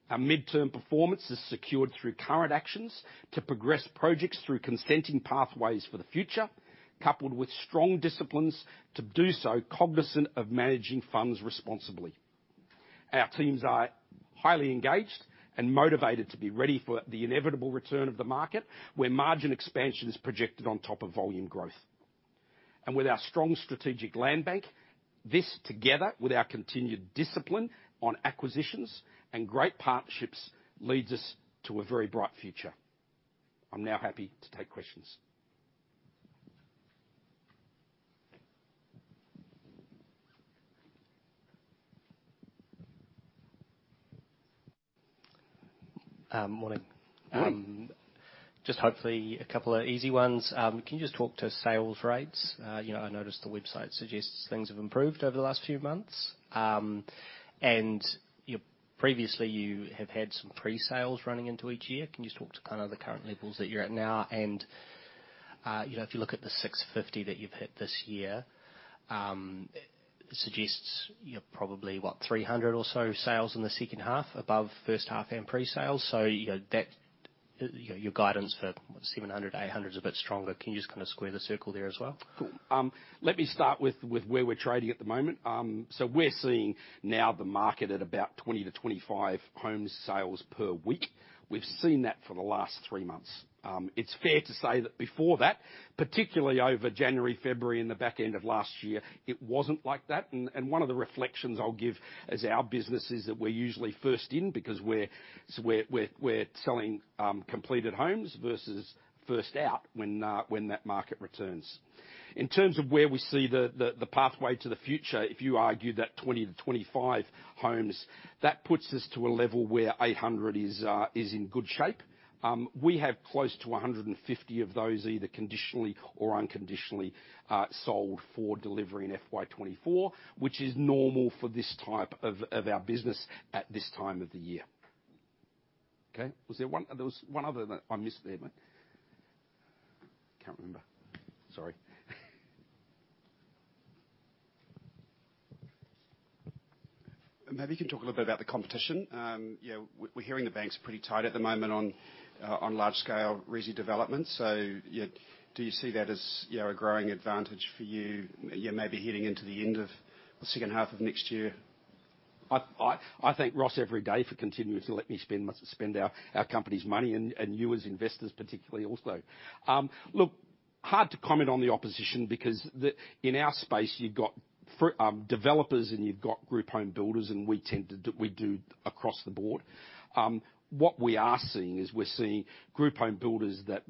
Our midterm performance is secured through current actions to progress projects through consenting pathways for the future, coupled with strong disciplines to do so, cognizant of managing funds responsibly. Our teams are highly engaged and motivated to be ready for the inevitable return of the market, where margin expansion is projected on top of volume growth. With our strong strategic land bank, this together with our continued discipline on acquisitions and great partnerships, leads us to a very bright future. I'm now happy to take questions. Morning. Morning. Just hopefully a couple of easy ones. Can you just talk to sales rates? You know, I noticed the website suggests things have improved over the last few months. Previously, you have had some pre-sales running into each year. Can you just talk to, kind of, the current levels that you're at now? You know, if you look at the 650 that you've hit this year, it suggests you're probably, what, 300 or so sales in the second half above first half and pre-sales. You know, that, your guidance for 700, 800 is a bit stronger. Can you just square the circle there as well? Let me start with where we're trading at the moment. We're seeing now the market at about 20-25 homes sales per week. We've seen that for the last three months. It's fair to say that before that, particularly over January, February, and the back end of last year, it wasn't like that. One of the reflections I'll give, as our business is that we're usually first in because we're selling completed homes versus first out when that market returns. In terms of where we see the pathway to the future, if you argue that 20-25 homes, that puts us to a level where 800 is in good shape. We have close to 150 of those, either conditionally or unconditionally, sold for delivery in FY 2024, which is normal for this type of our business at this time of the year. Okay, was there one other that I missed there, but can't remember. Sorry. Maybe you can talk a little bit about the competition. You know, we're hearing the bank's pretty tight at the moment on large scale resi development. Do you see that as, you know, a growing advantage for you, maybe heading into the end of the second half of next year? I thank Ross every day for continuing to let me spend our company's money, and you as investors, particularly also. Look, hard to comment on the opposition, because in our space, you've got developers, and you've got group home builders, and we tend to do, we do across the board. What we are seeing is we're seeing group home builders that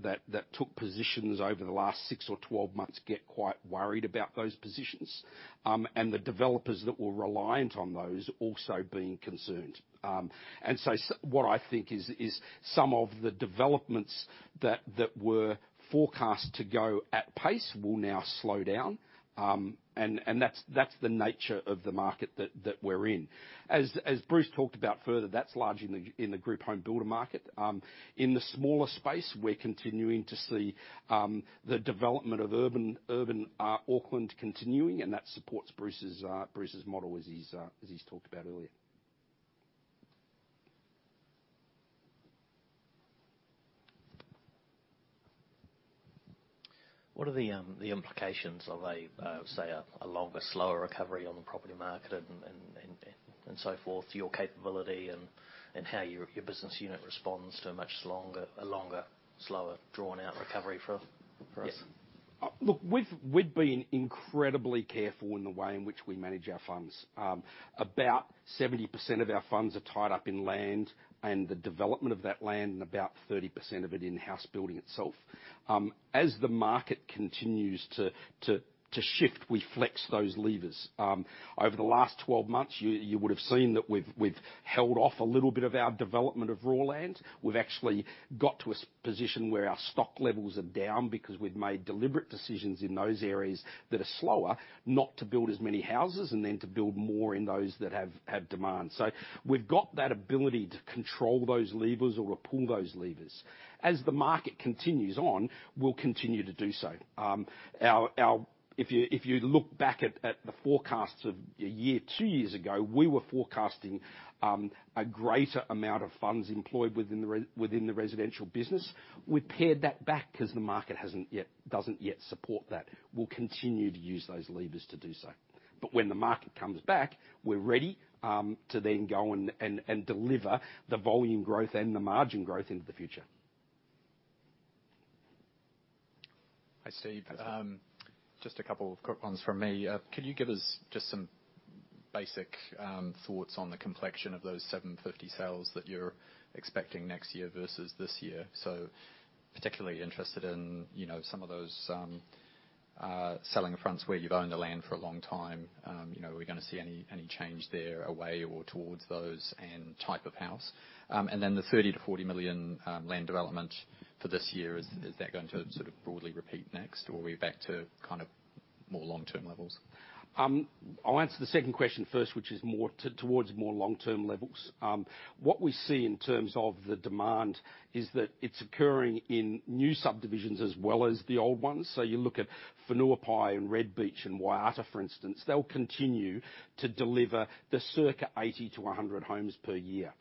took positions over the last six or 12 months, get quite worried about those positions, and the developers that were reliant on those also being concerned. What I think is some of the developments that were forecast to go at pace will now slow down. That's the nature of the market that we're in. As Bruce talked about further, that's large in the group home builder market. In the smaller space, we're continuing to see the development of urban Auckland continuing. That supports Bruce's model as he's talked about earlier. What are the implications of a, say, a longer, slower recovery on the property market and so forth, your capability and how your business unit responds to a longer, slower, drawn-out recovery for us? Look, we've been incredibly careful in the way in which we manage our funds. About 70% of our funds are tied up in land and the development of that land, and about 30% of it in house building itself. As the market continues to shift, we flex those levers. Over the last 12 months, you would have seen that we've held off a little bit of our development of raw land. We've actually got to a position where our stock levels are down because we've made deliberate decisions in those areas that are slower, not to build as many houses, and then to build more in those that have demand. We've got that ability to control those levers or pull those levers. As the market continues on, we'll continue to do so. If you, if you look back at the forecasts of a year, two years ago, we were forecasting a greater amount of funds employed within the residential business. We paired that back because the market doesn't yet support that. We'll continue to use those levers to do so. When the market comes back, we're ready to then go and deliver the volume growth and the margin growth into the future. Hi, Steve. Just a couple of quick ones from me. Could you give us just some basic thoughts on the complexion of those 750 sales that you're expecting next year versus this year? Particularly interested in, you know, some of those selling fronts where you've owned the land for a long time. You know, are we gonna see any change there, away or towards those and type of house? Then the 30 million-40 million land development for this year, is that going to sort of broadly repeat next, or are we back to kind of. more long-term levels. I'll answer the second question first, which is towards more long-term levels. What we see in terms of the demand is that it's occurring in new subdivisions as well as the old ones. You look at Whenuapai and Red Beach and Waiata, for instance, they'll continue to deliver the circa 80 to 100 homes per year.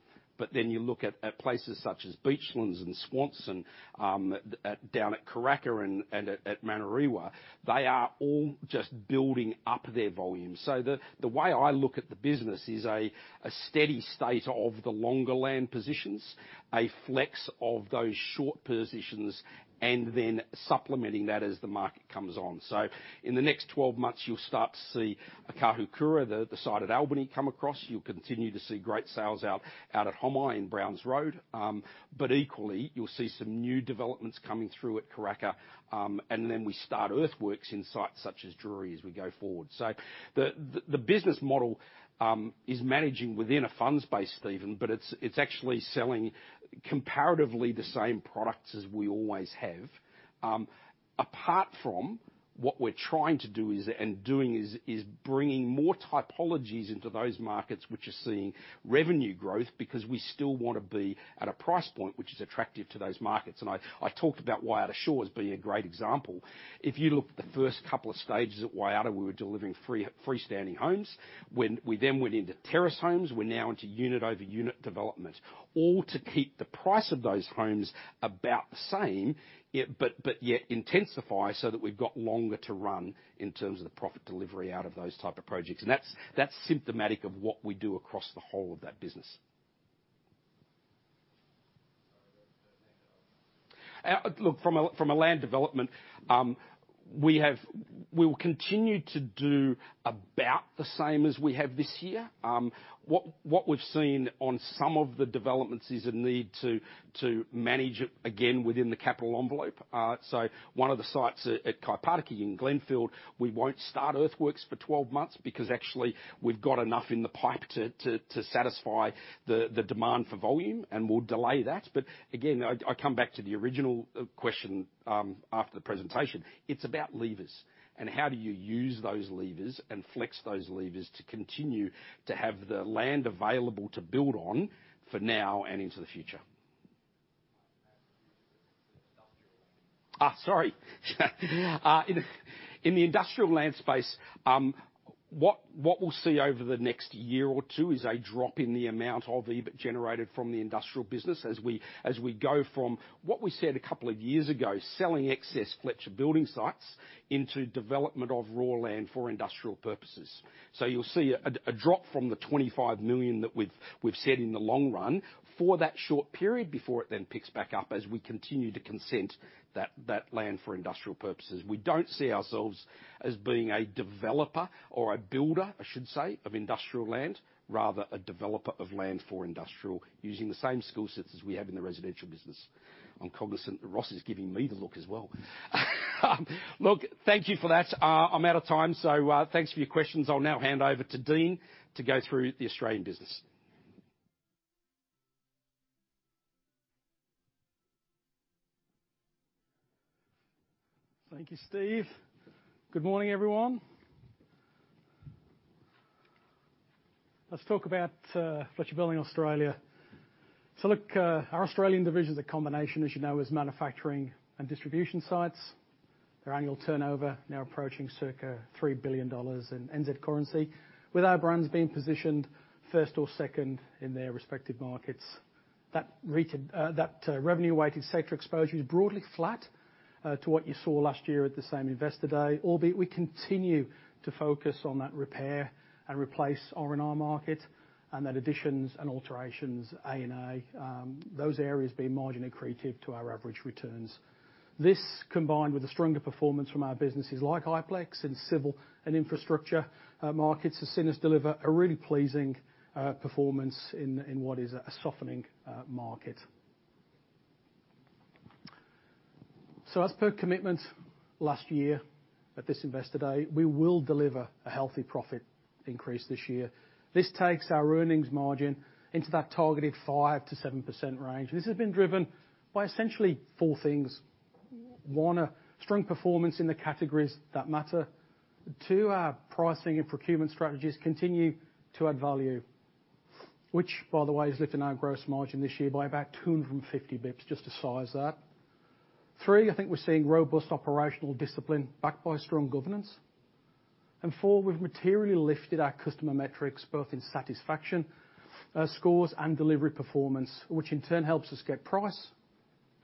Then you look at places such as Beachlands and Swanson, down at Karaka and at Manurewa, they are all just building up their volume. The way I look at the business is a steady state of the longer land positions, a flex of those short positions, and then supplementing that as the market comes on. In the next 12 months, you'll start to see Okahukura, the site at Albany, come across. You'll continue to see great sales out at Homai and Browns Road. Equally, you'll see some new developments coming through at Karaka, then we start earthworks in sites such as Drury as we go forward. The business model is managing within a funds base, Steven, but it's actually selling comparatively the same products as we always have. Apart from what we're trying to do is bringing more typologies into those markets which are seeing revenue growth, because we still want to be at a price point which is attractive to those markets. I talked about Waiata Shores being a great example. If you look at the first couple of stages at Waiata, we were delivering freestanding homes. We then went into terrace homes, we're now into unit-over-unit development, all to keep the price of those homes about the same, but yet intensify so that we've got longer to run in terms of the profit delivery out of those type of projects, that's symptomatic of what we do across the whole of that business. Look, from a land development, we will continue to do about the same as we have this year. What we've seen on some of the developments is a need to manage it, again, within the capital envelope. One of the sites at Kaipātiki in Glenfield, we won't start earthworks for 12 months because actually we've got enough in the pipe to satisfy the demand for volume, and we'll delay that. Again, I come back to the original question after the presentation: It's about levers, and how do you use those levers and flex those levers to continue to have the land available to build on for now and into the future? Sorry. In the industrial land space, what we'll see over the next year or two is a drop in the amount of EBIT generated from the industrial business as we go from what we said a couple of years ago, selling excess Fletcher Building sites into development of raw land for industrial purposes. You'll see a drop from the 25 million that we've said in the long run for that short period before it then picks back up as we continue to consent that land for industrial purposes. We don't see ourselves as being a developer or a builder, I should say, of industrial land, rather a developer of land for industrial, using the same skill sets as we have in the residential business. I'm cognizant that Ross is giving me the look as well. Look, thank you for that. I'm out of time. Thanks for your questions. I'll now hand over to Dean to go through the Australian business. Thank you, Steve. Good morning, everyone. Let's talk about Fletcher Building Australia. Look, our Australian division is a combination, as you know, as manufacturing and distribution sites. Their annual turnover now approaching circa 3 billion dollars in NZ currency, with our brands being positioned first or second in their respective markets. That revenue-weighted sector exposure is broadly flat to what you saw last year at the same Investor Day, albeit we continue to focus on that repair and replace R&R market, and that additions and alterations, A&A, those areas being marginally accretive to our average returns. This, combined with a stronger performance from our businesses like Iplex and civil and infrastructure markets, has seen us deliver a really pleasing performance in what is a softening market. As per commitment last year at this Investor Day, we will deliver a healthy profit increase this year. This takes our earnings margin into that targeted 5%-7% range. This has been driven by essentially four things: one, a strong performance in the categories that matter. Two, our pricing and procurement strategies continue to add value, which, by the way, has lifted our gross margin this year by about 250 basis points, just to size that. Three, I think we're seeing robust operational discipline backed by strong governance. Four, we've materially lifted our customer metrics, both in satisfaction scores and delivery performance, which in turn helps us get price,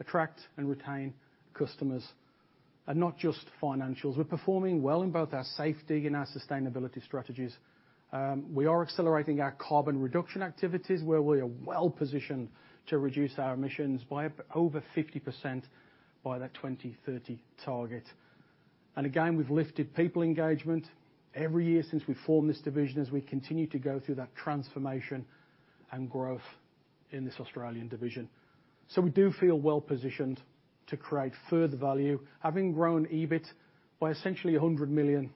attract, and retain customers, and not just financials. We're performing well in both our safety and our sustainability strategies. We are accelerating our carbon reduction activities, where we are well positioned to reduce our emissions by over 50% by the 2030 target. We've lifted people engagement every year since we formed this division as we continue to go through that transformation and growth in this Australian division. We do feel well positioned to create further value, having grown EBIT by essentially $100 million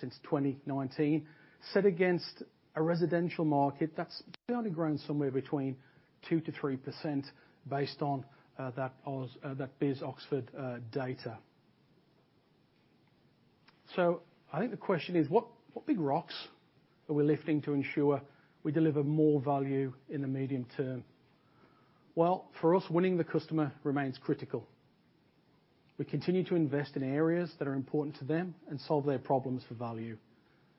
since 2019, set against a residential market that's only grown 2%-3% based on that Oz, that BIS Oxford data. I think the question is, what big rocks are we lifting to ensure we deliver more value in the medium term? Well, for us, winning the customer remains critical. We continue to invest in areas that are important to them and solve their problems for value.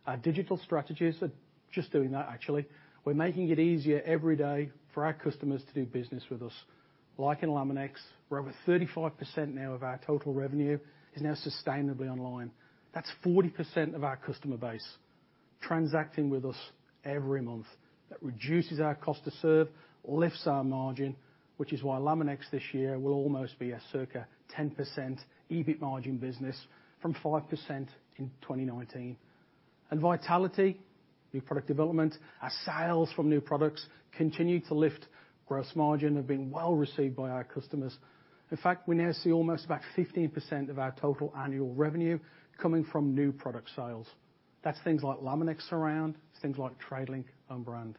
Our digital strategies are just doing that, actually. We're making it easier every day for our customers to do business with us. Like in Laminex, where over 35% now of our total revenue is now sustainably online. That's 40% of our customer base transacting with us every month. That reduces our cost to serve, lifts our margin, which is why Laminex, this year, will almost be a circa 10% EBIT margin business from 5% in 2019. Vitality, new product development, our sales from new products continue to lift. Gross margin have been well received by our customers. In fact, we now see almost about 15% of our total annual revenue coming from new product sales. That's things like Laminex Surround, it's things like Tradelink own brand.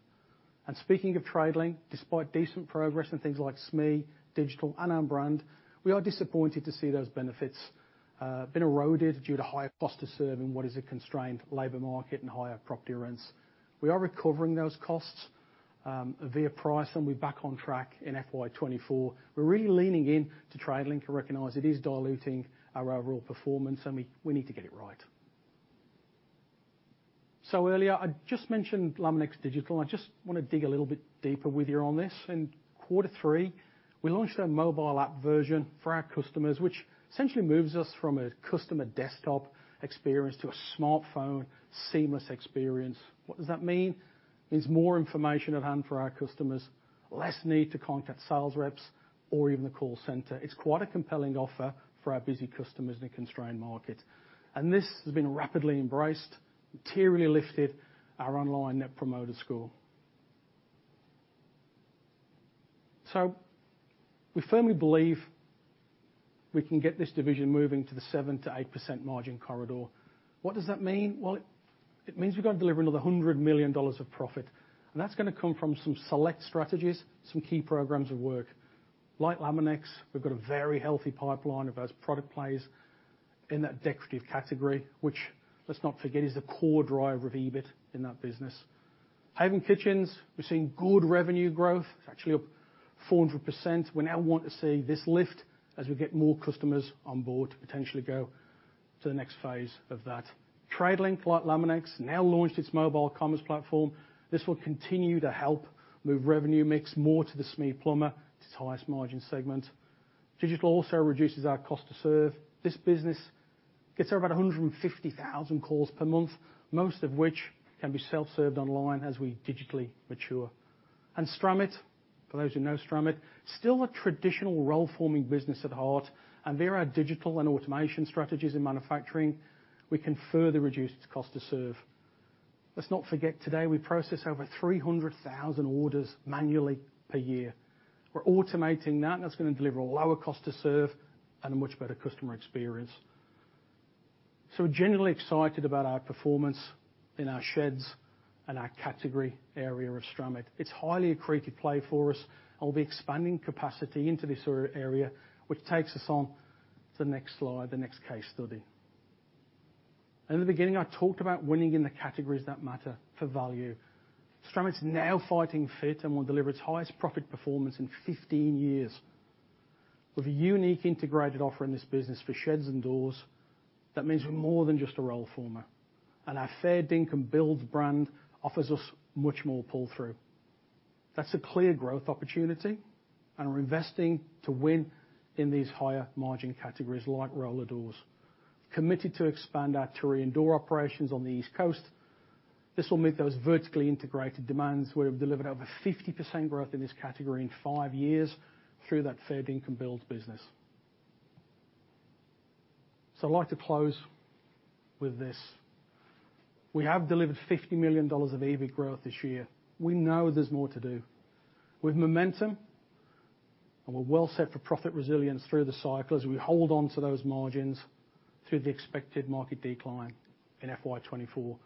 Speaking of Tradelink, despite decent progress in things like SME, digital, and own brand, we are disappointed to see those benefits been eroded due to higher cost to serve in what is a constrained labor market and higher property rents. We are recovering those costs via price, and we're back on track in FY 2024. We're really leaning in to Tradelink to recognize it is diluting our overall performance, and we need to get it right. Earlier, I just mentioned Laminex Digital. I just want to dig a little bit deeper with you on this. In Q3, we launched our mobile app version for our customers, which essentially moves us from a customer desktop experience to a smartphone seamless experience. What does that mean? It means more information at hand for our customers, less need to contact sales reps or even the call center. It's quite a compelling offer for our busy customers in a constrained market. This has been rapidly embraced, materially lifted our online Net Promoter Score. We firmly believe we can get this division moving to the 7%-8% margin corridor. What does that mean? Well, it means we've got to deliver another 100 million dollars of profit, and that's going to come from some select strategies, some key programs of work. Like Laminex, we've got a very healthy pipeline of those product plays in that decorative category, which, let's not forget, is the core driver of EBIT in that business. Haven Kitchens, we're seeing good revenue growth. It's actually up 400%. We now want to see this lift as we get more customers on board to potentially go to the next phase of that. Tradelink, like Laminex, now launched its mobile commerce platform. This will continue to help move revenue mix more to the SME plumber. It's the highest margin segment. Digital also reduces our cost to serve. This business gets about 150,000 calls per month, most of which can be self-served online as we digitally mature. Stramit, for those who know Stramit, still a traditional rollforming business at heart, and there are digital and automation strategies in manufacturing. We can further reduce its cost to serve. Let's not forget, today, we process over 300,000 orders manually per year. We're automating that, and that's going to deliver a lower cost to serve and a much better customer experience. We're generally excited about our performance in our sheds and our category area of Stramit. It's highly accretive play for us, and we'll be expanding capacity into this area, which takes us on to the next slide, the next case study. In the beginning, I talked about winning in the categories that matter for value. Stramit's now fighting fit and will deliver its highest profit performance in 15 years. With a unique integrated offer in this business for sheds and doors, that means we're more than just a rollformer, and our Fair Dinkum Builds brand offers us much more pull-through. That's a clear growth opportunity, and we're investing to win in these higher margin categories, like roller doors. Committed to expand our turret and door operations on the East Coast. This will meet those vertically integrated demands where we've delivered over 50% growth in this category in five years through that Fair Dinkum Builds business. I'd like to close with this. We have delivered 50 million dollars of EBIT growth this year. We know there's more to do. With momentum, we're well set for profit resilience through the cycle as we hold on to those margins through the expected market decline in FY 2024.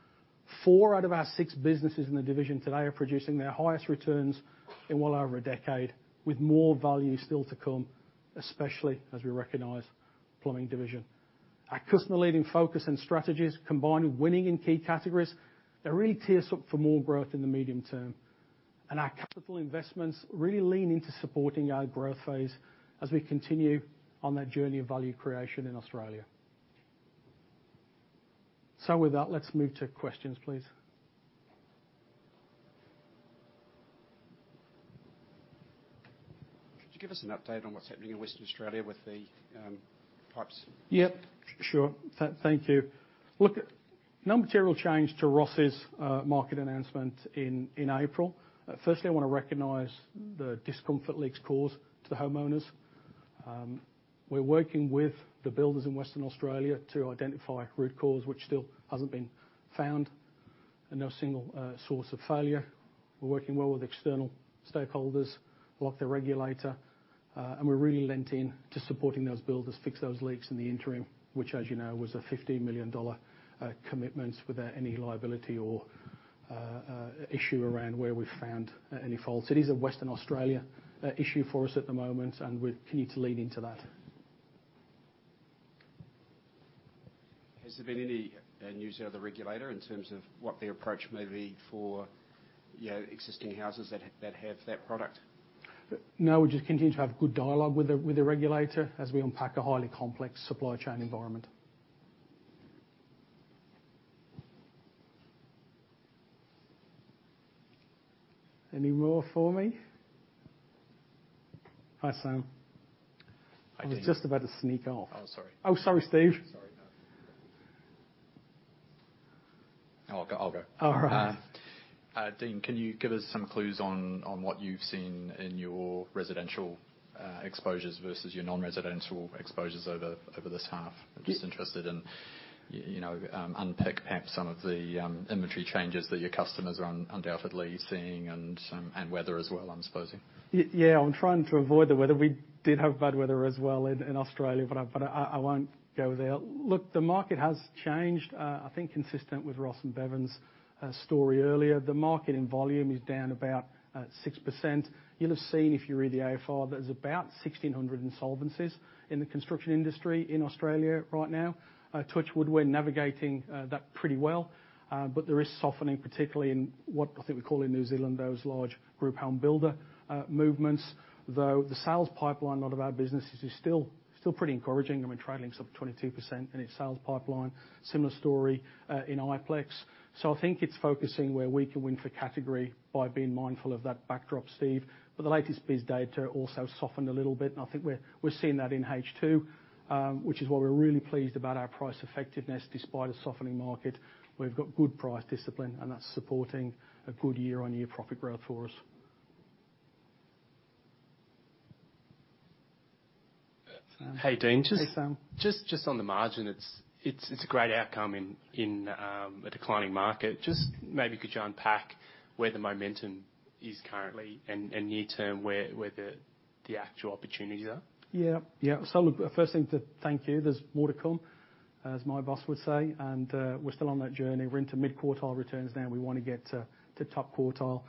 Four out of our six businesses in the division today are producing their highest returns in well over a decade, with more value still to come, especially as we recognize plumbing division. Our customer-leading focus and strategies, combined with winning in key categories, that really tears up for more growth in the medium term. Our capital investments really lean into supporting our growth phase as we continue on that journey of value creation in Australia. With that, let's move to questions, please. Could you give us an update on what's happening in Western Australia with the pipes? Yeah, sure. Thank you. Look, no material change to Ross's market announcement in April. Firstly, I want to recognize the discomfort leaks caused to the homeowners. We're working with the builders in Western Australia to identify root cause, which still hasn't been found, and no single source of failure. We're working well with external stakeholders, like the regulator. We're really lent in to supporting those builders, fix those leaks in the interim, which, as you know, was a 50 million dollar commitment without any liability or issue around where we've found any faults. It is a Western Australia issue for us at the moment, and we're keen to lean into that. Has there been any news out of the regulator in terms of what their approach may be for, you know, existing houses that have that product? No, we just continue to have good dialogue with the, with the regulator as we unpack a highly complex supply chain environment. Any more for me? Hi, Sam. I was just about to sneak off. Oh, sorry. Oh, sorry, Stephen. All right. Dean, can you give us some clues on what you've seen in your residential exposures versus your non-residential exposures over this half? I'm just interested in, unpick perhaps some of the inventory changes that your customers are undoubtedly seeing and some, and weather as well, I'm supposing. Yeah, I'm trying to avoid the weather. We did have bad weather as well in Australia, but I won't go there. The market has changed. I think consistent with Ross and Bevan's story earlier, the market in volume is down about 6%. You'll have seen, if you read the ASIC, there's about 1,600 insolvencies in the construction industry in Australia right now. Touch wood, we're navigating that pretty well. But there is softening, particularly in what I think we call in New Zealand, those large group home builder movements, though the sales pipeline, a lot of our businesses is still pretty encouraging. I mean, Tradelink's up 22% in its sales pipeline. Similar story in Iplex. I think it's focusing where we can win for category by being mindful of that backdrop, Stephen. The latest BIS data also softened a little bit, and I think we're seeing that in H2, which is why we're really pleased about our price effectiveness despite a softening market. We've got good price discipline, and that's supporting a good year-on-year profit growth for us. Hey, Dean. Hey, Sam. On the margin, it's a great outcome in a declining market. Maybe could you unpack where the momentum is currently and near term, where the actual opportunities are? Yeah. Yeah. Look, first thing, to thank you. There's more to come, as my boss would say, and we're still on that journey. We're into mid-quartile returns now, and we want to get to top quartile.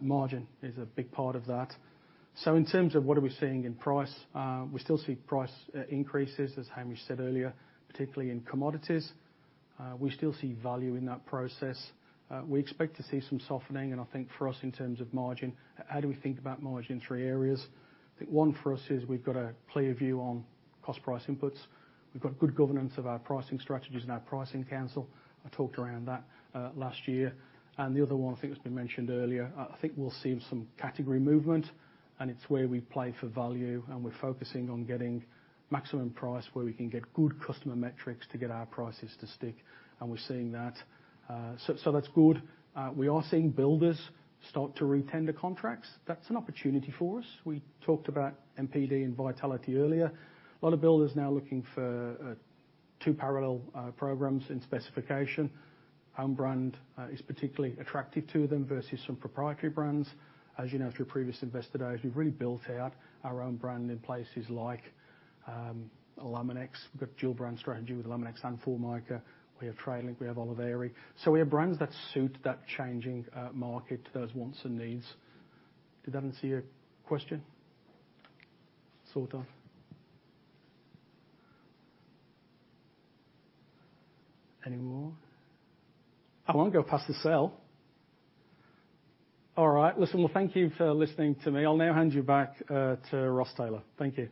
Margin is a big part of that. In terms of what are we seeing in price, we still see price increases, as Hamish said earlier, particularly in commodities. We still see value in that process. We expect to see some softening, and I think for us, in terms of margin, how do we think about margin? Three areas. I think one for us is we've got a clear view on cost price inputs. We've got good governance of our pricing strategies and our pricing council. I talked around that last year. The other one, I think has been mentioned earlier, I think we'll see some category movement, and it's where we play for value, and we're focusing on getting maximum price, where we can get good customer metrics to get our prices to stick, and we're seeing that. That's good. We are seeing builders start to re-tender contracts. That's an opportunity for us. We talked about MPD and Vitality earlier. A lot of builders now are looking for two parallel programs in specification. Homebrand is particularly attractive to them versus some proprietary brands. As you know, through previous Investor Days, we've really built out our own brand in places like Laminex. We've got dual brand strategy with Laminex and Formica. We have Tradelink, we have Oliveri. We have brands that suit that changing market, those wants and needs. Did I not see a question? Sort of. Any more? I won't go past the sill. All right. Listen, well, thank you for listening to me. I'll now hand you back to Ross Taylor. Thank you.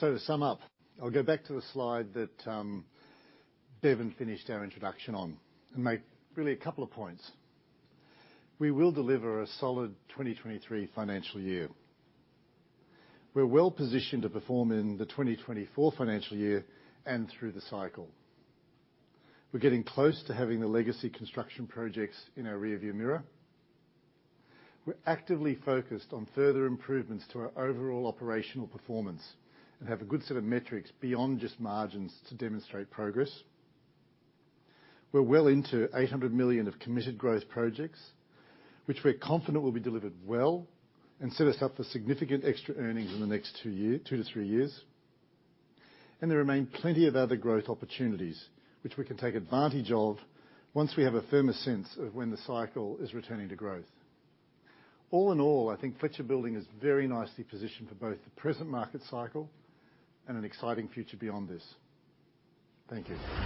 To sum up, I'll go back to the slide that Bevan finished our introduction on, and make really a couple of points. We will deliver a solid 2023 financial year. We're well positioned to perform in the 2024 financial year and through the cycle. We're getting close to having the legacy construction projects in our rearview mirror. We're actively focused on further improvements to our overall operational performance and have a good set of metrics beyond just margins to demonstrate progress. We're well into 800 million of committed growth projects, which we're confident will be delivered well and set us up for significant extra earnings in the next two year, two to three years. There remain plenty of other growth opportunities, which we can take advantage of once we have a firmer sense of when the cycle is returning to growth. All in all, I think Fletcher Building is very nicely positioned for both the present market cycle and an exciting future beyond this. Thank you.